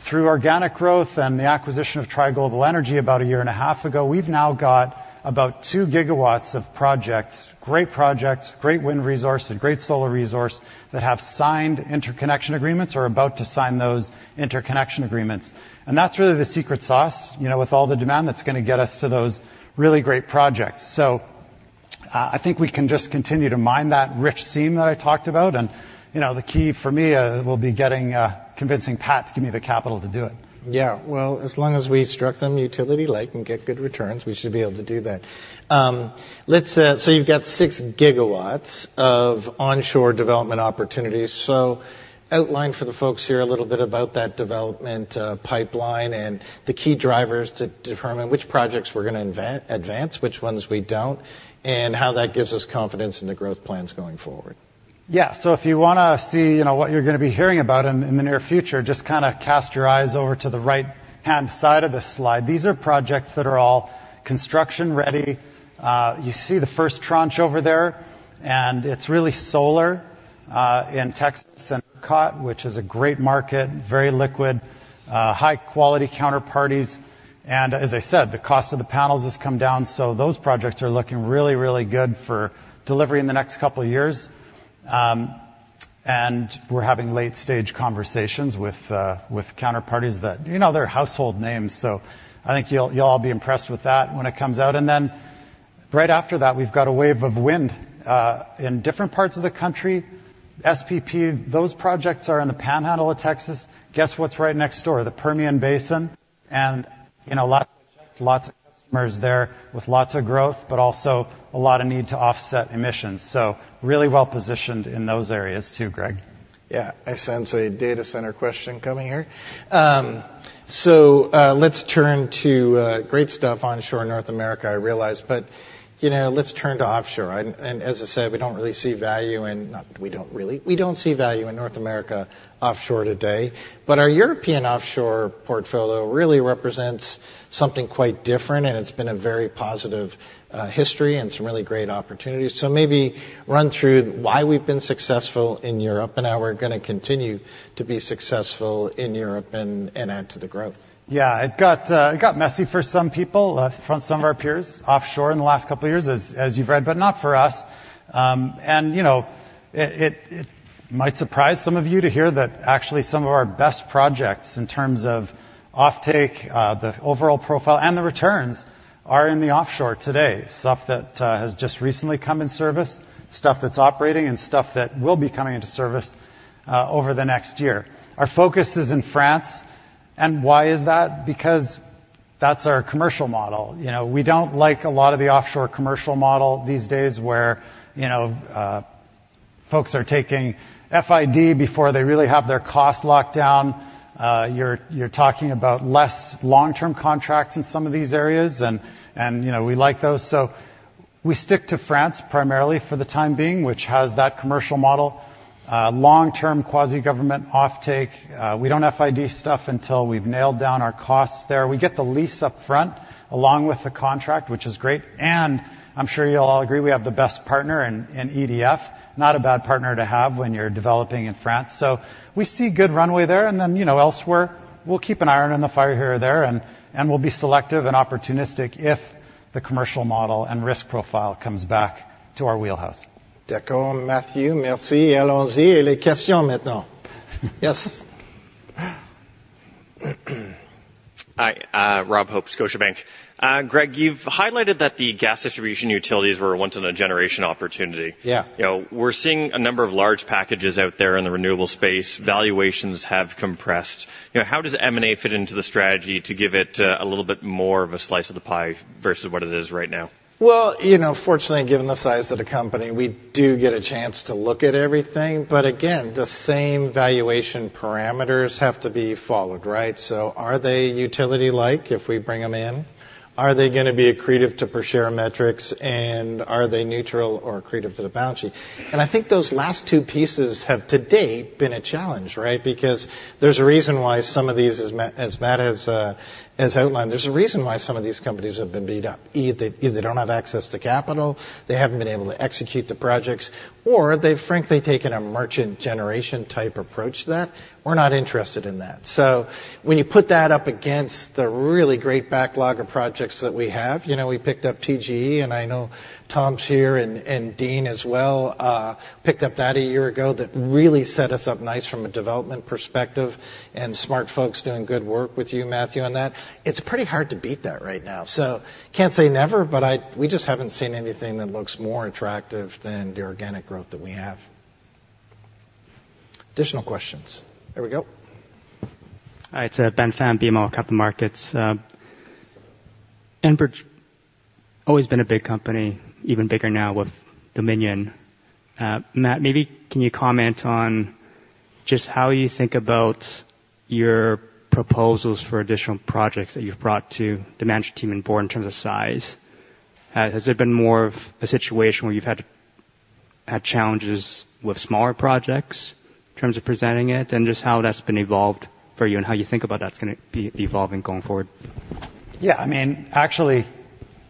[SPEAKER 19] Through organic growth and the acquisition of Tri Global Energy about a year and a half ago, we've now got about 2 gigawatts of projects, great projects, great wind resource, and great solar resource, that have signed interconnection agreements or are about to sign those interconnection agreements. That's really the secret sauce, you know, with all the demand, that's gonna get us to those really great projects. So, I think we can just continue to mine that rich seam that I talked about. You know, the key for me will be getting convincing Pat to give me the capital to do it.
[SPEAKER 3] Yeah. Well, as long as we structure them utility-like and get good returns, we should be able to do that. Let's so you've got six gigawatts of onshore development opportunities. So outline for the folks here a little bit about that development pipeline and the key drivers to determine which projects we're gonna advance, which ones we don't, and how that gives us confidence in the growth plans going forward.
[SPEAKER 19] Yeah. So if you wanna see, you know, what you're gonna be hearing about in, in the near future, just kind of cast your eyes over to the right-hand side of the slide. These are projects that are all construction ready. You see the first tranche over there, and it's really solar in Texas and ERCOT, which is a great market, very liquid, high quality counterparties. And as I said, the cost of the panels has come down, so those projects are looking really, really good for delivery in the next couple of years. And we're having late-stage conversations with, with counterparties that, you know, they're household names, so I think you'll, you'll all be impressed with that when it comes out. And then right after that, we've got a wave of wind in different parts of the country. SPP, those projects are in the Panhandle of Texas. Guess what's right next door? The Permian Basin. And, you know, lots, lots of customers there with lots of growth, but also a lot of need to offset emissions. So really well positioned in those areas, too, Greg.
[SPEAKER 3] Yeah, I sense a data center question coming here. So, let's turn to great stuff, onshore North America, I realize, but, you know, let's turn to offshore. And as I said, we don't really see value in—not, we don't really. We don't see value in North America offshore today, but our European offshore portfolio really represents something quite different, and it's been a very positive history and some really great opportunities. So maybe run through why we've been successful in Europe, and how we're gonna continue to be successful in Europe and add to the growth.
[SPEAKER 19] Yeah, it got, it got messy for some people, for some of our peers, offshore in the last couple of years, as you've read, but not for us. And, you know, it might surprise some of you to hear that actually some of our best projects, in terms of offtake, the overall profile, and the returns, are in the offshore today. Stuff that has just recently come in service, stuff that's operating, and stuff that will be coming into service over the next year. Our focus is in France, and why is that? Because that's our commercial model. You know, we don't like a lot of the offshore commercial model these days, where, you know, folks are taking FID before they really have their costs locked down. You're, you're talking about less long-term contracts in some of these areas, and you know, we like those. So we stick to France primarily for the time being, which has that commercial model, long-term, quasi-government offtake. We don't FID stuff until we've nailed down our costs there. We get the lease upfront, along with the contract, which is great, and I'm sure you'll all agree, we have the best partner in EDF. Not a bad partner to have when you're developing in France. So we see good runway there, and then, you know, elsewhere, we'll keep an iron in the fire here or there, and we'll be selective and opportunistic if the commercial model and risk profile comes back to our wheelhouse.
[SPEAKER 3] D'accord, Matthew. Merci. Yes.
[SPEAKER 20] Hi, Rob Hope, Scotiabank. Greg, you've highlighted that the gas distribution utilities were a once-in-a-generation opportunity.
[SPEAKER 3] Yeah.
[SPEAKER 20] You know, we're seeing a number of large packages out there in the renewable space. Valuations have compressed. You know, how does M&A fit into the strategy to give it a little bit more of a slice of the pie vs what it is right now?
[SPEAKER 3] Well, you know, fortunately, given the size of the company, we do get a chance to look at everything, but again, the same valuation parameters have to be followed, right? So are they utility-like, if we bring them in? Are they gonna be accretive to per share metrics, and are they neutral or accretive to the balance sheet? And I think those last two pieces have, to date, been a challenge, right? Because there's a reason why some of these, as Matt has outlined, there's a reason why some of these companies have been beat up. Either they don't have access to capital, they haven't been able to execute the projects, or they've frankly taken a merchant generation type approach to that. We're not interested in that. So when you put that up against the really great backlog of projects that we have, you know, we picked up TGE, and I know Tom's here and Dean as well, picked up that a year ago. That really set us up nice from a development perspective, and smart folks doing good work with you, Matthew, on that. It's pretty hard to beat that right now. So can't say never, but we just haven't seen anything that looks more attractive than the organic growth that we have.... Additional questions? There we go.
[SPEAKER 11] Hi, it's Ben Pham, BMO Capital Markets. Enbridge, always been a big company, even bigger now with Dominion. Matt, maybe can you comment on just how you think about your proposals for additional projects that you've brought to the management team and board in terms of size? Has it been more of a situation where you've had challenges with smaller projects in terms of presenting it, and just how that's been evolved for you, and how you think about that's gonna be evolving going forward?
[SPEAKER 19] Yeah, I mean, actually,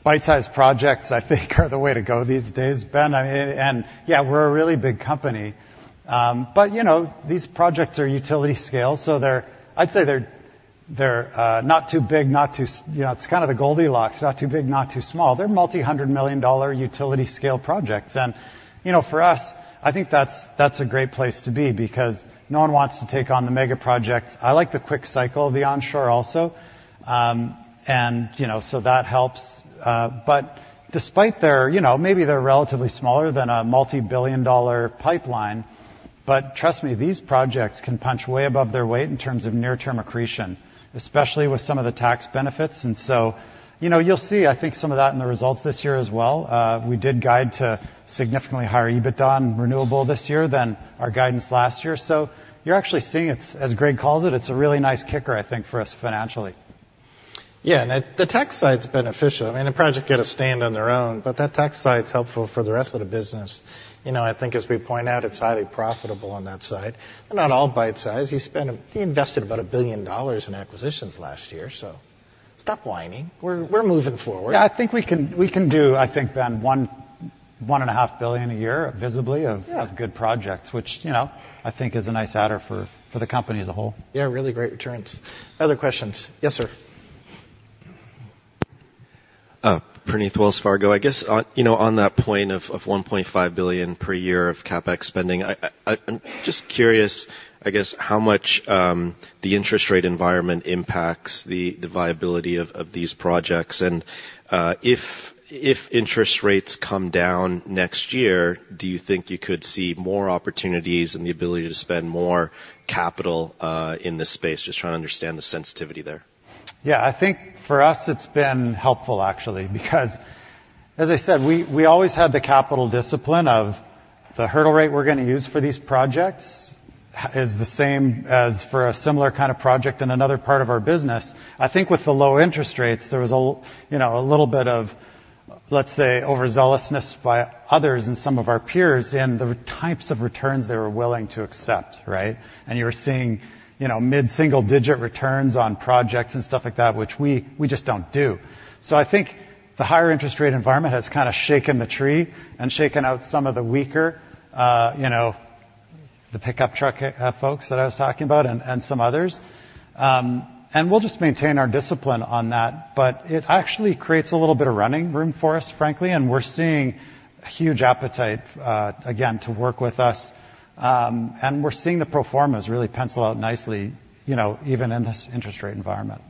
[SPEAKER 19] bite-sized projects, I think, are the way to go these days, Ben. I, and, yeah, we're a really big company. But, you know, these projects are utility scale, so they're—I'd say they're not too big, not too small, you know, it's kind of the Goldilocks, not too big, not too small. They're multi-hundred million dollar utility scale projects. And, you know, for us, I think that's a great place to be, because no one wants to take on the mega projects. I like the quick cycle of the onshore also. And, you know, so that helps. But despite their... You know, maybe they're relatively smaller than a multi-billion dollar pipeline, but trust me, these projects can punch way above their weight in terms of near-term accretion, especially with some of the tax benefits. And so, you know, you'll see, I think, some of that in the results this year as well. We did guide to significantly higher EBITDA on renewable this year than our guidance last year. So you're actually seeing it, as Greg called it, it's a really nice kicker, I think, for us financially.
[SPEAKER 3] Yeah, and the tech side's beneficial. I mean, the projects can stand on their own, but that tech side's helpful for the rest of the business. You know, I think as we point out, it's highly profitable on that side. And not all bite-sized. He invested about 1 billion dollars in acquisitions last year, so stop whining. We're moving forward.
[SPEAKER 19] Yeah, I think we can do, I think, Ben, 1.5 billion a year, visibly-
[SPEAKER 3] Yeah...
[SPEAKER 19] of good projects, which, you know, I think is a nice adder for the company as a whole.
[SPEAKER 3] Yeah, really great returns. Other questions? Yes, sir.
[SPEAKER 9] Praneeth, Wells Fargo. I guess on, you know, on that point of $1.5 billion per year of CapEx spending, I'm just curious, I guess, how much the interest rate environment impacts the viability of these projects. And if interest rates come down next year, do you think you could see more opportunities and the ability to spend more capital in this space? Just trying to understand the sensitivity there.
[SPEAKER 19] Yeah, I think for us it's been helpful, actually, because as I said, we, we always had the capital discipline of the hurdle rate we're gonna use for these projects, is the same as for a similar kind of project in another part of our business. I think with the low interest rates, there was a you know, a little bit of, let's say, overzealousness by others and some of our peers in the types of returns they were willing to accept, right? And you were seeing, you know, mid-single digit returns on projects and stuff like that, which we, we just don't do. So I think the higher interest rate environment has kinda shaken the tree and shaken out some of the weaker, you know, the pickup truck folks that I was talking about and, and some others. We'll just maintain our discipline on that, but it actually creates a little bit of running room for us, frankly, and we're seeing huge appetite, again, to work with us. We're seeing the pro formas really pencil out nicely, you know, even in this interest rate environment.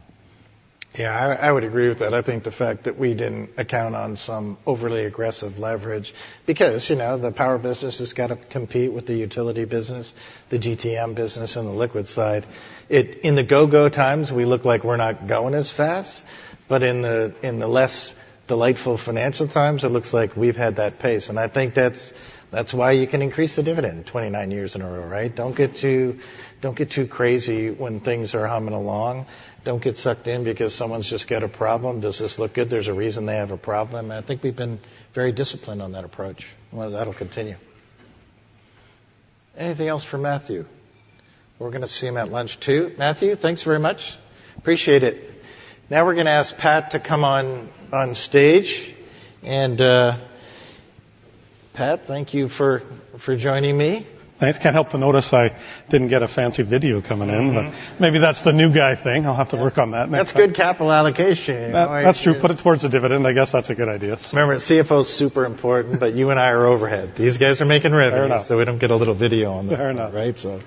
[SPEAKER 3] Yeah, I, I would agree with that. I think the fact that we didn't account on some overly aggressive leverage, because, you know, the power business has got to compete with the utility business, the GTM business, and the liquid side. It- in the go-go times, we look like we're not going as fast, but in the, in the less delightful financial times, it looks like we've had that pace. And I think that's, that's why you can increase the dividend 29 years in a row, right? Don't get too, don't get too crazy when things are humming along. Don't get sucked in because someone's just got a problem. Does this look good? There's a reason they have a problem. I think we've been very disciplined on that approach, and that'll continue. Anything else for Matthew? We're gonna see him at lunch, too. Matthew, thanks very much. Appreciate it. Now we're gonna ask Pat to come on stage. Pat, thank you for joining me.
[SPEAKER 21] Thanks. Can't help to notice I didn't get a fancy video coming in-
[SPEAKER 3] Mm-hmm.
[SPEAKER 21] but maybe that's the new guy thing. I'll have to work on that.
[SPEAKER 3] That's good capital allocation.
[SPEAKER 21] That's true. Put it towards the dividend. I guess that's a good idea.
[SPEAKER 3] Remember, CFO is super important, but you and I are overhead. These guys are making revenue-
[SPEAKER 21] Fair enough.
[SPEAKER 3] We don't get a little video on there.
[SPEAKER 21] Fair enough.
[SPEAKER 3] Right, so...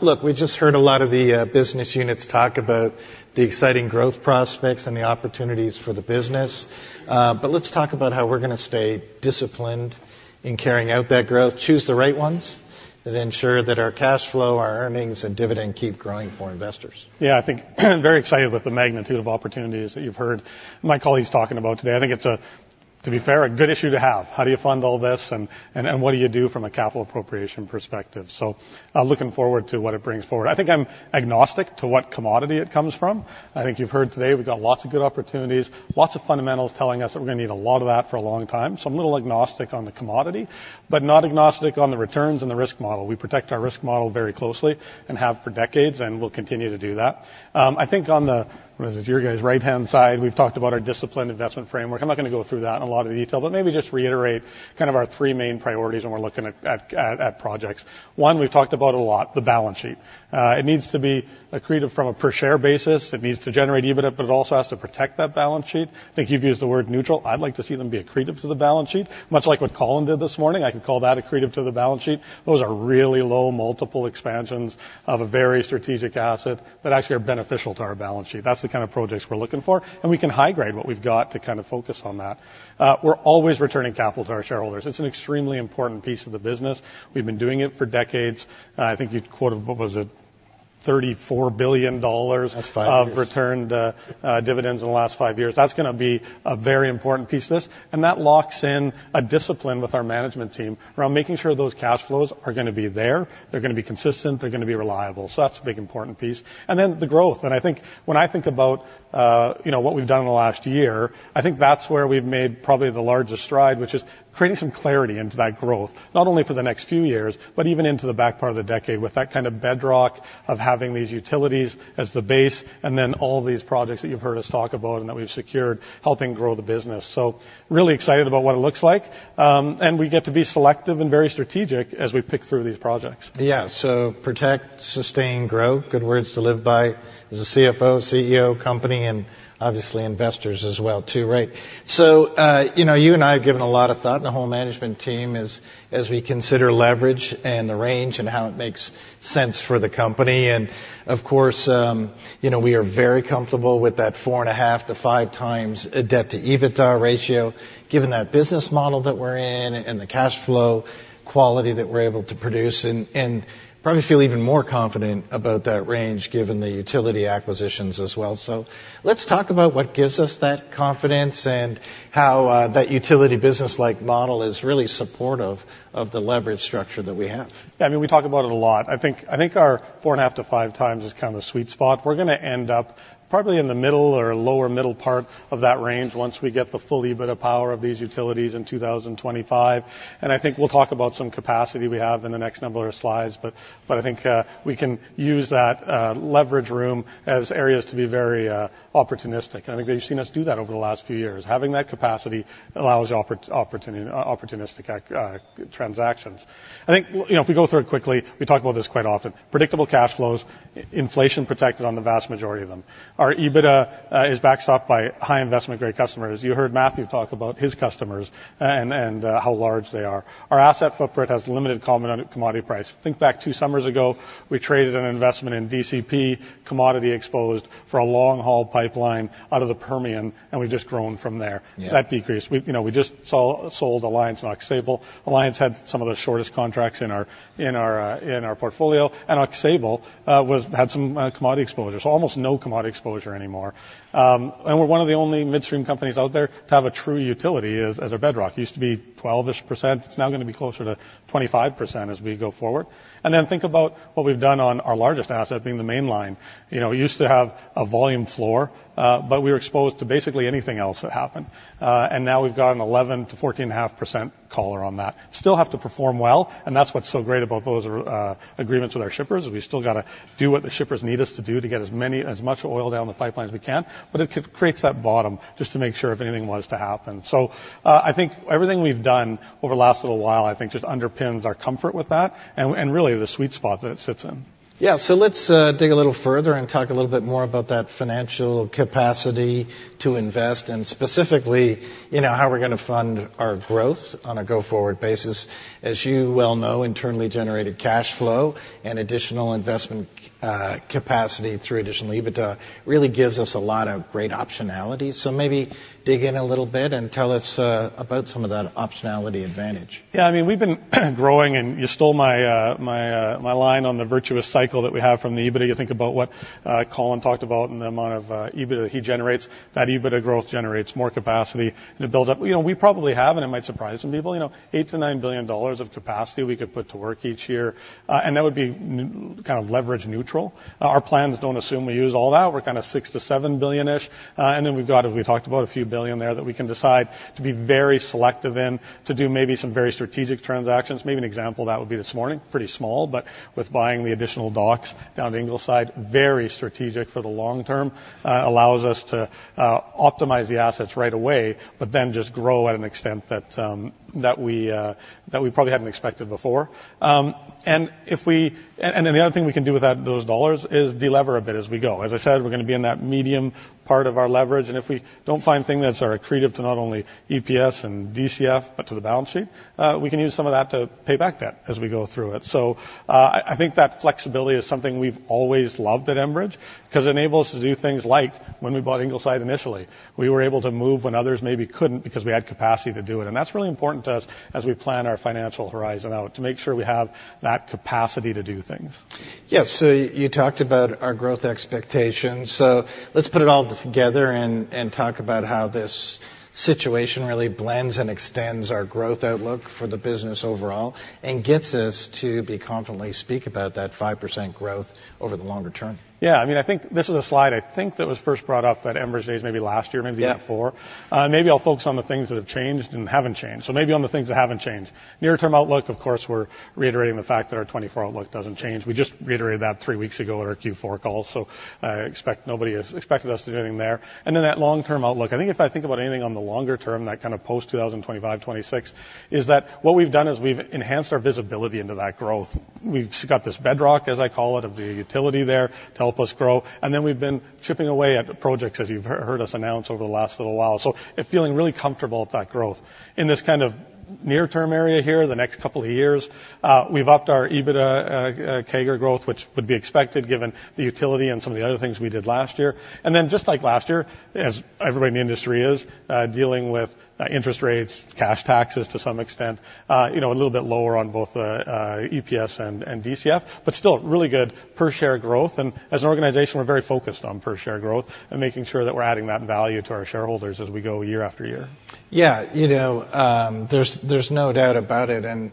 [SPEAKER 3] look, we just heard a lot of the business units talk about the exciting growth prospects and the opportunities for the business. But let's talk about how we're gonna stay disciplined in carrying out that growth, choose the right ones, that ensure that our cash flow, our earnings, and dividend keep growing for investors.
[SPEAKER 21] Yeah, I think very excited about the magnitude of opportunities that you've heard my colleagues talking about today. I think it's a, to be fair, a good issue to have. How do you fund all this, and what do you do from a capital appropriation perspective? So looking forward to what it brings forward. I think I'm agnostic to what commodity it comes from. I think you've heard today, we've got lots of good opportunities, lots of fundamentals telling us that we're gonna need a lot of that for a long time. So I'm a little agnostic on the commodity, but not agnostic on the returns and the risk model. We protect our risk model very closely and have for decades, and we'll continue to do that. I think on the, what is it, your guys' right-hand side, we've talked about our disciplined investment framework. I'm not gonna go through that in a lot of detail, but maybe just reiterate kind of our three main priorities when we're looking at projects. One, we've talked about a lot: the balance sheet. It needs to be accretive from a per-share basis. It needs to generate EBITDA, but it also has to protect that balance sheet. I think you've used the word neutral. I'd like to see them be accretive to the balance sheet, much like what Colin did this morning. I could call that accretive to the balance sheet. Those are really low multiple expansions of a very strategic asset that actually are beneficial to our balance sheet. That's the kind of projects we're looking for, and we can high-grade what we've got to kind of focus on that. We're always returning capital to our shareholders. It's an extremely important piece of the business. We've been doing it for decades. I think you'd quote, what was it?... 34 billion dollars-
[SPEAKER 3] That's five years.
[SPEAKER 21] of returned dividends in the last five years. That's gonna be a very important piece of this, and that locks in a discipline with our management team around making sure those cash flows are gonna be there, they're gonna be consistent, they're gonna be reliable. So that's a big, important piece. And then the growth, and I think when I think about, you know, what we've done in the last year, I think that's where we've made probably the largest stride, which is creating some clarity into that growth, not only for the next few years, but even into the back part of the decade, with that kind of bedrock of having these utilities as the base, and then all these projects that you've heard us talk about and that we've secured, helping grow the business. So really excited about what it looks like. We get to be selective and very strategic as we pick through these projects.
[SPEAKER 3] Yeah, so protect, sustain, grow, good words to live by as a CFO, CEO, company, and obviously investors as well, too, right? So, you know, you and I have given a lot of thought, and the whole management team, as we consider leverage and the range and how it makes sense for the company. And of course, you know, we are very comfortable with that 4.5-5x debt-to-EBITDA ratio, given that business model that we're in and the cash flow quality that we're able to produce, and probably feel even more confident about that range, given the utility acquisitions as well. So let's talk about what gives us that confidence and how that utility business-like model is really supportive of the leverage structure that we have.
[SPEAKER 21] I mean, we talk about it a lot. I think our 4.5x-5x is kind of the sweet spot. We're gonna end up probably in the middle or lower middle part of that range once we get the full EBITDA power of these utilities in 2025. And I think we'll talk about some capacity we have in the next number of slides, but I think we can use that leverage room as areas to be very opportunistic. And I think that you've seen us do that over the last few years. Having that capacity allows opportunistic transactions. I think, you know, if we go through it quickly, we talk about this quite often, predictable cash flows, inflation protected on the vast majority of them. Our EBITDA is backstopped by high investment-grade customers. You heard Matthew talk about his customers, and, and, how large they are. Our asset footprint has limited common commodity price. Think back two summers ago, we traded an investment in DCP, commodity exposed, for a long-haul pipeline out of the Permian, and we've just grown from there.
[SPEAKER 3] Yeah.
[SPEAKER 21] That decreased. We, you know, we just saw—sold Alliance and Aux Sable. Alliance had some of the shortest contracts in our portfolio, and Aux Sable was—had some commodity exposure. So almost no commodity exposure anymore. And we're one of the only midstream companies out there to have a true utility as our bedrock. Used to be 12-ish%, it's now gonna be closer to 25% as we go forward. And then think about what we've done on our largest asset being the Mainline. You know, we used to have a volume floor, but we were exposed to basically anything else that happened. And now we've got an 11%-14.5% collar on that. Still have to perform well, and that's what's so great about those agreements with our shippers. We still gotta do what the shippers need us to do to get as much oil down the pipeline as we can, but it creates that bottom, just to make sure if anything was to happen. So, I think everything we've done over the last little while, I think, just underpins our comfort with that and, and really the sweet spot that it sits in.
[SPEAKER 3] Yeah. So let's dig a little further and talk a little bit more about that financial capacity to invest, and specifically, you know, how we're gonna fund our growth on a go-forward basis. As you well know, internally generated cash flow and additional investment capacity through additional EBITDA really gives us a lot of great optionality. So maybe dig in a little bit and tell us about some of that optionality advantage.
[SPEAKER 21] Yeah, I mean, we've been growing, and you stole my line on the virtuous cycle that we have from the EBITDA. You think about what Colin talked about and the amount of EBITDA he generates. That EBITDA growth generates more capacity, and it builds up. You know, we probably have, and it might surprise some people, you know, 8 billion-9 billion dollars of capacity we could put to work each year, and that would be kind of leverage neutral. Our plans don't assume we use all that. We're kind of 6 billion-7 billion-ish, and then we've got, as we talked about, a few billion there that we can decide to be very selective in, to do maybe some very strategic transactions. Maybe an example of that would be this morning, pretty small, but with buying the additional docks down the Ingleside, very strategic for the long term. Allows us to optimize the assets right away, but then just grow at an extent that we probably hadn't expected before. And then the other thing we can do with that, those dollars, is delever a bit as we go. As I said, we're gonna be in that medium part of our leverage, and if we don't find things that are accretive to not only EPS and DCF, but to the balance sheet, we can use some of that to pay back debt as we go through it. So, I think that flexibility is something we've always loved at Enbridge, 'cause it enables us to do things like when we bought Ingleside initially. We were able to move when others maybe couldn't because we had capacity to do it, and that's really important to us as we plan our financial horizon out, to make sure we have that capacity to do it.
[SPEAKER 3] Yeah, so you talked about our growth expectations, so let's put it all together and, and talk about how this situation really blends and extends our growth outlook for the business overall, and gets us to be confidently speak about that 5% growth over the longer term.
[SPEAKER 21] Yeah, I mean, I think this is a slide, I think, that was first brought up at Enbridge Days, maybe last year, maybe-
[SPEAKER 3] Yeah...
[SPEAKER 21] even four. Maybe I'll focus on the things that have changed and haven't changed. So maybe on the things that haven't changed. Near-term outlook, of course, we're reiterating the fact that our 2024 outlook doesn't change. We just reiterated that three weeks ago at our Q4 call, so I expect nobody expected us to do anything there. And then that long-term outlook, I think if I think about anything on the longer term, that kind of post-2025, 2026, is that what we've done is we've enhanced our visibility into that growth. We've got this bedrock, as I call it, of the utility there to help us grow, and then we've been chipping away at the projects, as you've heard us announce over the last little while. So feeling really comfortable with that growth in this kind of-... near-term area here, the next couple of years. We've upped our EBITDA CAGR growth, which would be expected, given the utility and some of the other things we did last year. And then, just like last year, as everybody in the industry is dealing with interest rates, cash taxes, to some extent, you know, a little bit lower on both EPS and DCF, but still, really good per share growth. And as an organization, we're very focused on per share growth and making sure that we're adding that value to our shareholders as we go year after year.
[SPEAKER 3] Yeah, you know, there's no doubt about it, and,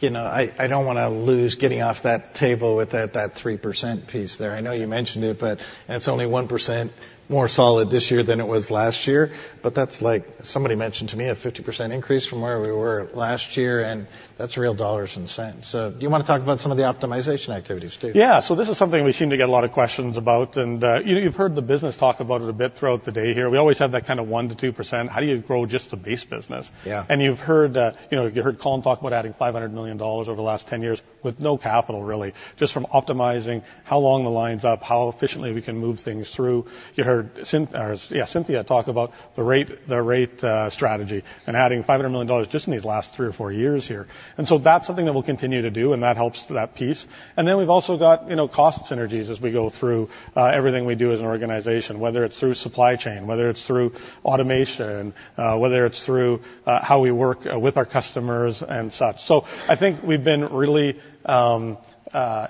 [SPEAKER 3] you know, I don't wanna lose getting off that table with that 3% piece there. I know you mentioned it, but it's only 1% more solid this year than it was last year, but that's like, somebody mentioned to me, a 50% increase from where we were last year, and that's real dollars and cents. So do you wanna talk about some of the optimization activities, too?
[SPEAKER 21] Yeah. So this is something we seem to get a lot of questions about, and, you know, you've heard the business talk about it a bit throughout the day here. We always have that kind of 1%-2%. How do you grow just the base business?
[SPEAKER 3] Yeah.
[SPEAKER 21] You've heard that, you know, you heard Colin talk about adding 500 million dollars over the last 10 years with no capital really, just from optimizing how long the line's up, how efficiently we can move things through. You heard Cynthia talk about the rate, the rate, strategy and adding 500 million dollars just in these last three or four years here. And so that's something that we'll continue to do, and that helps that piece. And then we've also got, you know, cost synergies as we go through everything we do as an organization, whether it's through supply chain, whether it's through automation, whether it's through how we work with our customers and such. So I think we've been really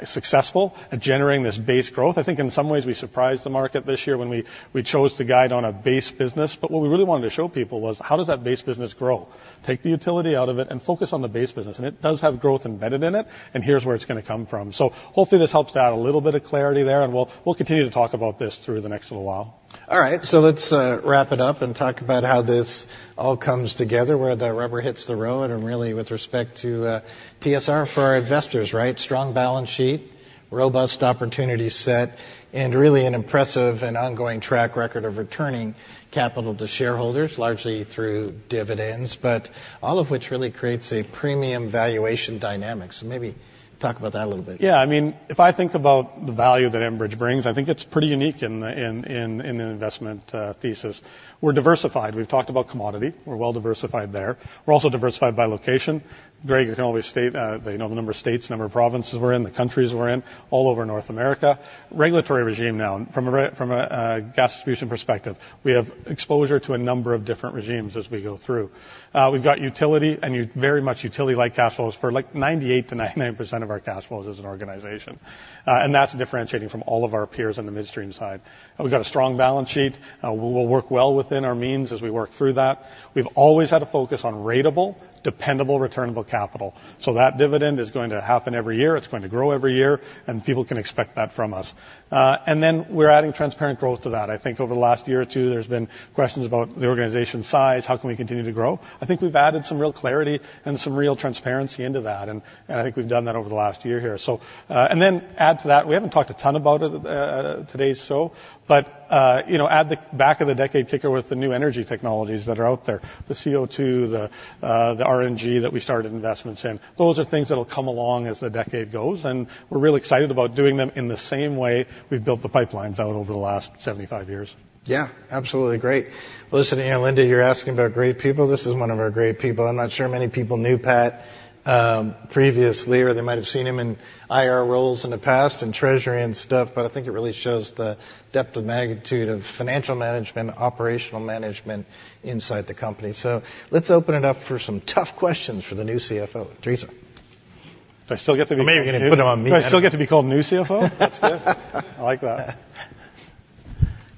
[SPEAKER 21] successful at generating this base growth. I think in some ways we surprised the market this year when we chose to guide on a base business. But what we really wanted to show people was, how does that base business grow? Take the utility out of it and focus on the base business, and it does have growth embedded in it, and here's where it's gonna come from. So hopefully, this helps to add a little bit of clarity there, and we'll continue to talk about this through the next little while.
[SPEAKER 3] All right, so let's wrap it up and talk about how this all comes together, where the rubber hits the road, and really with respect to TSR for our investors, right? Strong balance sheet, robust opportunity set, and really an impressive and ongoing track record of returning capital to shareholders, largely through dividends, but all of which really creates a premium valuation dynamic. So maybe talk about that a little bit.
[SPEAKER 21] Yeah, I mean, if I think about the value that Enbridge brings, I think it's pretty unique in an investment thesis. We're diversified. We've talked about commodity. We're well diversified there. We're also diversified by location. Greg, you can always state, you know, the number of states, number of provinces we're in, the countries we're in, all over North America. Regulatory regime now, from a gas distribution perspective, we have exposure to a number of different regimes as we go through. We've got utility, and very much utility-like cash flows for, like, 98%-99% of our cash flows as an organization. And that's differentiating from all of our peers on the Midstream side. We've got a strong balance sheet. We will work well within our means as we work through that. We've always had a focus on ratable, dependable, returnable capital. So that dividend is going to happen every year, it's going to grow every year, and people can expect that from us. And then we're adding transparent growth to that. I think over the last year or two, there's been questions about the organization's size, how can we continue to grow? I think we've added some real clarity and some real transparency into that, and, and I think we've done that over the last year here. So, and then add to that, we haven't talked a ton about it, today, so but, you know, at the back of the decade, particularly with the new energy technologies that are out there, the CO2, the, the RNG that we started investments in, those are things that'll come along as the decade goes, and we're really excited about doing them in the same way we've built the pipelines out over the last 75 years.
[SPEAKER 3] Yeah, absolutely. Great. Well, listen here, Linda, you're asking about great people. This is one of our great people. I'm not sure many people knew Pat, previously, or they might have seen him in IR roles in the past, in treasury and stuff, but I think it really shows the depth of magnitude of financial management, operational management inside the company. So let's open it up for some tough questions for the new CFO. Theresa?
[SPEAKER 21] Do I still get to be-
[SPEAKER 3] You may even put it on me.
[SPEAKER 21] Do I still get to be called new CFO? That's good. I like that.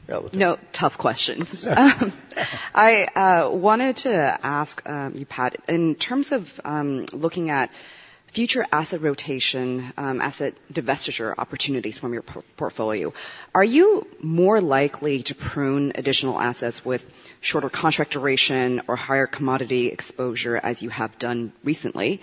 [SPEAKER 16] Yeah, well-
[SPEAKER 4] No tough questions. I wanted to ask you, Pat, in terms of looking at future asset rotation, asset divestiture opportunities from your portfolio, are you more likely to prune additional assets with shorter contract duration or higher commodity exposure, as you have done recently,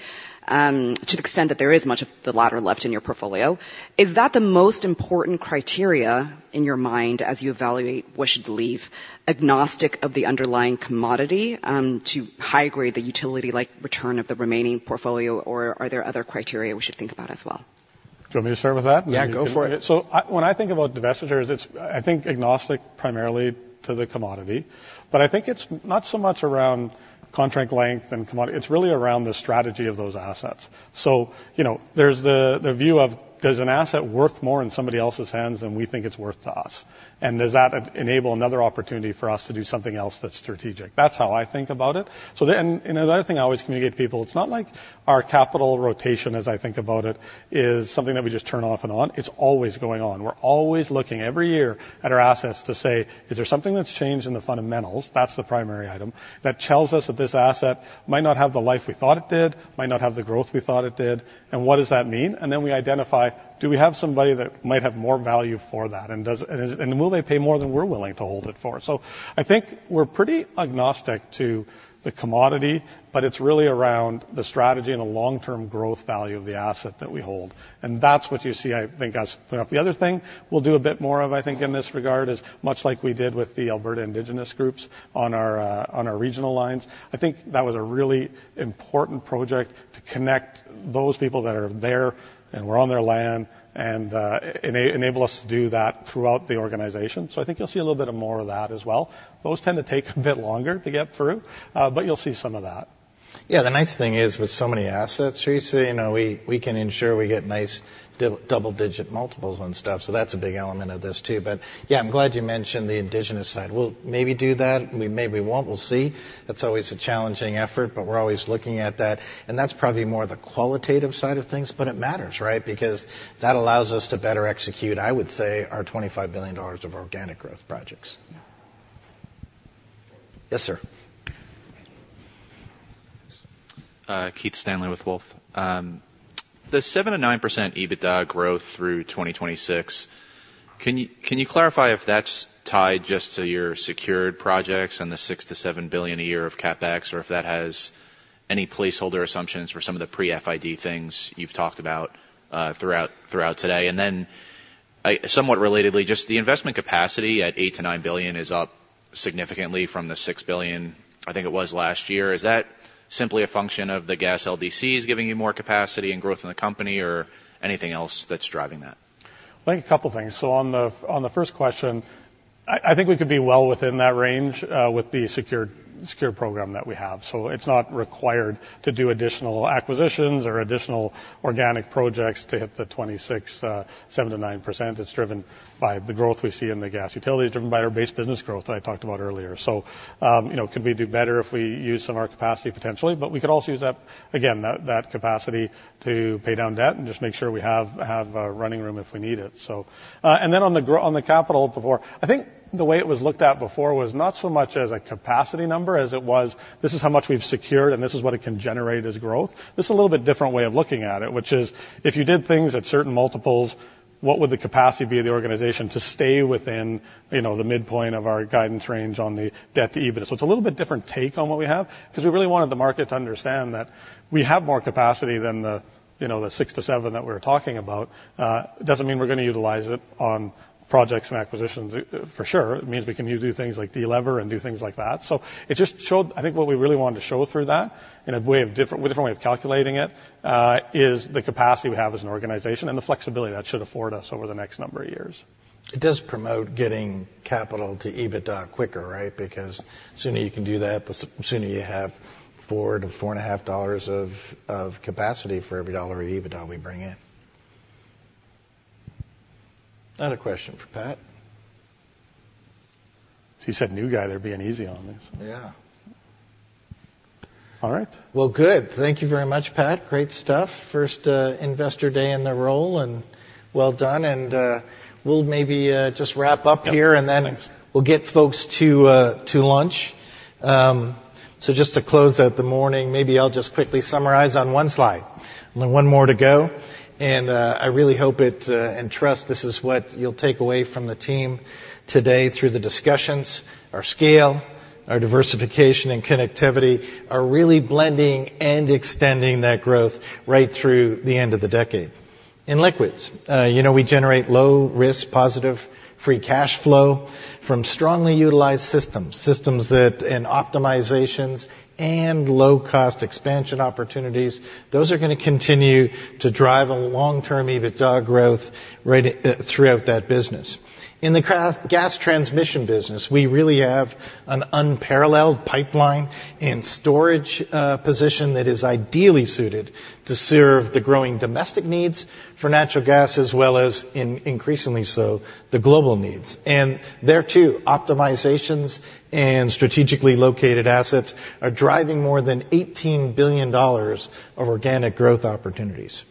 [SPEAKER 4] to the extent that there is much of the latter left in your portfolio? Is that the most important criteria in your mind as you evaluate what should leave, agnostic of the underlying commodity, to high-grade the utility, like return of the remaining portfolio, or are there other criteria we should think about as well?
[SPEAKER 21] Do you want me to start with that?
[SPEAKER 3] Yeah, go for it.
[SPEAKER 21] So, when I think about divestitures, it's, I think, agnostic primarily to the commodity, but I think it's not so much around contract length and commodity. It's really around the strategy of those assets. So you know, there's the view of an asset worth more in somebody else's hands than we think it's worth to us, and does that enable another opportunity for us to do something else that's strategic? That's how I think about it. So then, and another thing I always communicate to people, it's not like our capital rotation, as I think about it, is something that we just turn off and on. It's always going on. We're always looking, every year, at our assets to say: Is there something that's changed in the fundamentals, that's the primary item, that tells us that this asset might not have the life we thought it did, might not have the growth we thought it did, and what does that mean? And then we identify, do we have somebody that might have more value for that, and does... and, and will they pay more than we're willing to hold it for? So I think we're pretty agnostic to the commodity, but it's really around the strategy and the long-term growth value of the asset that we hold, and that's what you see, I think, as clear up. The other thing we'll do a bit more of, I think, in this regard is, much like we did with the Alberta Indigenous groups on our regional lines, I think that was a really important project to connect those people that are there, and we're on their land, and enable us to do that throughout the organization. So I think you'll see a little bit more of that as well. Those tend to take a bit longer to get through, but you'll see some of that....
[SPEAKER 3] Yeah, the nice thing is, with so many assets, Theresa, you know, we, we can ensure we get nice double-digit multiples on stuff, so that's a big element of this, too. But yeah, I'm glad you mentioned the indigenous side. We'll maybe do that, we maybe won't. We'll see. That's always a challenging effort, but we're always looking at that, and that's probably more the qualitative side of things, but it matters, right? Because that allows us to better execute, I would say, our 25 billion dollars of organic growth projects. Yes, sir.
[SPEAKER 15] Keith Stanley with Wolfe. The 7%-9% EBITDA growth through 2026, can you clarify if that's tied just to your secured projects and the 6 billion-7 billion a year of CapEx, or if that has any placeholder assumptions for some of the pre-FID things you've talked about throughout today? And then, somewhat relatedly, just the investment capacity at 8 billion-9 billion is up significantly from the 6 billion, I think it was last year. Is that simply a function of the gas LDCs giving you more capacity and growth in the company, or anything else that's driving that?
[SPEAKER 21] I think a couple things. So on the first question, I think we could be well within that range with the secured program that we have. So it's not required to do additional acquisitions or additional organic projects to hit the 26.7%-9%. It's driven by the growth we see in the gas utility. It's driven by our base business growth that I talked about earlier. So, you know, could we do better if we use some of our capacity? Potentially. But we could also use that capacity again to pay down debt and just make sure we have running room if we need it, so... And then on the growth on the capital before, I think the way it was looked at before was not so much as a capacity number, as it was, this is how much we've secured, and this is what it can generate as growth. This is a little bit different way of looking at it, which is, if you did things at certain multiples, what would the capacity be of the organization to stay within, you know, the midpoint of our guidance range on the debt-to-EBITDA? So it's a little bit different take on what we have, 'cause we really wanted the market to understand that we have more capacity than the, you know, the six to seven that we were talking about. It doesn't mean we're gonna utilize it on projects and acquisitions, for sure. It means we can do things like delever and do things like that. So it just showed. I think what we really wanted to show through that, in a different way of calculating it, is the capacity we have as an organization and the flexibility that should afford us over the next number of years.
[SPEAKER 3] It does promote getting capital to EBITDA quicker, right? Because the sooner you can do that, the sooner you have 4-4.5 dollars of capacity for every CAD 1 of EBITDA we bring in. Another question for Pat.
[SPEAKER 21] He said, "New guy, they're being easy on me.
[SPEAKER 3] Yeah.
[SPEAKER 21] All right.
[SPEAKER 3] Well, good. Thank you very much, Pat. Great stuff. First investor day in the role, and well done. We'll maybe just wrap up here.
[SPEAKER 21] Yep.
[SPEAKER 3] And then we'll get folks to lunch. So just to close out the morning, maybe I'll just quickly summarize on one slide. Only one more to go, and I really hope it and trust this is what you'll take away from the team today through the discussions. Our scale, our diversification, and connectivity are really blending and extending that growth right through the end of the decade. In liquids, you know, we generate low risk, positive, free cash flow from strongly utilized systems, systems that... In optimizations and low-cost expansion opportunities, those are gonna continue to drive a long-term EBITDA growth rate throughout that business. In the gas transmission business, we really have an unparalleled pipeline and storage position that is ideally suited to serve the growing domestic needs for natural gas, as well as, and increasingly so, the global needs. And there, too, optimizations and strategically located assets are driving more than 18 billion dollars of organic growth opportunities.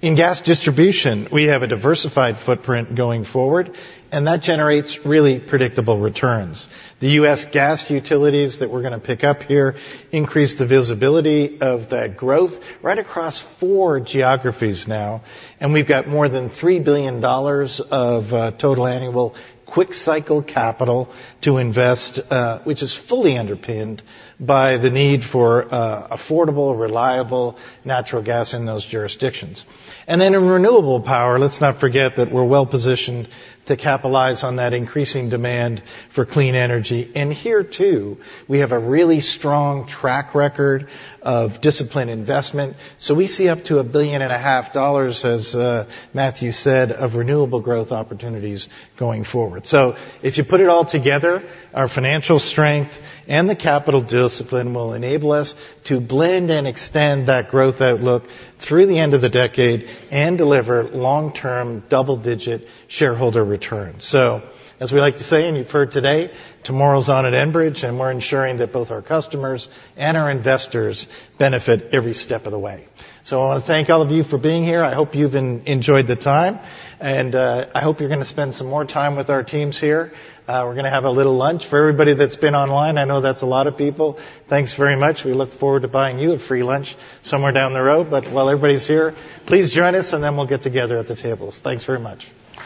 [SPEAKER 3] In gas distribution, we have a diversified footprint going forward, and that generates really predictable returns. The U.S. gas utilities that we're gonna pick up here increase the visibility of that growth right across four geographies now, and we've got more than 3 billion dollars of total annual quick cycle capital to invest, which is fully underpinned by the need for affordable, reliable, natural gas in those jurisdictions. And then in Renewable Power, let's not forget that we're well positioned to capitalize on that increasing demand for clean energy. Here, too, we have a really strong track record of disciplined investment. We see up to 1.5 billion, as Matthew said, of renewable growth opportunities going forward. If you put it all together, our financial strength and the capital discipline will enable us to blend and extend that growth outlook through the end of the decade and deliver long-term, double-digit shareholder returns. As we like to say, and you've heard today, tomorrow's on at Enbridge, and we're ensuring that both our customers and our investors benefit every step of the way. I wanna thank all of you for being here. I hope you've enjoyed the time, and I hope you're gonna spend some more time with our teams here. We're gonna have a little lunch. For everybody that's been online, I know that's a lot of people, thanks very much. We look forward to buying you a free lunch somewhere down the road, but while everybody's here, please join us, and then we'll get together at the tables. Thanks very much.